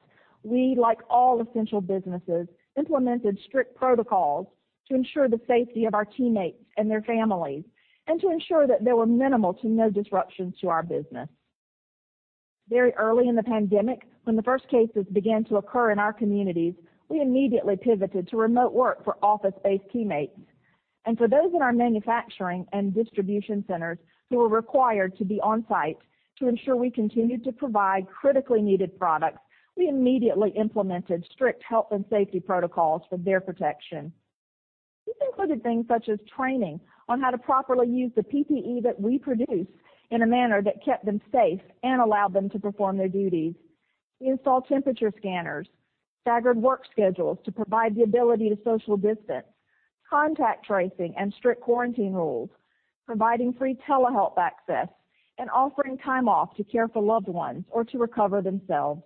we, like all essential businesses, implemented strict protocols to ensure the safety of our teammates and their families and to ensure that there were minimal to no disruptions to our business. Very early in the pandemic, when the first cases began to occur in our communities, we immediately pivoted to remote work for office-based teammates. For those in our manufacturing and distribution centers who were required to be on-site to ensure we continued to provide critically needed products, we immediately implemented strict health and safety protocols for their protection. These included things such as training on how to properly use the PPE that we produce in a manner that kept them safe and allowed them to perform their duties. We installed temperature scanners, staggered work schedules to provide the ability to social distance, contact tracing, and strict quarantine rules, providing free telehealth access, and offering time off to care for loved ones or to recover themselves.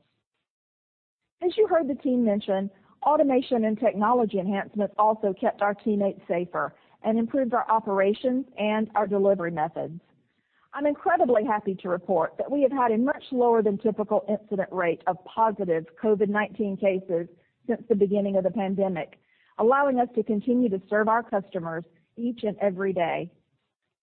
As you heard the team mention, automation and technology enhancements also kept our teammates safer and improved our operations and our delivery methods. I'm incredibly happy to report that we have had a much lower than typical incident rate of positive COVID-19 cases since the beginning of the pandemic, allowing us to continue to serve our customers each and every day.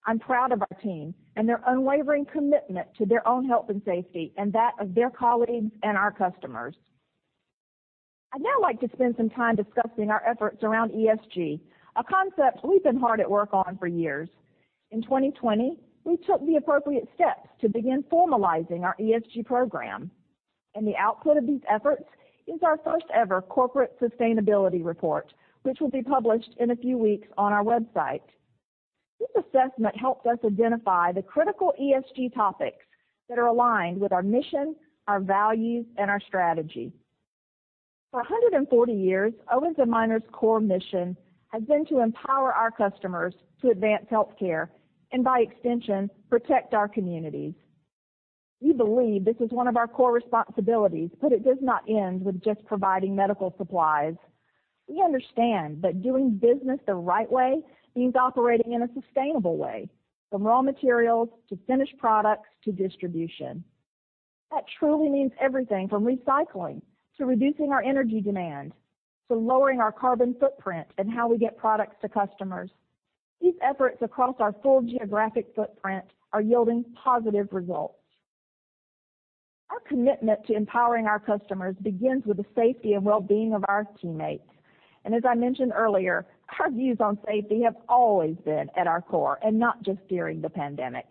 I'm proud of our team and their unwavering commitment to their own health and safety and that of their colleagues and our customers. I'd now like to spend some time discussing our efforts around ESG, a concept we've been hard at work on for years. In 2020, we took the appropriate steps to begin formalizing our ESG program, and the output of these efforts is our first-ever corporate sustainability report, which will be published in a few weeks on our website. This assessment helped us identify the critical ESG topics that are aligned with our mission, our values, and our strategy. For 140 years, Owens & Minor's core mission has been to empower our customers to advance healthcare and, by extension, protect our communities. We believe this is 1 of our core responsibilities, but it does not end with just providing medical supplies. We understand that doing business the right way means operating in a sustainable way, from raw materials to finished products to distribution. That truly means everything from recycling to reducing our energy demand to lowering our carbon footprint and how we get products to customers. These efforts across our full geographic footprint are yielding positive results. Our commitment to empowering our customers begins with the safety and well-being of our teammates. As I mentioned earlier, our views on safety have always been at our core and not just during the pandemic.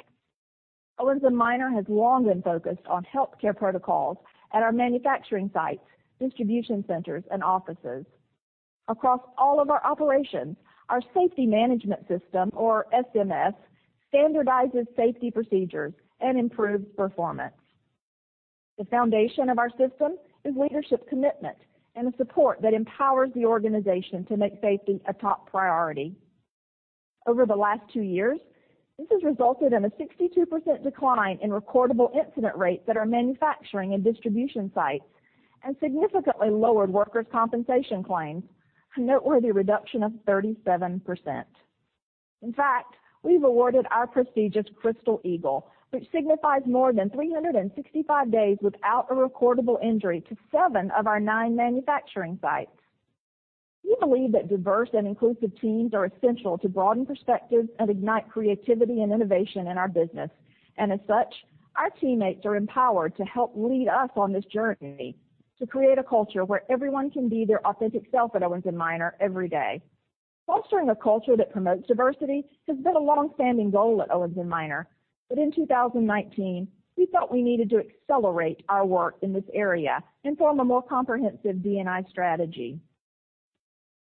Owens & Minor has long been focused on healthcare protocols at our manufacturing sites, distribution centers, and offices. Across all of our operations, our safety management system, or SMS, standardizes safety procedures and improves performance. The foundation of our system is leadership commitment and the support that empowers the organization to make safety a top priority. Over the last two years, this has resulted in a 62% decline in recordable incident rates at our manufacturing and distribution sites and significantly lowered workers' compensation claims, a noteworthy reduction of 37%. In fact, we've awarded our prestigious Crystal Eagle, which signifies more than 365 days without a recordable injury, to seven of our nine manufacturing sites. We believe that diverse and inclusive teams are essential to broaden perspectives and ignite creativity and innovation in our business. As such, our teammates are empowered to help lead us on this journey to create a culture where everyone can be their authentic self at Owens & Minor every day. Fostering a culture that promotes diversity has been a long-standing goal at Owens & Minor, in 2019, we felt we needed to accelerate our work in this area and form a more comprehensive D&I strategy.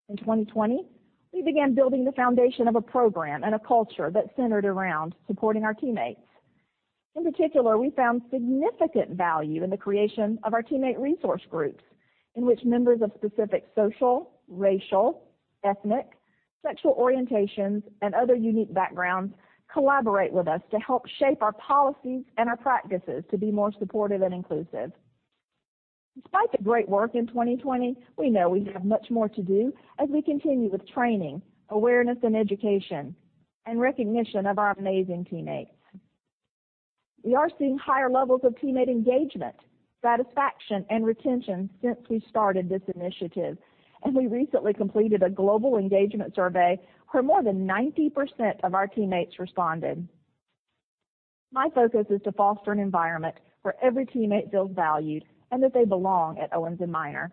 In 2020, we began building the foundation of a program and a culture that centered around supporting our teammates. In particular, we found significant value in the creation of our Teammate Resource Groups, in which members of specific social, racial, ethnic, sexual orientations, and other unique backgrounds collaborate with us to help shape our policies and our practices to be more supportive and inclusive. Despite the great work in 2020, we know we have much more to do as we continue with training, awareness and education, and recognition of our amazing teammates. We are seeing higher levels of teammate engagement, satisfaction, and retention since we started this initiative, and we recently completed a global engagement survey where more than 90% of our teammates responded. My focus is to foster an environment where every teammate feels valued and that they belong at Owens & Minor.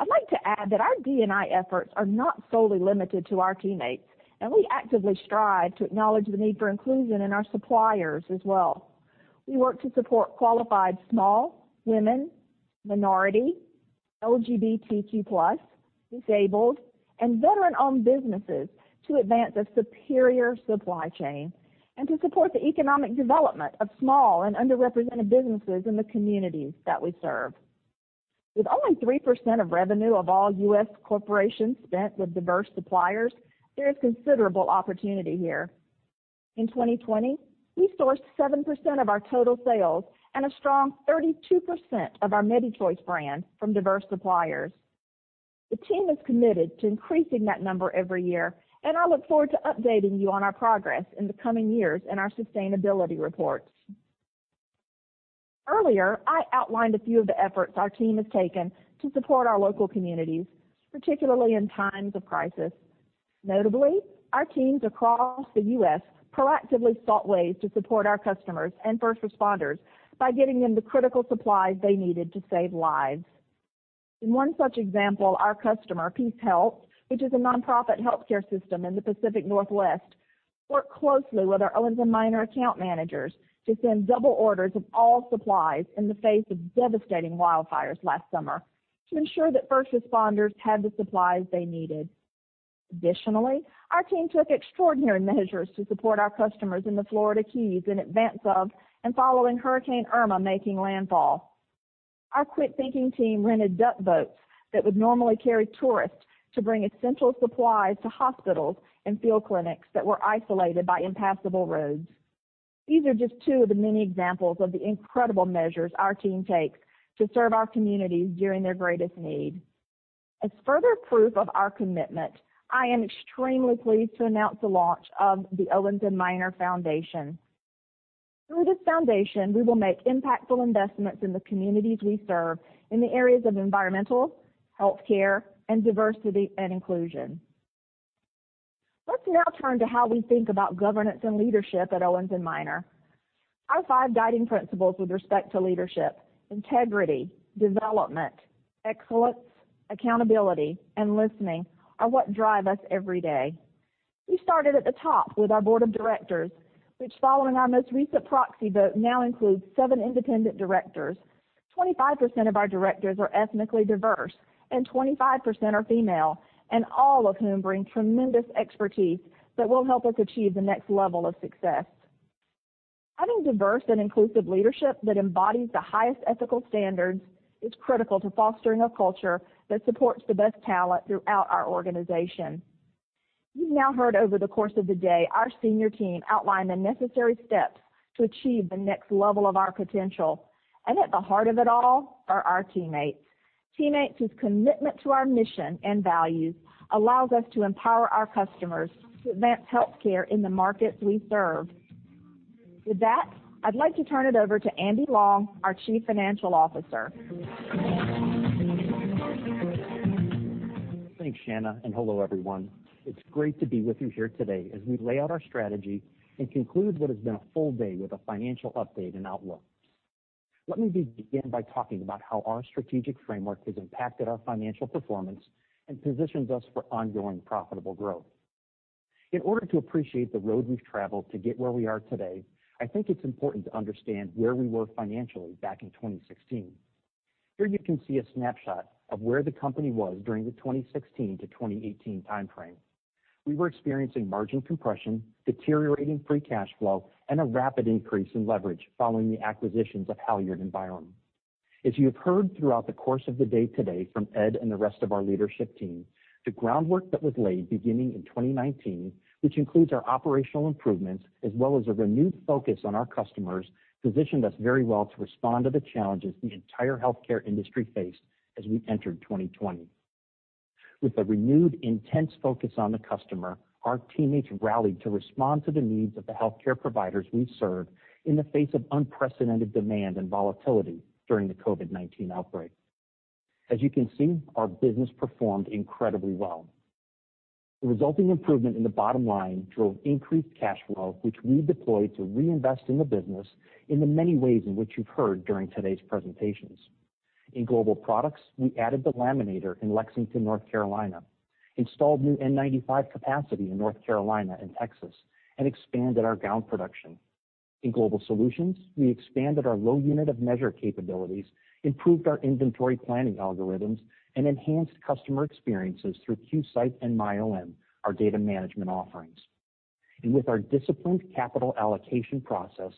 I'd like to add that our D&I efforts are not solely limited to our teammates, and we actively strive to acknowledge the need for inclusion in our suppliers as well. We work to support qualified small, women, minority, LGBTQ+, disabled, and veteran-owned businesses to advance a superior supply chain and to support the economic development of small and underrepresented businesses in the communities that we serve. With only 3% of revenue of all U.S. corporations spent with diverse suppliers, there is considerable opportunity here. In 2020, we sourced 7% of our total sales and a strong 32% of our MediChoice brand from diverse suppliers. The team is committed to increasing that number every year. I look forward to updating you on our progress in the coming years in our sustainability reports. Earlier, I outlined a few of the efforts our team has taken to support our local communities, particularly in times of crisis. Notably, our teams across the U.S. proactively sought ways to support our customers and first responders by getting them the critical supplies they needed to save lives. In one such example, our customer, PeaceHealth, which is a nonprofit healthcare system in the Pacific Northwest, worked closely with our Owens & Minor account managers to send double orders of all supplies in the face of devastating wildfires last summer to ensure that first responders had the supplies they needed. Our team took extraordinary measures to support our customers in the Florida Keys in advance of and following Hurricane Irma making landfall. Our quick-thinking team rented duck boats that would normally carry tourists to bring essential supplies to hospitals and field clinics that were isolated by impassable roads. These are just two of the many examples of the incredible measures our team takes to serve our communities during their greatest need. As further proof of our commitment, I am extremely pleased to announce the launch of the Owens & Minor Foundation. Through this foundation, we will make impactful investments in the communities we serve in the areas of environmental, healthcare, and diversity and inclusion. Let's now turn to how we think about governance and leadership at Owens & Minor. Our five guiding principles with respect to leadership, integrity, development, excellence, accountability, and listening, are what drive us every day. We started at the top with our board of directors, which, following our most recent proxy vote, now includes seven independent directors. 25% of our directors are ethnically diverse, and 25% are female, and all of whom bring tremendous expertise that will help us achieve the next level of success. Having diverse and inclusive leadership that embodies the highest ethical standards is critical to fostering a culture that supports the best talent throughout our organization. You've now heard over the course of the day our senior team outline the necessary steps to achieve the next level of our potential, and at the heart of it all are our teammates. Teammates whose commitment to our mission and values allows us to empower our customers to advance healthcare in the markets we serve. With that, I'd like to turn it over to Andy Long, our Chief Financial Officer. Thanks, Shana. Hello, everyone. It's great to be with you here today as we lay out our strategy and conclude what has been a full day with a financial update and outlook. Let me begin by talking about how our strategic framework has impacted our financial performance and positions us for ongoing profitable growth. In order to appreciate the road we've traveled to get where we are today, I think it's important to understand where we were financially back in 2016. Here you can see a snapshot of where the company was during the 2016-2018 timeframe. We were experiencing margin compression, deteriorating free cash flow, and a rapid increase in leverage following the acquisitions of HALYARD and Byram. As you have heard throughout the course of the day today from Ed and the rest of our leadership team, the groundwork that was laid beginning in 2019, which includes our operational improvements as well as a renewed focus on our customers, positioned us very well to respond to the challenges the entire healthcare industry faced as we entered 2020. With a renewed intense focus on the customer, our teammates rallied to respond to the needs of the healthcare providers we serve in the face of unprecedented demand and volatility during the COVID-19 outbreak. As you can see, our business performed incredibly well. The resulting improvement in the bottom line drove increased cash flow, which we deployed to reinvest in the business in the many ways in which you've heard during today's presentations. In Global Products, we added the laminator in Lexington, North Carolina, installed new N95 capacity in North Carolina and Texas, and expanded our gown production. In Global Solutions, we expanded our low unit of measure capabilities, improved our inventory planning algorithms, and enhanced customer experiences through QSight and MyOM, our data management offerings. With our disciplined capital allocation process,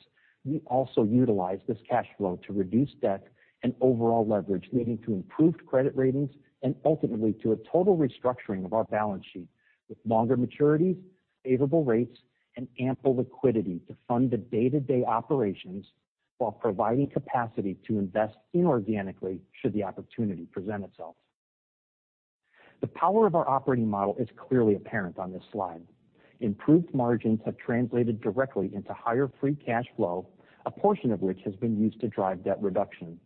we also utilized this cash flow to reduce debt and overall leverage, leading to improved credit ratings and ultimately to a total restructuring of our balance sheet with longer maturities, favorable rates, and ample liquidity to fund the day-to-day operations while providing capacity to invest inorganically should the opportunity present itself. The power of our operating model is clearly apparent on this slide. Improved margins have translated directly into higher free cash flow, a portion of which has been used to drive debt reduction.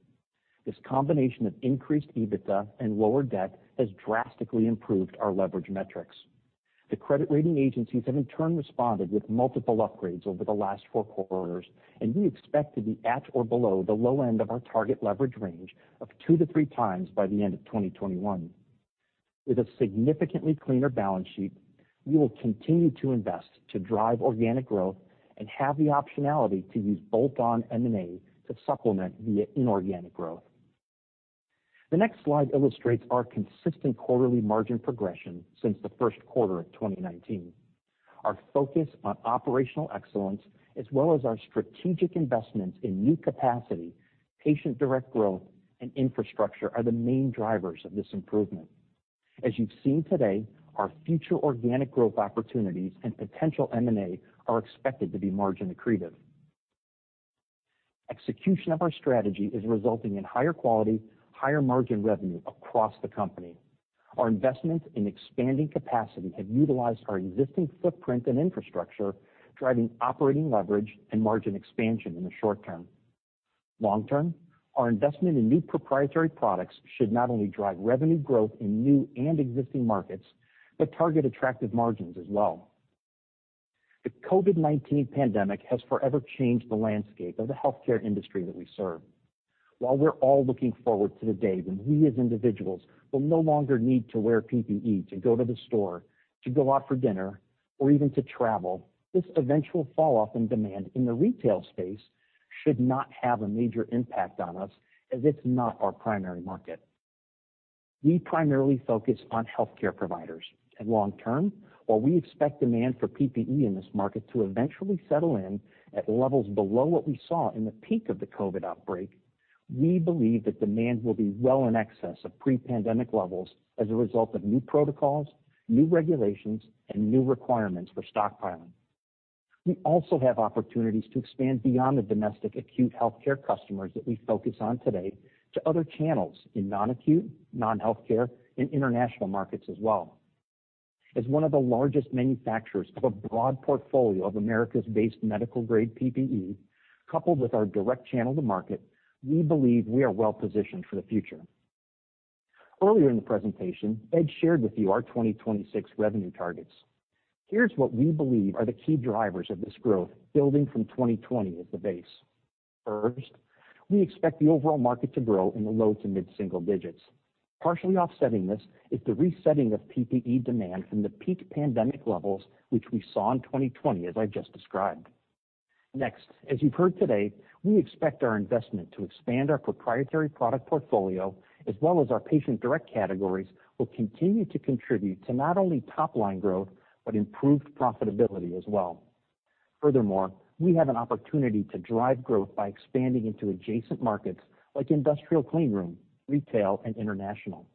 This combination of increased EBITDA and lower debt has drastically improved our leverage metrics. The credit rating agencies have in turn responded with multiple upgrades over the last four quarters. We expect to be at or below the low end of our target leverage range of 2x-3x by the end of 2021. With a significantly cleaner balance sheet, we will continue to invest to drive organic growth and have the optionality to use bolt-on M&A to supplement the inorganic growth. The next slide illustrates our consistent quarterly margin progression since the first quarter of 2019. Our focus on operational excellence, as well as our strategic investments in new capacity, Patient Direct growth, and infrastructure are the main drivers of this improvement. As you've seen today, our future organic growth opportunities and potential M&A are expected to be margin accretive. Execution of our strategy is resulting in higher quality, higher margin revenue across the company. Our investments in expanding capacity have utilized our existing footprint and infrastructure, driving operating leverage and margin expansion in the short term. Long term, our investment in new proprietary products should not only drive revenue growth in new and existing markets, but target attractive margins as well. The COVID-19 pandemic has forever changed the landscape of the healthcare industry that we serve. While we're all looking forward to the day when we as individuals will no longer need to wear PPE to go to the store, to go out for dinner, or even to travel, this eventual fall off in demand in the retail space should not have a major impact on us as it's not our primary market. We primarily focus on healthcare providers. Long term, while we expect demand for PPE in this market to eventually settle in at levels below what we saw in the peak of the COVID outbreak, we believe that demand will be well in excess of pre-pandemic levels as a result of new protocols, new regulations, and new requirements for stockpiling. We also have opportunities to expand beyond the domestic acute healthcare customers that we focus on today to other channels in non-acute, non-healthcare, and international markets as well. As one of the largest manufacturers of a broad portfolio of U.S.-based medical grade PPE, coupled with our direct channel to market, we believe we are well-positioned for the future. Earlier in the presentation, Ed shared with you our 2026 revenue targets. Here's what we believe are the key drivers of this growth building from 2020 as the base. We expect the overall market to grow in the low to mid-single digits. Partially offsetting this is the resetting of PPE demand from the peak pandemic levels, which we saw in 2020, as I've just described. As you've heard today, we expect our investment to expand our proprietary product portfolio as well as our Patient Direct categories will continue to contribute to not only top-line growth, but improved profitability as well. We have an opportunity to drive growth by expanding into adjacent markets like industrial clean room, retail, and international.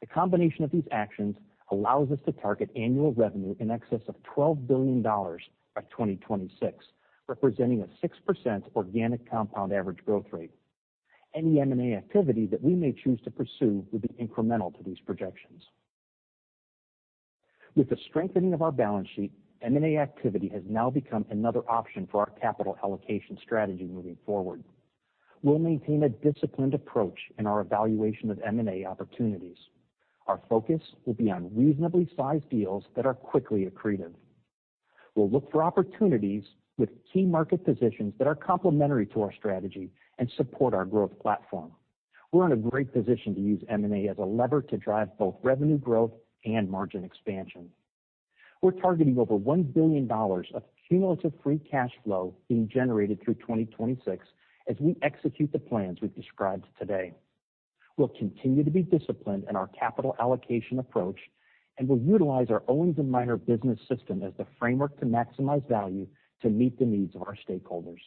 The combination of these actions allows us to target annual revenue in excess of $12 billion by 2026, representing a 6% organic compound average growth rate. Any M&A activity that we may choose to pursue will be incremental to these projections. With the strengthening of our balance sheet, M&A activity has now become another option for our capital allocation strategy moving forward. We'll maintain a disciplined approach in our evaluation of M&A opportunities. Our focus will be on reasonably sized deals that are quickly accretive. We'll look for opportunities with key market positions that are complementary to our strategy and support our growth platform. We're in a great position to use M&A as a lever to drive both revenue growth and margin expansion. We're targeting over $1 billion of cumulative free cash flow being generated through 2026 as we execute the plans we've described today. We'll continue to be disciplined in our capital allocation approach. We'll utilize our Owens & Minor business system as the framework to maximize value to meet the needs of our stakeholders.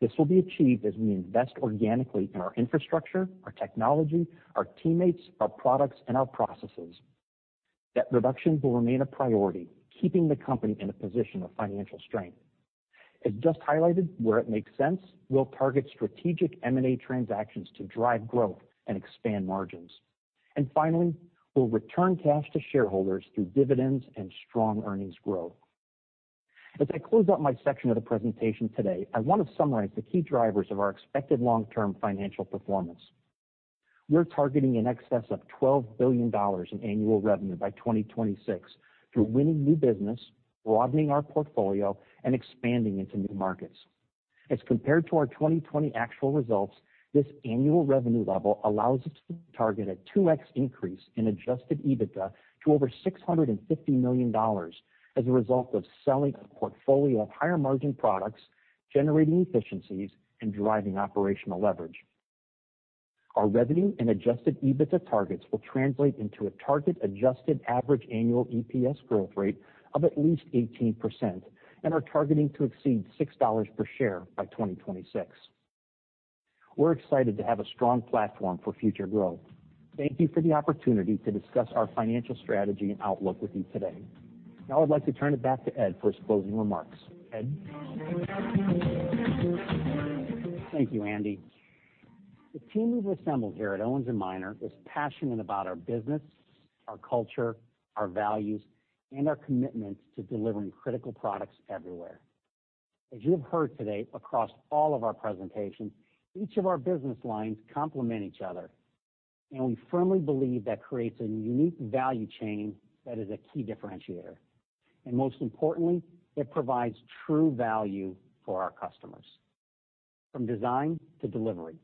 This will be achieved as we invest organically in our infrastructure, our technology, our teammates, our products, and our processes. Debt reduction will remain a priority, keeping the company in a position of financial strength. As just highlighted, where it makes sense, we'll target strategic M&A transactions to drive growth and expand margins. Finally, we'll return cash to shareholders through dividends and strong earnings growth. As I close out my section of the presentation today, I want to summarize the key drivers of our expected long-term financial performance. We're targeting in excess of $12 billion in annual revenue by 2026 through winning new business, broadening our portfolio, and expanding into new markets. As compared to our 2020 actual results, this annual revenue level allows us to target a 2x increase in adjusted EBITDA to over $650 million as a result of selling a portfolio of higher margin products, generating efficiencies, and driving operational leverage. Our revenue and adjusted EBITDA targets will translate into a target adjusted average annual EPS growth rate of at least 18% and are targeting to exceed $6 per share by 2026. We're excited to have a strong platform for future growth. Thank you for the opportunity to discuss our financial strategy and outlook with you today. I'd like to turn it back to Ed for his closing remarks. Ed? Thank you, Andy. The team we've assembled here at Owens & Minor is passionate about our business, our culture, our values, and our commitment to delivering critical products everywhere. As you have heard today across all of our presentations, each of our business lines complement each other, and we firmly believe that creates a unique value chain that is a key differentiator. Most importantly, it provides true value for our customers. From design to delivery,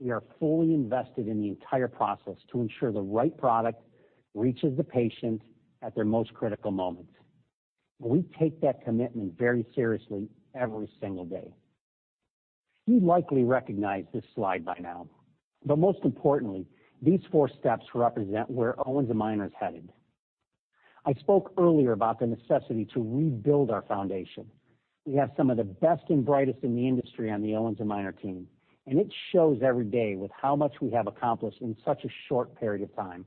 we are fully invested in the entire process to ensure the right product reaches the patient at their most critical moments. We take that commitment very seriously every single day. You likely recognize this slide by now. Most importantly, these four steps represent where Owens & Minor is headed. I spoke earlier about the necessity to rebuild our foundation. We have some of the best and brightest in the industry on the Owens & Minor team, and it shows every day with how much we have accomplished in such a short period of time.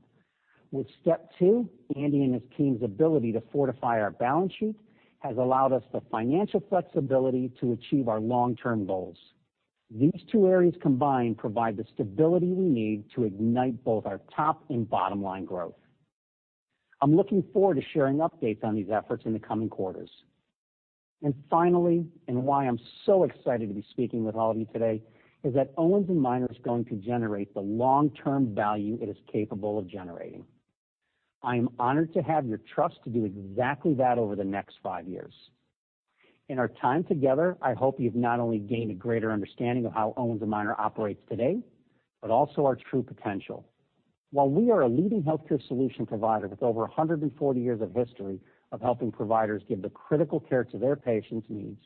With step two, Andy and his team's ability to fortify our balance sheet has allowed us the financial flexibility to achieve our long-term goals. These two areas combined provide the stability we need to ignite both our top and bottom-line growth. I'm looking forward to sharing updates on these efforts in the coming quarters. Why I'm so excited to be speaking with all of you today, is that Owens & Minor is going to generate the long-term value it is capable of generating. I am honored to have your trust to do exactly that over the next five years. In our time together, I hope you've not only gained a greater understanding of how Owens & Minor operates today, but also our true potential. While we are a leading healthcare solution provider with over 140 years of history of helping providers give the critical care to their patients' needs,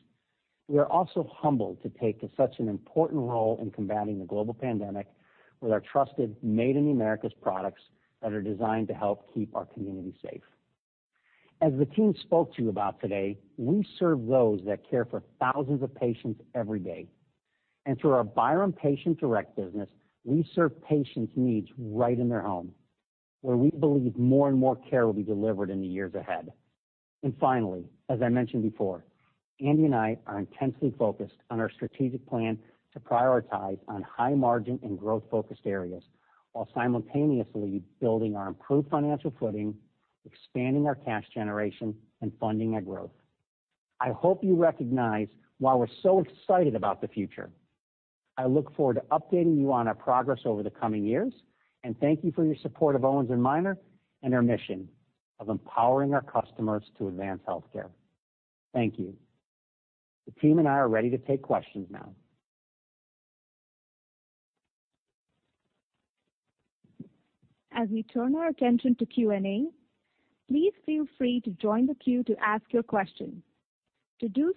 we are also humbled to take such an important role in combating the global pandemic with our trusted Made in America's products that are designed to help keep our community safe. As the team spoke to you about today, we serve those that care for thousands of patients every day. Through our Byram Patient Direct business, we serve patients' needs right in their home, where we believe more and more care will be delivered in the years ahead. Finally, as I mentioned before, Andy and I are intensely focused on our strategic plan to prioritize on high margin and growth-focused areas while simultaneously building our improved financial footing, expanding our cash generation, and funding our growth. I hope you recognize why we're so excited about the future. I look forward to updating you on our progress over the coming years, and thank you for your support of Owens & Minor and our mission of empowering our customers to advance healthcare. Thank you. The team and I are ready to take questions now. As we turn our attention to Q&A, please feel free to join the queue to ask your question. To do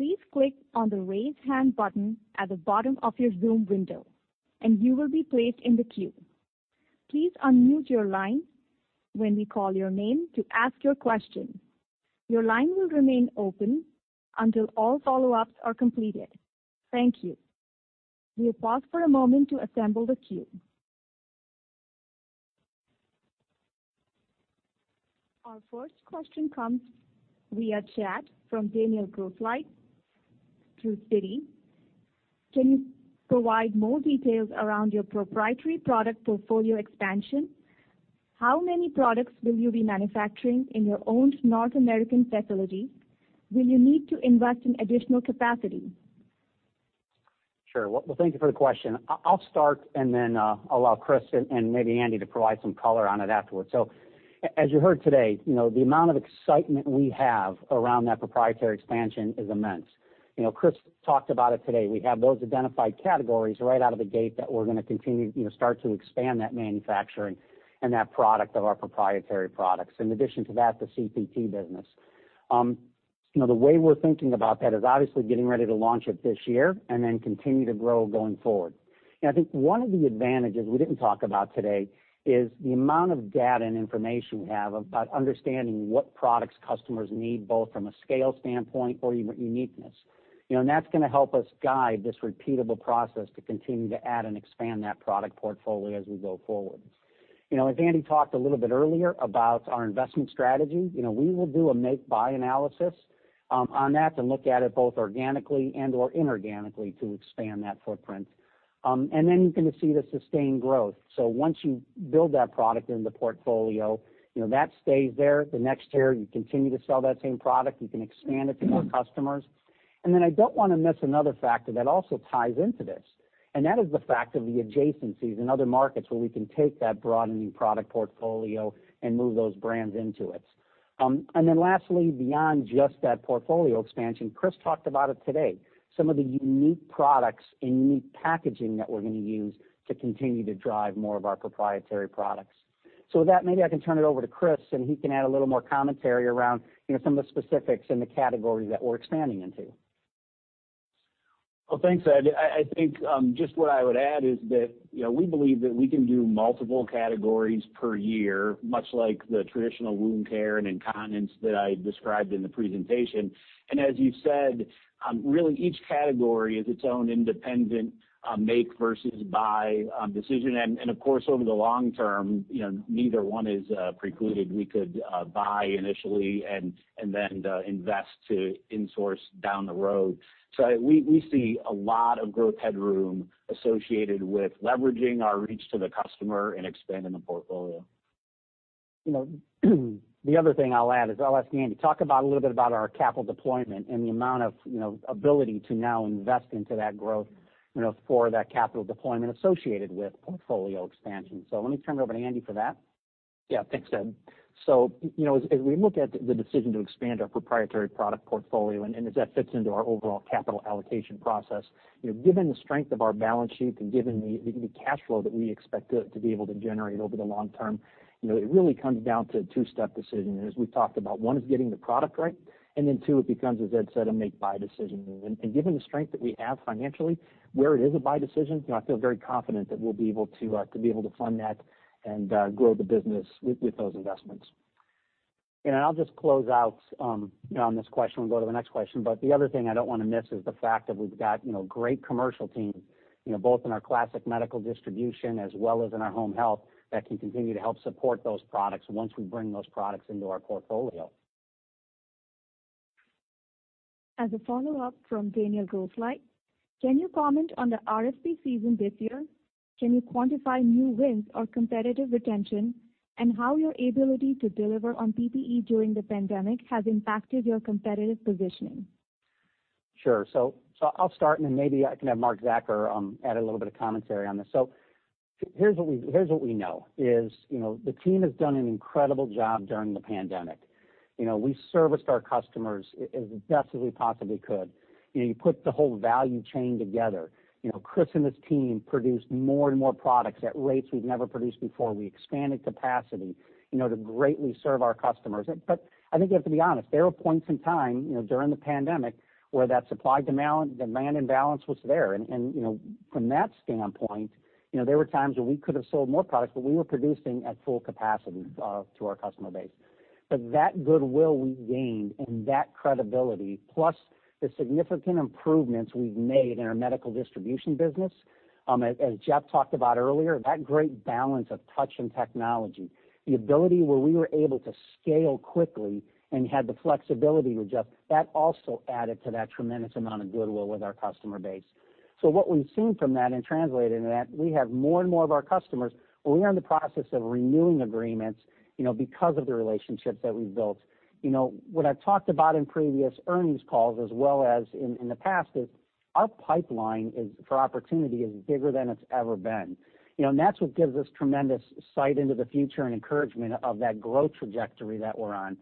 so, please click on the Raise Hand button at the bottom of your Zoom window. You will be placed in the queue. Please unmute your line when we call your name to ask your question. Your line will remain open until all follow-ups are completed. Thank you. We'll pause for a moment to assemble the queue. Our first question comes via chat from Daniel Grosslight through Citi. Can you provide more details around your proprietary product portfolio expansion? How many products will you be manufacturing in your own North American facility? Will you need to invest in additional capacity? Sure. Well, thank you for the question. I'll start and then allow Chris and maybe Andy to provide some color on it afterwards. As you heard today, you know, the amount of excitement we have around that proprietary expansion is immense. You know, Chris talked about it today. We have those identified categories right out of the gate that we're gonna continue, you know, start to expand that manufacturing and that product of our proprietary products. In addition to that, the CPT business. You know, the way we're thinking about that is obviously getting ready to launch it this year and then continue to grow going forward. I think one of the advantages we didn't talk about today is the amount of data and information we have about understanding what products customers need, both from a scale standpoint or uniqueness. You know, that's gonna help us guide this repeatable process to continue to add and expand that product portfolio as we go forward. You know, as Andy talked a little bit earlier about our investment strategy, you know, we will do a make/buy analysis on that to look at it both organically and/or inorganically to expand that footprint. Then you're gonna see the sustained growth. Once you build that product in the portfolio, you know, that stays there. The next year, you continue to sell that same product. You can expand it to more customers. Then I don't wanna miss another factor that also ties into this, and that is the fact of the adjacencies in other markets where we can take that broadening product portfolio and move those brands into it. Then lastly, beyond just that portfolio expansion, Chris talked about it today, some of the unique products and unique packaging that we're going to use to continue to drive more of our proprietary products. With that, maybe I can turn it over to Chris, and he can add a little more commentary around, you know, some of the specifics in the categories that we're expanding into. Well, thanks, Ed. I think, just what I would add is that, you know, we believe that we can do multiple categories per year, much like the traditional wound care and incontinence that I described in the presentation. As you said, really each category is its own independent make versus buy decision. Of course, over the long term, you know, neither one is precluded. We could buy initially and then invest to insource down the road. We see a lot of growth headroom associated with leveraging our reach to the customer and expanding the portfolio. You know, the other thing I'll add is I'll ask Andy to talk about a little bit about our capital deployment and the amount of, you know, ability to now invest into that growth, you know, for that capital deployment associated with portfolio expansion. Let me turn it over to Andy for that. Yeah. Thanks, Ed. You know, as we look at the decision to expand our proprietary product portfolio and as that fits into our overall capital allocation process, you know, given the strength of our balance sheet and given the cash flow that we expect to be able to generate over the long term, you know, it really comes down to a two-step decision. As we've talked about, one is getting the product right, and then two, it becomes, as Ed said, a make buy decision. Given the strength that we have financially, where it is a buy decision, you know, I feel very confident that we'll be able to be able to fund that and grow the business with those investments. I'll just close out, you know, on this question and go to the next question. The other thing I don't wanna miss is the fact that we've got, you know, great commercial team, you know, both in our classic medical distribution as well as in our home health that can continue to help support those products once we bring those products into our portfolio. As a follow-up from Daniel Grosslight. Can you comment on the RFP season this year? Can you quantify new wins or competitive retention, and how your ability to deliver on PPE during the pandemic has impacted your competitive positioning? Sure. I'll start, and then maybe I can have Mark Zacur add a little bit of commentary on this. Here's what we know is, you know, the team has done an incredible job during the pandemic. You know, we serviced our customers as best as we possibly could. You know, you put the whole value chain together. You know, Chris and his team produced more and more products at rates we've never produced before. We expanded capacity, you know, to greatly serve our customers. I think you have to be honest, there were points in time, you know, during the pandemic where that supply demand imbalance was there. You know, from that standpoint, you know, there were times where we could have sold more products, but we were producing at full capacity to our customer base. That goodwill we gained and that credibility, plus the significant improvements we've made in our medical distribution business, as Jeff talked about earlier, that great balance of touch and technology, the ability where we were able to scale quickly and had the flexibility to adjust, that also added to that tremendous amount of goodwill with our customer base. What we've seen from that and translated into that, we have more and more of our customers where we are in the process of renewing agreements, you know, because of the relationships that we've built. You know, what I've talked about in previous earnings calls as well as in the past is our pipeline is, for opportunity, is bigger than it's ever been. That's what gives us tremendous sight into the future and encouragement of that growth trajectory that we're on.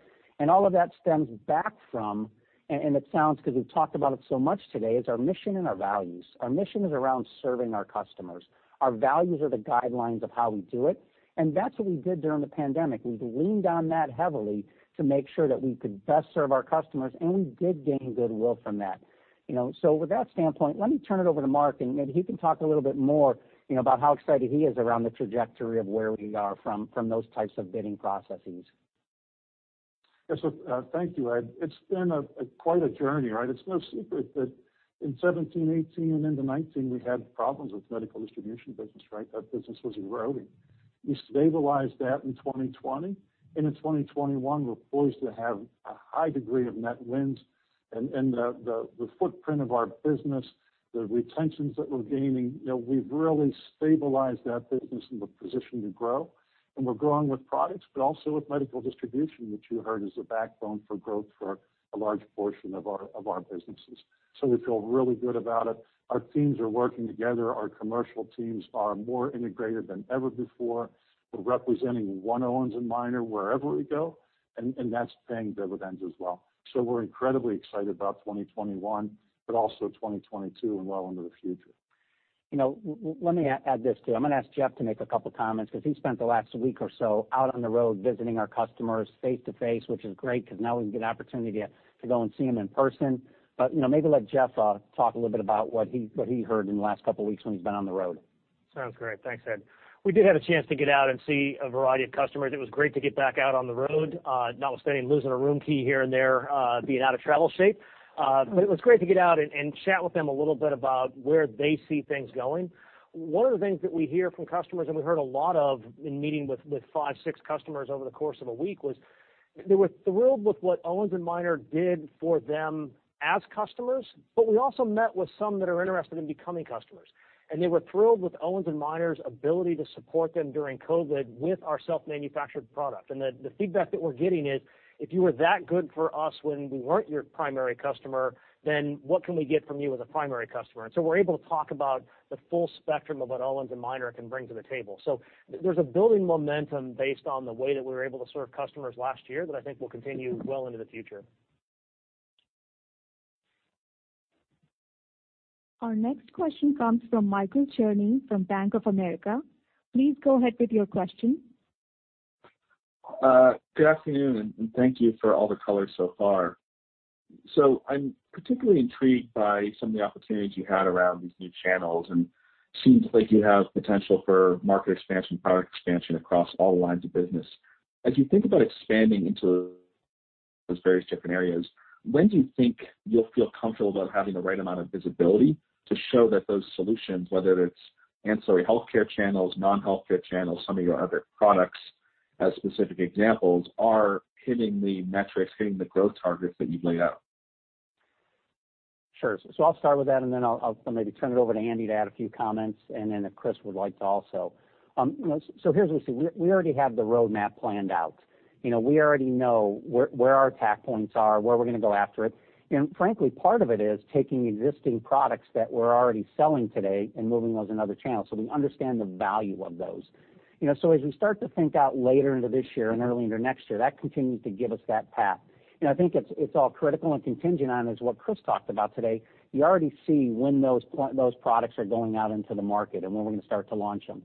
All of that stems back from, and it sounds 'cause we've talked about it so much today, is our mission and our values. Our mission is around serving our customers. Our values are the guidelines of how we do it, and that's what we did during the pandemic. We leaned on that heavily to make sure that we could best serve our customers, and we did gain goodwill from that, you know. With that standpoint, let me turn it over to Mark, and maybe he can talk a little bit more, you know, about how excited he is around the trajectory of where we are from those types of bidding processes. Thank you, Ed. It's been quite a journey, right? It's no secret that in 2017, 2018, and into 2019, we had problems with medical distribution business, right? That business was eroding. We stabilized that in 2020. In 2021, we're poised to have a high degree of net wins. The footprint of our business, the retentions that we're gaining, you know, we've really stabilized that business in the position to grow. We're growing with products, but also with medical distribution, which you heard is a backbone for growth for a large portion of our businesses. We feel really good about it. Our teams are working together. Our commercial teams are more integrated than ever before. We're representing one Owens & Minor wherever we go, that's paying dividends as well. We're incredibly excited about 2021, but also 2022 and well into the future. You know, let me add this, too. I'm gonna ask Jeff to make two comments 'cause he spent the last week or so out on the road visiting our customers face to face, which is great, 'cause now we can get an opportunity to go and see them in person. You know, maybe let Jeff talk a little bit about what he heard in the last two weeks when he's been on the road. Sounds great. Thanks, Ed. We did have a chance to get out and see a variety of customers. It was great to get back out on the road, notwithstanding losing a room key here and there, being out of travel shape. It was great to get out and chat with them a little bit about where they see things going. One of the things that we hear from customers, and we heard a lot of in meeting with five, six customers over the course of a week, was they were thrilled with what Owens & Minor did for them as customers. We also met with some that are interested in becoming customers. They were thrilled with Owens & Minor's ability to support them during COVID with our self-manufactured product. The feedback that we're getting is, "If you were that good for us when we weren't your primary customer, then what can we get from you as a primary customer?" We're able to talk about the full spectrum of what Owens & Minor can bring to the table. There's a building momentum based on the way that we were able to serve customers last year that I think will continue well into the future. Our next question comes from Michael Cherny from Bank of America. Please go ahead with your question. Good afternoon, thank you for all the color so far. I'm particularly intrigued by some of the opportunities you had around these new channels, and seems like you have potential for market expansion, product expansion across all lines of business. As you think about expanding into those various different areas, when do you think you'll feel comfortable about having the right amount of visibility to show that those solutions, whether it's ancillary healthcare channels, non-healthcare channels, some of your other products as specific examples, are hitting the metrics, hitting the growth targets that you've laid out? Sure. I'll start with that, and then I'll maybe turn it over to Andy to add a few comments, and then if Chris would like to also. You know, here's what we see. We already have the roadmap planned out. You know, we already know where our attack points are, where we're gonna go after it. Frankly, part of it is taking existing products that we're already selling today and moving those to another channel. We understand the value of those. You know, as we start to think out later into this year and early into next year, that continues to give us that path. You know, I think it's all critical and contingent on is what Chris talked about today. You already see when those products are going out into the market and when we're gonna start to launch them.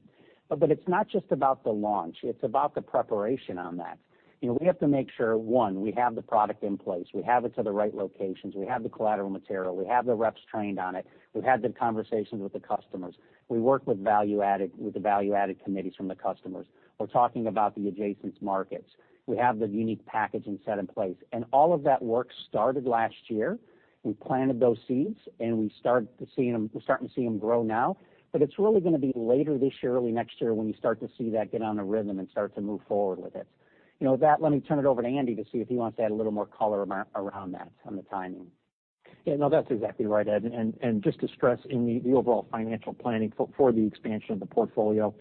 It's not just about the launch, it's about the preparation on that. You know, we have to make sure, one, we have the product in place, we have it to the right locations, we have the collateral material, we have the reps trained on it, we've had the conversations with the customers, we work with value-added, with the value-added committees from the customers. We're talking about the adjacent markets. We have the unique packaging set in place. All of that work started last year. We planted those seeds, we're starting to see them grow now. It's really going to be later this year, early next year when you start to see that get on a rhythm and start to move forward with it. You know, with that, let me turn it over to Andy to see if he wants to add a little more color around that on the timing. Yeah, no, that's exactly right, Ed. Just to stress in the overall financial planning for the expansion of the portfolio,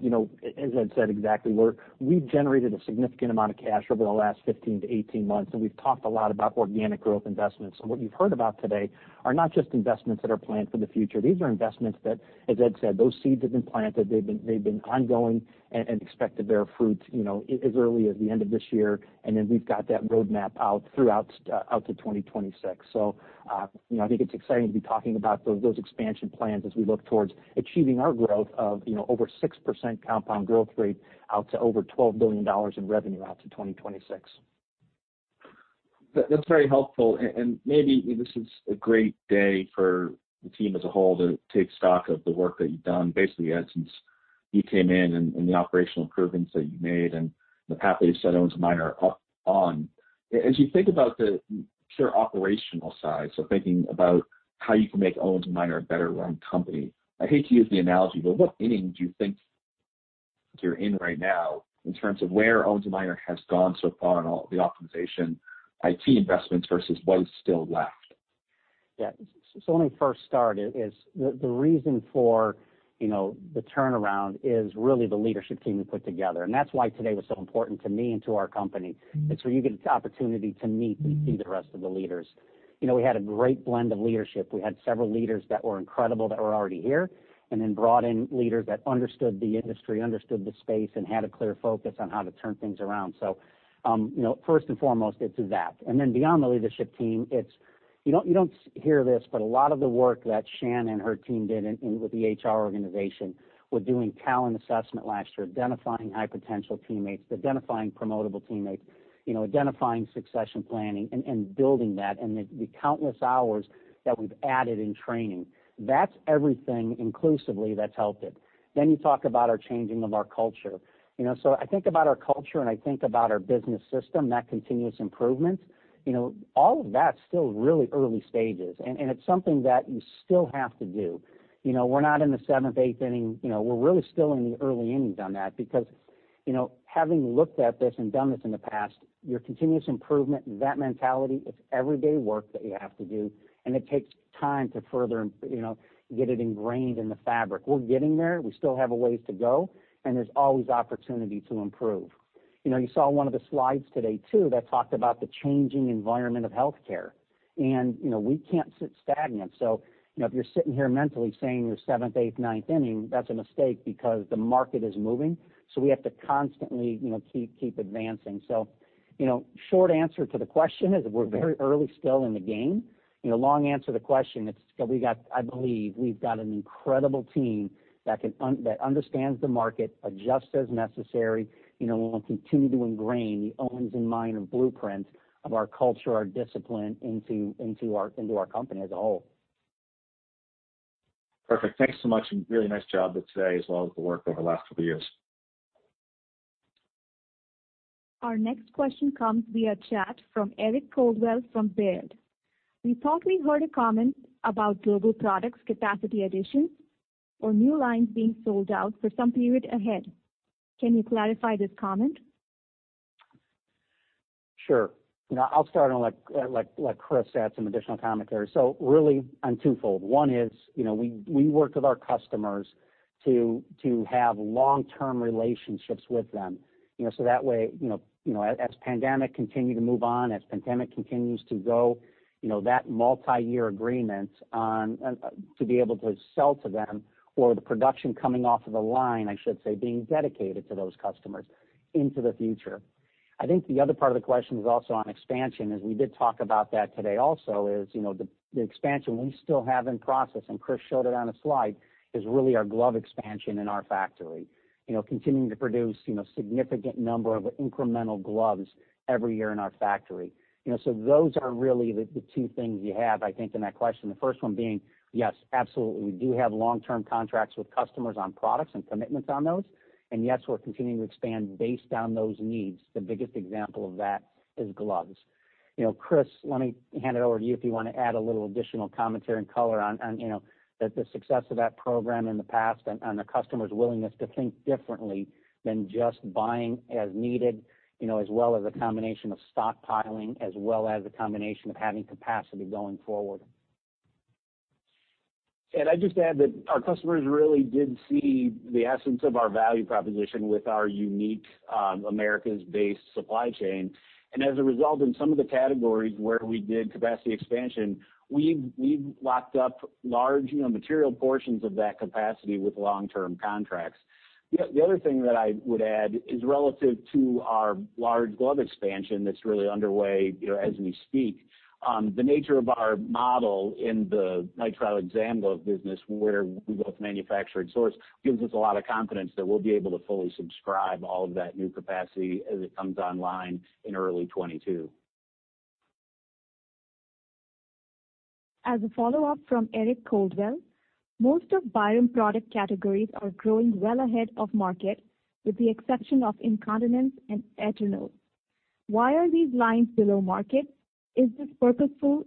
you know, as Ed said, exactly, we've generated a significant amount of cash over the last 15 to 18 months, and we've talked a lot about organic growth investments. What you've heard about today are not just investments that are planned for the future. These are investments that, as Ed said, those seeds have been planted. They've been ongoing and expect to bear fruit, you know, as early as the end of this year. Then we've got that roadmap out throughout out to 2026 you know, I think it's exciting to be talking about those expansion plans as we look towards achieving our growth of, you know, over 6% compound growth rate out to over $12 billion in revenue out to 2026. That's very helpful. Maybe this is a great day for the team as a whole to take stock of the work that you've done. Basically, Ed, since you came in and the operational improvements that you made and the path that you've set Owens & Minor up on. As you think about the pure operational side, thinking about how you can make Owens & Minor a better run company, I hate to use the analogy, what inning do you think you're in right now in terms of where Owens & Minor has gone so far in all the optimization IT investments versus what is still left? Yeah. Let me first start is the reason for, you know, the turnaround is really the leadership team we put together, and that's why today was so important to me and to our company. It's where you get the opportunity to meet and see the rest of the leaders. You know, we had a great blend of leadership. We had several leaders that were incredible that were already here, and then brought in leaders that understood the industry, understood the space, and had a clear focus on how to turn things around. You know, first and foremost, it's that. Beyond the leadership team, it's, you don't hear this, but a lot of the work that Shana and her team did in, with the HR organization with doing talent assessment last year, identifying high potential teammates, identifying promotable teammates, you know, identifying succession planning and building that, and the countless hours that we've added in training. That's everything inclusively that's helped it. You talk about our changing of our culture. You know, I think about our culture and I think about our Owens & Minor business system, that continuous improvement. You know, all of that's still really early stages, and it's something that you still have to do. You know, we're not in the seventh, eighth inning. You know, we're really still in the early innings on that because, you know, having looked at this and done this in the past, your continuous improvement and that mentality, it's everyday work that you have to do, and it takes time to further, you know, get it ingrained in the fabric. We're getting there. We still have a ways to go, and there's always opportunity to improve. You know, you saw one of the slides today, too, that talked about the changing environment of healthcare, and, you know, we can't sit stagnant. You know, if you're sitting here mentally saying you're seventh, eighth, ninth inning, that's a mistake because the market is moving. We have to constantly, you know, keep advancing. You know, short answer to the question is we're very early still in the game. You know, long answer to the question, I believe we've got an incredible team that understands the market, adjusts as necessary, you know, and will continue to ingrain the Owens & Minor blueprint of our culture, our discipline into our company as a whole. Perfect. Thanks so much, and really nice job today as well as the work over the last couple years. Our next question comes via chat from Eric Coldwell from Baird. We thought we heard a comment about Global Products capacity additions or new lines being sold out for some period ahead. Can you clarify this comment? Sure. You know, I'll start and let Chris add some additional commentary. Really on twofold. One is, you know, we work with our customers to have long-term relationships with them. You know, that way, you know, as pandemic continue to move on, as pandemic continues to go, you know, that multiyear agreement on to be able to sell to them or the production coming off of the line, I should say, being dedicated to those customers into the future. I think the other part of the question is also on expansion, as we did talk about that today also, is, you know, the expansion we still have in process, and Chris showed it on a slide, is really our glove expansion in our factory. You know, continuing to produce, you know, significant number of incremental gloves every year in our factory. You know, those are really the two things you have, I think, in that question. The first one being, yes, absolutely, we do have long-term contracts with customers on products and commitments on those. Yes, we're continuing to expand based on those needs. The biggest example of that is gloves. You know, Chris, let me hand it over to you if you wanna add a little additional commentary and color on, you know, the success of that program in the past and the customer's willingness to think differently than just buying as needed, you know, as well as a combination of stockpiling, as well as a combination of having capacity going forward. I'd just add that our customers really did see the essence of our value proposition with our unique, Americas-based supply chain. As a result, in some of the categories where we did capacity expansion, we've locked up large, you know, material portions of that capacity with long-term contracts. The other thing that I would add is relative to our large glove expansion that's really underway, you know, as we speak. The nature of our model in the nitrile exam glove business, where we both manufacture and source, gives us a lot of confidence that we'll be able to fully subscribe all of that new capacity as it comes online in early 2022. As a follow-up from Eric Coldwell, most of Byram product categories are growing well ahead of market, with the exception of incontinence and enteral. Why are these lines below market? Is this purposeful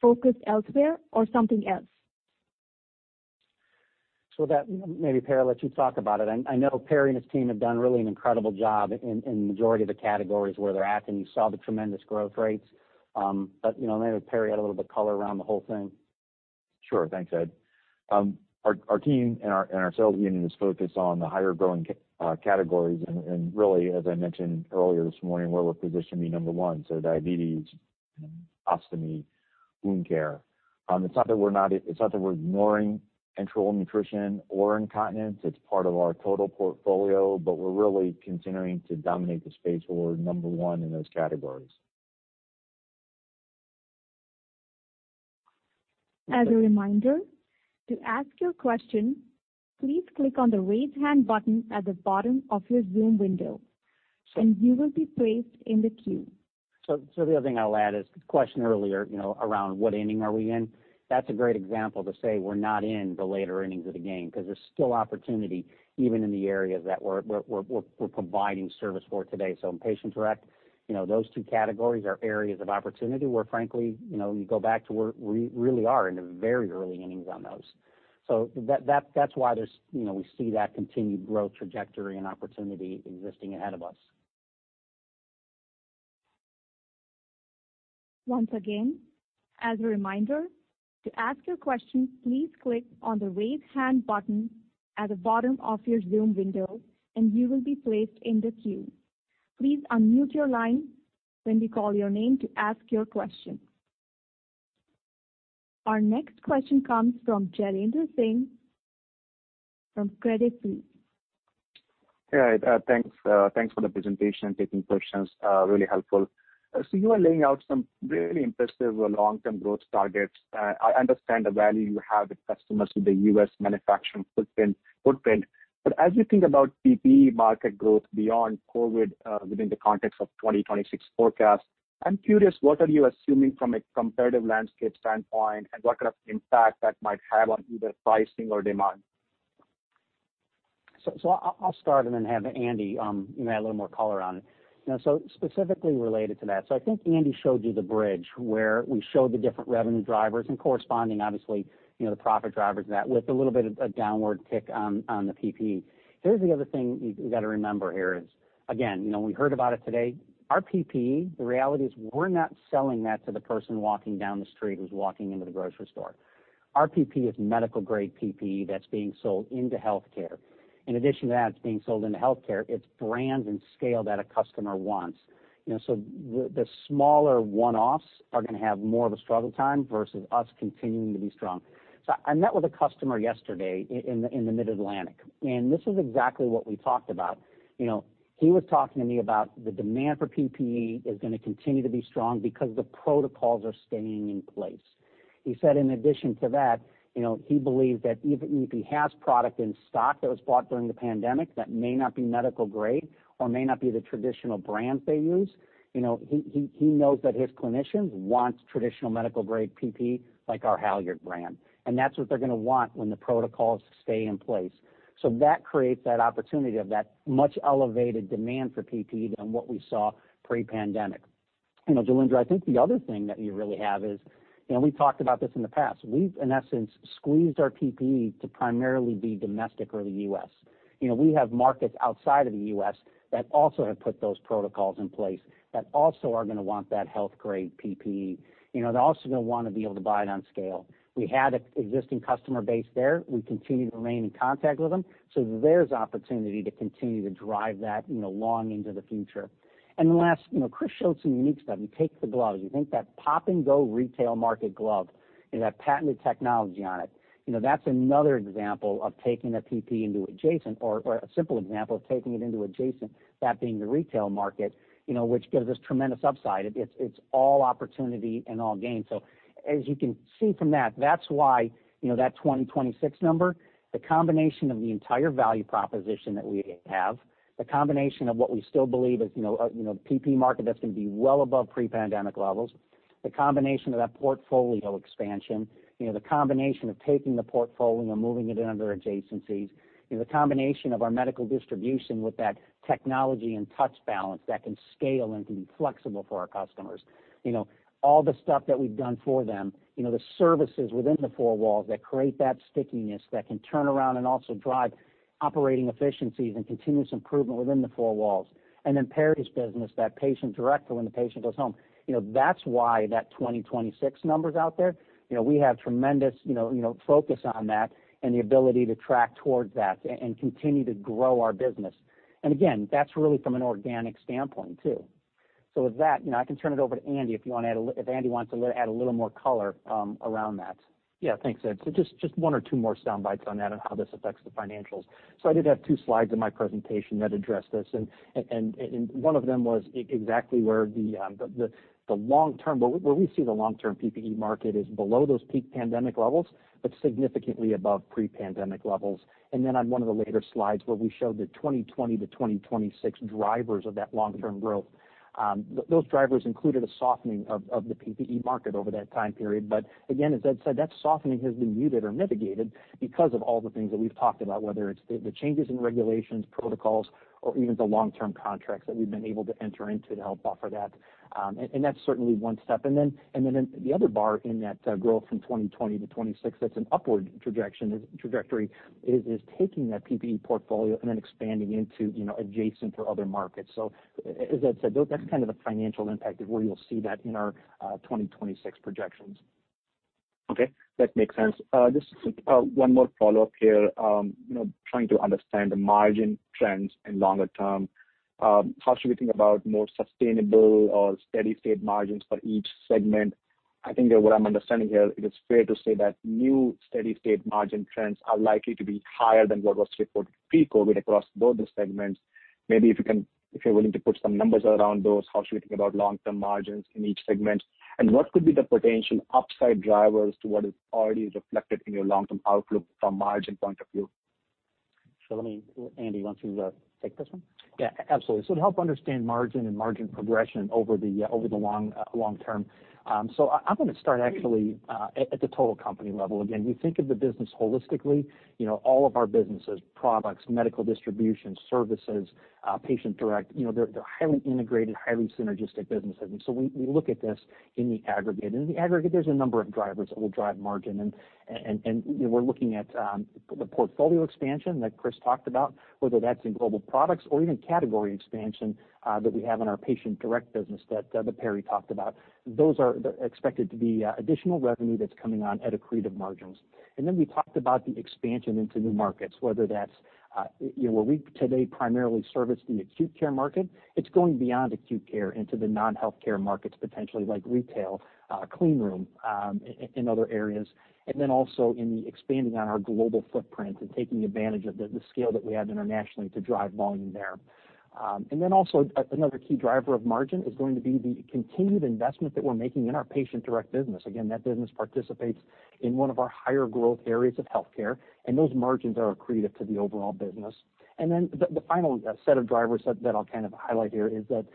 focus elsewhere or something else? Maybe, Perry, I'll let you talk about it. I know Perry and his team have done really an incredible job in the majority of the categories where they're at, and you saw the tremendous growth rates. You know, maybe Perry add a little bit of color around the whole thing. Sure. Thanks, Ed. Our team and our sales union is focused on the higher growing categories and really, as I mentioned earlier this morning, where we're positioned to be number one, so diabetes, ostomy, wound care. It's not that we're ignoring enteral nutrition or incontinence. It's part of our total portfolio, but we're really continuing to dominate the space where we're number one in those categories. As a reminder, to ask your question, please click on the Raise Hand button at the bottom of your Zoom window, and you will be placed in the queue. The other thing I'll add is the question earlier, you know, around what inning are we in? That's a great example to say we're not in the later innings of the game because there's still opportunity even in the areas that we're providing service for today. In Patient Direct, you know, those two categories are areas of opportunity where frankly, you know, you go back to where we really are in the very early innings on those. That's why there's, you know, we see that continued growth trajectory and opportunity existing ahead of us. Once again, as a reminder, to ask your question, please click on the Raise Hand button at the bottom of your Zoom window, and you will be placed in the queue. Please unmute your line when we call your name to ask your question. Our next question comes from Jailendra Singh from Credit Suisse. Yeah. Thanks. Thanks for the presentation, taking questions, really helpful. You are laying out some really impressive long-term growth targets. I understand the value you have with customers with the U.S. manufacturing footprint. As you think about PPE market growth beyond COVID, within the context of 2026 forecast, I'm curious, what are you assuming from a competitive landscape standpoint, and what kind of impact that might have on either pricing or demand? I'll start and then have Andy, you know, add a little more color on it. Specifically related to that, I think Andy showed you the bridge where we showed the different revenue drivers and corresponding, obviously, you know, the profit drivers of that with a little bit of a downward tick on the PPE. Here's the other thing you got to remember here is, again, you know, we heard about it today. Our PPE, the reality is we're not selling that to the person walking down the street who's walking into the grocery store. Our PPE is medical grade PPE that's being sold into healthcare. In addition to that, it's being sold into healthcare, it's brand and scale that a customer wants. You know, the smaller one-offs are gonna have more of a struggle time versus us continuing to be strong. I met with a customer yesterday in the Mid-Atlantic, this is exactly what we talked about. You know, he was talking to me about the demand for PPE is gonna continue to be strong because the protocols are staying in place. He said in addition to that, you know, he believes that even if he has product in stock that was bought during the pandemic that may not be medical grade or may not be the traditional brands they use, you know, he knows that his clinicians want traditional medical grade PPE like our HALYARD brand, that's what they're gonna want when the protocols stay in place. That creates that opportunity of that much elevated demand for PPE than what we saw pre-pandemic. You know, Jailendra, I think the other thing that you really have is, you know, we talked about this in the past. We've in essence squeezed our PPE to primarily be domestic or the U.S. You know, we have markets outside of the U.S. that also have put those protocols in place that also are gonna want that health grade PPE. You know, they're also gonna wanna be able to buy it on scale. We had existing customer base there. We continue to remain in contact with them. There's opportunity to continue to drive that, you know, long into the future. Last, you know, Chris showed some unique stuff. You take the gloves, you think that Pop N' Go retail market glove, you have patented technology on it. You know, that's another example of taking the PPE into adjacent or a simple example of taking it into adjacent, that being the retail market, you know, which gives us tremendous upside. It's all opportunity and all gain. As you can see from that's why, you know, that 2026 number, the combination of the entire value proposition that we have, the combination of what we still believe is, you know, a PPE market that's gonna be well above pre-pandemic levels, the combination of that portfolio expansion, you know, the combination of taking the portfolio, moving it into adjacencies, you know, the combination of our medical distribution with that technology and touch balance that can scale and can be flexible for our customers. You know, all the stuff that we've done for them, you know, the services within the four walls that create that stickiness that can turn around and also drive operating efficiencies and continuous improvement within the four walls, and then Perry's business, that Patient Direct for when the patient goes home. You know, that's why that 2026 number's out there. You know, we have tremendous, you know, focus on that and the ability to track towards that and continue to grow our business. Again, that's really from an organic standpoint too. With that, you know, I can turn it over to Andy, if Andy wants to add a little more color, around that. Thanks, Ed. Just one or two more soundbites on that, on how this affects the financials. I did have two slides in my presentation that addressed this, one of them was exactly where the long-term PPE market is below those peak pandemic levels, significantly above pre-pandemic levels. On 1 of the later slides where we showed the 2020 to 2026 drivers of that long-term growth, those drivers included a softening of the PPE market over that time period. Again, as Ed said, that softening has been muted or mitigated because of all the things that we've talked about, whether it's the changes in regulations, protocols, or even the long-term contracts that we've been able to enter into to help buffer that. That's certainly one step. Then the other bar in that growth from 2020 to 2026, that's an upward trajectory, is taking that PPE portfolio and then expanding into, you know, adjacent or other markets. As Ed said, that's kind of the financial impact of where you'll see that in our 2026 projections. Okay, that makes sense. Just one more follow-up here, you know, trying to understand the margin trends in longer term. How should we think about more sustainable or steady state margins for each segment? I think that what I'm understanding here, it is fair to say that new steady state margin trends are likely to be higher than what was reported pre-COVID-19 across both the segments. Maybe if you're willing to put some numbers around those, how should we think about long-term margins in each segment? What could be the potential upside drivers to what is already reflected in your long-term outlook from margin point of view? Let me Andy, why don't you take this one? Yeah, absolutely. To help understand margin and margin progression over the long, long term, I'm gonna start actually at the total company level. Again, we think of the business holistically. You know, all of our businesses, Global Products, medical distribution, services, Patient Direct, you know, they're highly integrated, highly synergistic businesses. We look at this in the aggregate. In the aggregate, there's a number of drivers that will drive margin and, you know, we're looking at the portfolio expansion that Chris talked about, whether that's in Global Products or even category expansion that we have in our Patient Direct business that Perry talked about. Those are expected to be additional revenue that's coming on at accretive margins. We talked about the expansion into new markets, whether that's, you know, where we today primarily service the acute care market. It's going beyond acute care into the non-healthcare markets, potentially like retail, clean room, in other areas. Also another key driver of margin is going to be the continued investment that we're making in our Patient Direct business. Again, that business participates in one of our higher growth areas of healthcare, and those margins are accretive to the overall business. The final set of drivers that I'll kind of highlight here is that,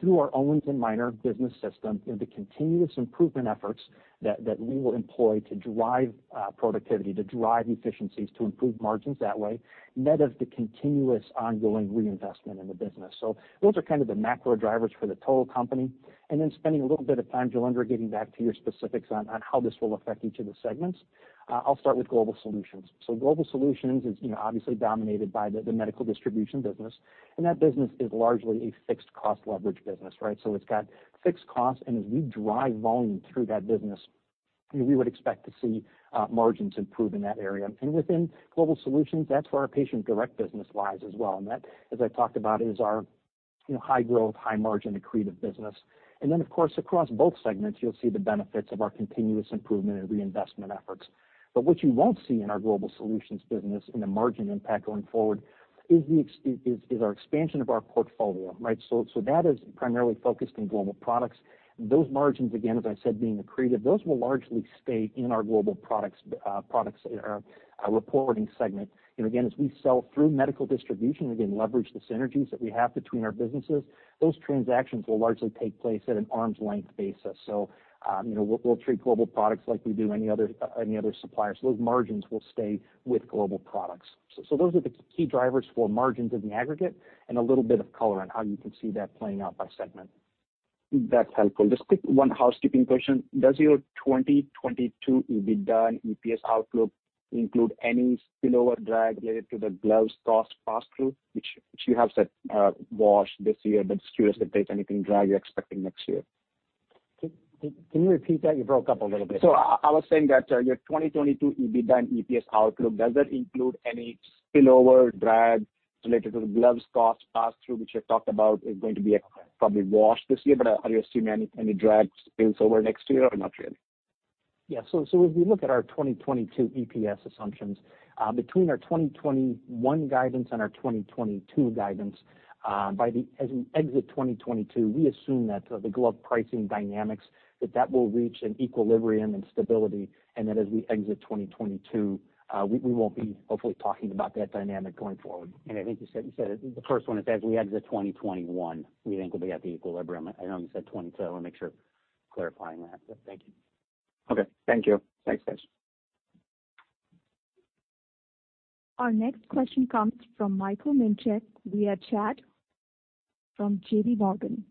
through our Owens & Minor business system, the continuous improvement efforts that we will employ to drive productivity, to drive efficiencies, to improve margins that way, net of the continuous ongoing reinvestment in the business. Those are kind of the macro drivers for the total company. Spending a little bit of time, Jailendra, getting back to your specifics on how this will affect each of the segments. I'll start with Global Solutions. Global Solutions is obviously dominated by the medical distribution business, and that business is largely a fixed cost leverage business, right? It's got fixed costs, and as we drive volume through that business, you know, we would expect to see margins improve in that area. Within Global Solutions, that's where our Patient Direct business lies as well. That, as I talked about, is our, you know, high growth, high margin accretive business. Of course, across both segments, you'll see the benefits of our continuous improvement and reinvestment efforts. What you won't see in our Global Solutions business in a margin impact going forward is our expansion of our portfolio. That is primarily focused in Global Products. Those margins, again, as I said, being accretive, those will largely stay in our Global Products, uh, reporting segment. Again, as we sell through medical distribution, again, leverage the synergies that we have between our businesses, those transactions will largely take place at an arm's length basis. You know, we'll treat Global Products like we do any other supplier. Those margins will stay with Global Products. Those are the key drivers for margins in the aggregate and a little bit of color on how you can see that playing out by segment. That's helpful. Just quick one housekeeping question. Does your 2022 EBITDA and EPS outlook include any spillover drag related to the gloves cost pass-through, which you have said washed this year, but just curious if there's anything drag you're expecting next year? Can you repeat that? You broke up a little bit. I was saying that, your 2022 EBITDA and EPS outlook, does that include any spillover drag related to the gloves cost pass-through, which you talked about is going to be probably washed this year, are you assuming any drag spills over next year or not really? Yeah. As we look at our 2022 EPS assumptions, between our 2021 guidance and our 2022 guidance, as we exit 2022, we assume that, the glove pricing dynamics, that will reach an equilibrium and stability and that as we exit 2022, we won't be hopefully talking about that dynamic going forward. I think you said, you said it, the first one is as we exit 2021, we think we'll be at the equilibrium. I know you said 2022. I want to make sure clarifying that. Thank you. Okay. Thank you. Thanks, guys. Our next question comes from Michael Minchew via chat from JPMorgan.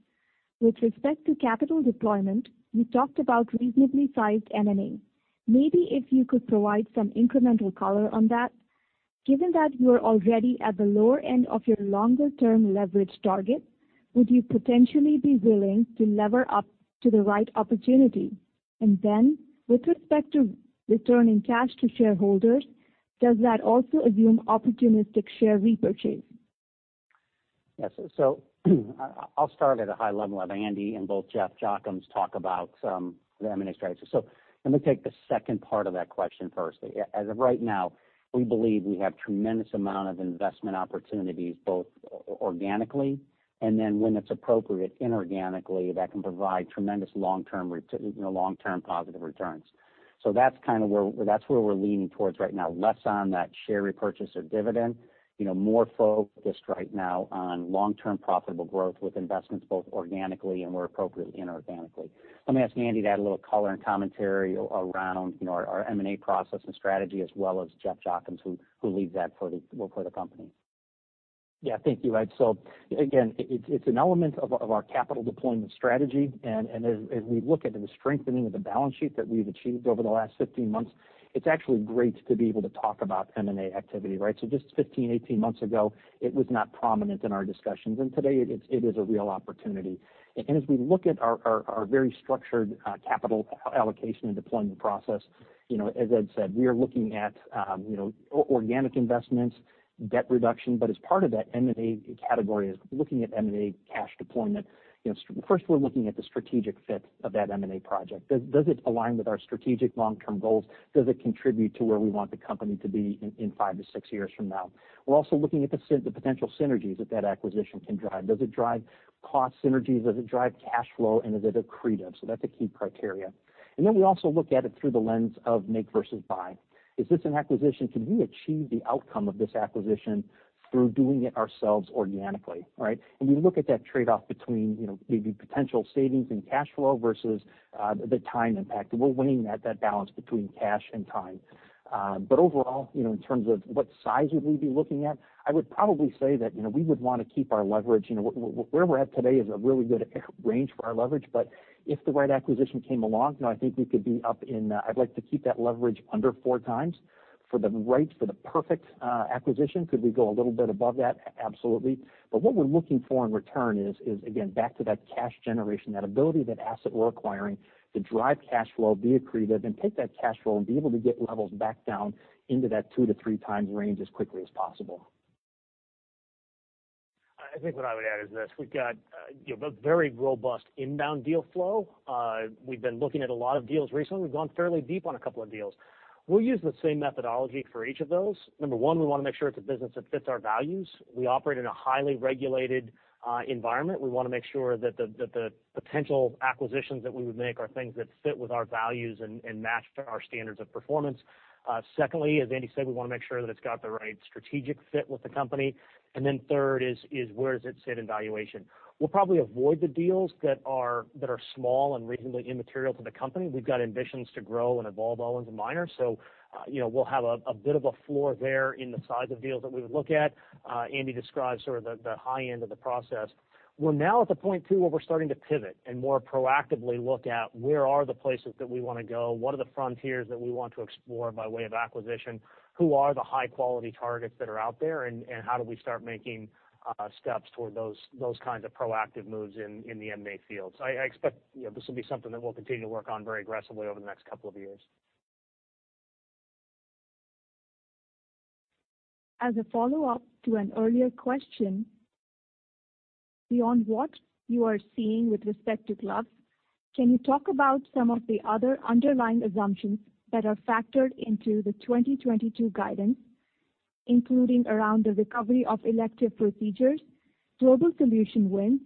With respect to capital deployment, you talked about reasonably sized M&A. Maybe if you could provide some incremental color on that, given that you're already at the lower end of your longer term leverage target, would you potentially be willing to lever up to the right opportunity? Then with respect to returning cash to shareholders, does that also assume opportunistic share repurchase? Yes. I'll start at a high level, and Andy and both Jeff Jochims talk about some the M&A strategy. Let me take the second part of that question first. As of right now, we believe we have tremendous amount of investment opportunities, both organically and then when it's appropriate inorganically, that can provide tremendous you know, long-term positive returns. That's kind of where that's where we're leaning towards right now, less on that share repurchase or dividend, you know, more focused right now on long-term profitable growth with investments both organically and where appropriate inorganically. Let me ask Andy to add a little color and commentary around, you know, our M&A process and strategy, as well as Jeff Jochims, who leads that for the company. Yeah, thank you, Ed. Again, it's an element of our capital deployment strategy. And as we look at the strengthening of the balance sheet that we've achieved over the last 15 months, it's actually great to be able to talk about M&A activity, right? Just 15, 18 months ago, it was not prominent in our discussions, and today it is a real opportunity. As we look at our very structured capital allocation and deployment process, you know, as Ed said, we are looking at, you know, organic investments, debt reduction. As part of that M&A category is looking at M&A cash deployment. First we're looking at the strategic fit of that M&A project. Does it align with our strategic long-term goals? Does it contribute to where we want the company to be in five to six years from now? We're also looking at the potential synergies that acquisition can drive. Does it drive cost synergies? Does it drive cash flow? Is it accretive? That's a key criteria. Then we also look at it through the lens of make versus buy. Is this an acquisition? Can we achieve the outcome of this acquisition through doing it ourselves organically, right? We look at that trade-off between, you know, maybe potential savings and cash flow versus the time impact. We're weighing that balance between cash and time. Overall, you know, in terms of what size would we be looking at, I would probably say that, you know, we would want to keep our leverage. You know, where we're at today is a really good range for our leverage. If the right acquisition came along, you know, I think we could be. I'd like to keep that leverage under 4x. For the right, for the perfect acquisition, could we go a little bit above that? Absolutely. What we're looking for in return is again, back to that cash generation, that ability, that asset we're acquiring to drive cash flow, be accretive, and take that cash flow and be able to get levels back down into that 2x to 3x range as quickly as possible. I think what I would add is this. We've got, you know, very robust inbound deal flow. We've been looking at a lot of deals recently. We've gone fairly deep on a couple of deals. We'll use the same methodology for each of those. Number one, we want to make sure it's a business that fits our values. We operate in a highly regulated environment. We want to make sure that the potential acquisitions that we would make are things that fit with our values and match our standards of performance. Secondly, as Andy said, we want to make sure that it's got the right strategic fit with the company. Third is where does it sit in valuation? We'll probably avoid the deals that are small and reasonably immaterial to the company. We've got ambitions to grow and evolve Owens & Minor. You know, we'll have a bit of a floor there in the size of deals that we would look at. Andy described sort of the high end of the process. We're now at the point too, where we're starting to pivot and more proactively look at where are the places that we want to go, what are the frontiers that we want to explore by way of acquisition, who are the high-quality targets that are out there, and how do we start making steps toward those kinds of proactive moves in the M&A fields. I expect, you know, this will be something that we'll continue to work on very aggressively over the next couple of years. As a follow-up to an earlier question, beyond what you are seeing with respect to gloves, can you talk about some of the other underlying assumptions that are factored into the 2022 guidance, including around the recovery of elective procedures, Global Solutions wins,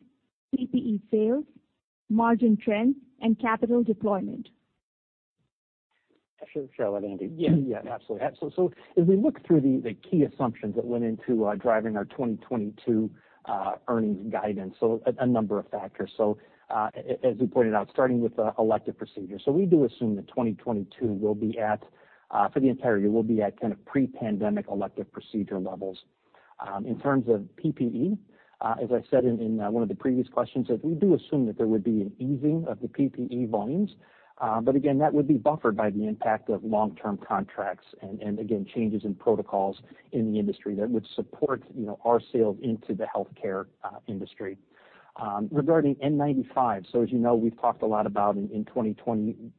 PPE sales, margin trends, and capital deployment? Sure. Sure. Let Andy. Yeah. Yeah, absolutely. As we look through the key assumptions that went into driving our 2022 earnings guidance, a number of factors. As we pointed out, starting with elective procedures. We do assume that 2022 will be at, for the entire year, will be at kind of pre-pandemic elective procedure levels. In terms of PPE, as I said in one of the previous questions, that we do assume that there would be an easing of the PPE volumes. But again, that would be buffered by the impact of long-term contracts and again, changes in protocols in the industry that would support, you know, our sales into the healthcare industry. Regarding N95, as you know, we've talked a lot about in 2020 and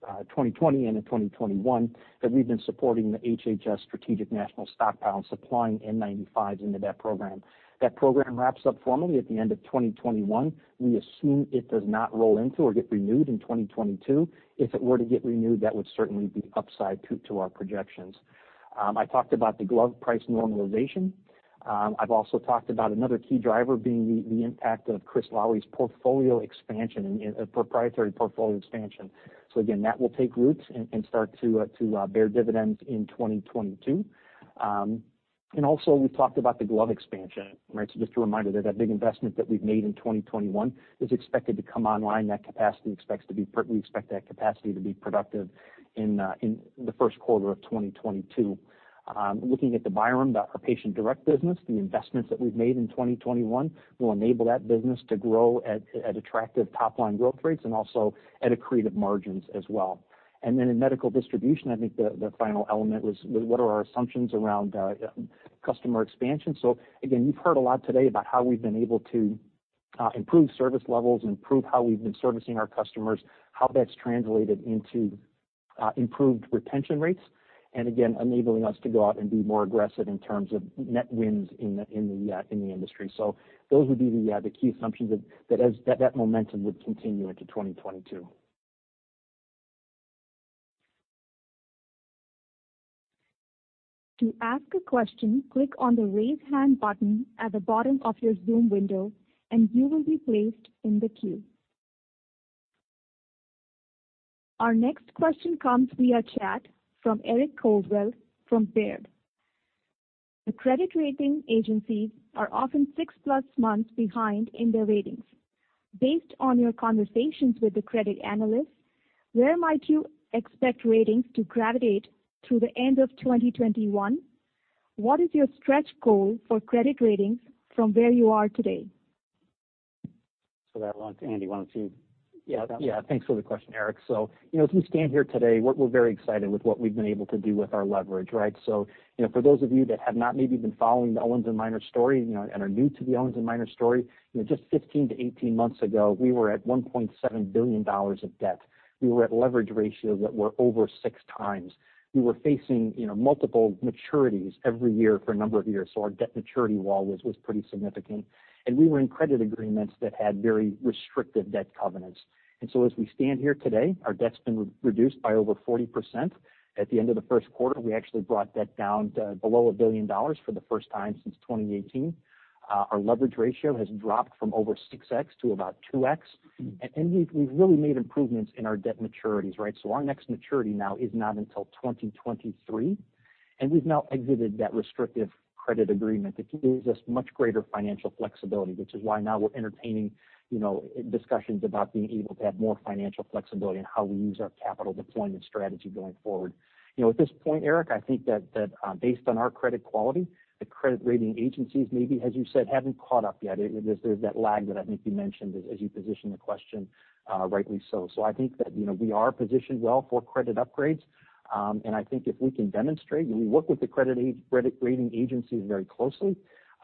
in 2021, that we've been supporting the HHS Strategic National Stockpile, supplying N95s into that program. That program wraps up formally at the end of 2021. We assume it does not roll into or get renewed in 2022. If it were to get renewed, that would certainly be upside to our projections. I talked about the glove price normalization. I've also talked about another key driver being the impact of Chris Lowery's portfolio expansion and proprietary portfolio expansion. Again, that will take roots and start to bear dividends in 2022. We've talked about the glove expansion, right? Just a reminder that big investment that we've made in 2021 is expected to come online. We expect that capacity to be productive in the first quarter of 2022. Looking at the Byram, our Patient Direct business, the investments that we've made in 2021 will enable that business to grow at attractive top-line growth rates and also at accretive margins as well. In medical distribution, I think the final element was what are our assumptions around customer expansion. Again, you've heard a lot today about how we've been able to improve service levels, improve how we've been servicing our customers, how that's translated into improved retention rates, and again, enabling us to go out and be more aggressive in terms of net wins in the industry. Those would be the key assumptions that momentum would continue into 2022. To ask a question, click on the Raise Hand button at the bottom of your Zoom window, and you will be placed in the queue. Our next question comes via chat from Eric Coldwell from Baird. The credit rating agencies are often 6+ months behind in their ratings. Based on your conversations with the credit analysts, where might you expect ratings to gravitate through the end of 2021? What is your stretch goal for credit ratings from where you are today? That one, Andy, why don't you. Yeah, yeah, thanks for the question, Eric. You know, as we stand here today, we're very excited with what we've been able to do with our leverage, right? You know, for those of you that have not maybe been following the Owens & Minor story, you know, and are new to the Owens & Minor story, you know, just 15 to 18 months ago, we were at $1.7 billion of debt. We were at leverage ratios that were over six times. We were facing, you know, multiple maturities every year for a number of years. Our debt maturity wall was pretty significant. We were in credit agreements that had very restrictive debt covenants. As we stand here today, our debt's been re-reduced by over 40%. At the end of the first quarter, we actually brought debt down to below $1 billion for the first time since 2018. Our leverage ratio has dropped from over 6x to about 2x. We've really made improvements in our debt maturities, right? Our next maturity now is not until 2023, and we've now exited that restrictive credit agreement, which gives us much greater financial flexibility, which is why now we're entertaining, you know, discussions about being able to have more financial flexibility in how we use our capital deployment strategy going forward. You know, at this point, Eric, I think that, based on our credit quality, the credit rating agencies maybe, as you said, haven't caught up yet. There's that lag that I think you mentioned as you position the question rightly so. I think that, you know, we are positioned well for credit upgrades. I think if we can demonstrate We work with the credit rating agencies very closely.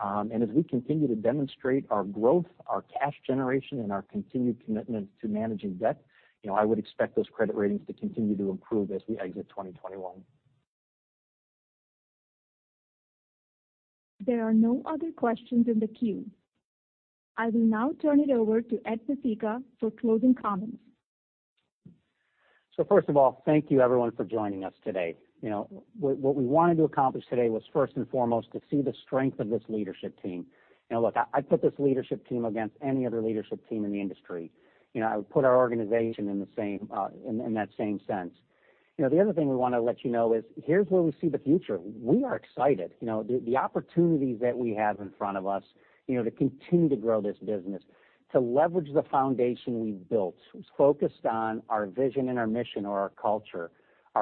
As we continue to demonstrate our growth, our cash generation, and our continued commitment to managing debt, you know, I would expect those credit ratings to continue to improve as we exit 2021. There are no other questions in the queue. I will now turn it over to Ed Pesicka for closing comments. First of all, thank you everyone for joining us today. You know, what we wanted to accomplish today was first and foremost to see the strength of this leadership team. You know, look, I put this leadership team against any other leadership team in the industry. You know, I would put our organization in the same in that same sense. You know, the other thing we wanna let you know is here's where we see the future. We are excited. You know, the opportunities that we have in front of us, you know, to continue to grow this business, to leverage the foundation we've built, focused on our vision and our mission or our culture,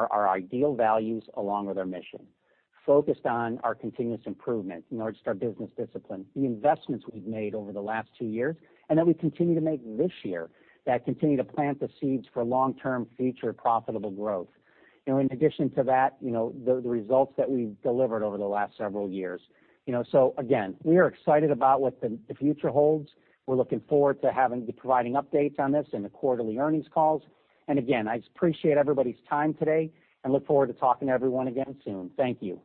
our IDEAL values along with our mission. Focused on our continuous improvement in order to start business discipline. The investments we've made over the last two years and that we continue to make this year that continue to plant the seeds for long-term future profitable growth. You know, in addition to that, you know, the results that we've delivered over the last several years. You know, again, we are excited about what the future holds. We're looking forward to providing updates on this in the quarterly earnings calls. Again, I just appreciate everybody's time today and look forward to talking to everyone again soon. Thank you.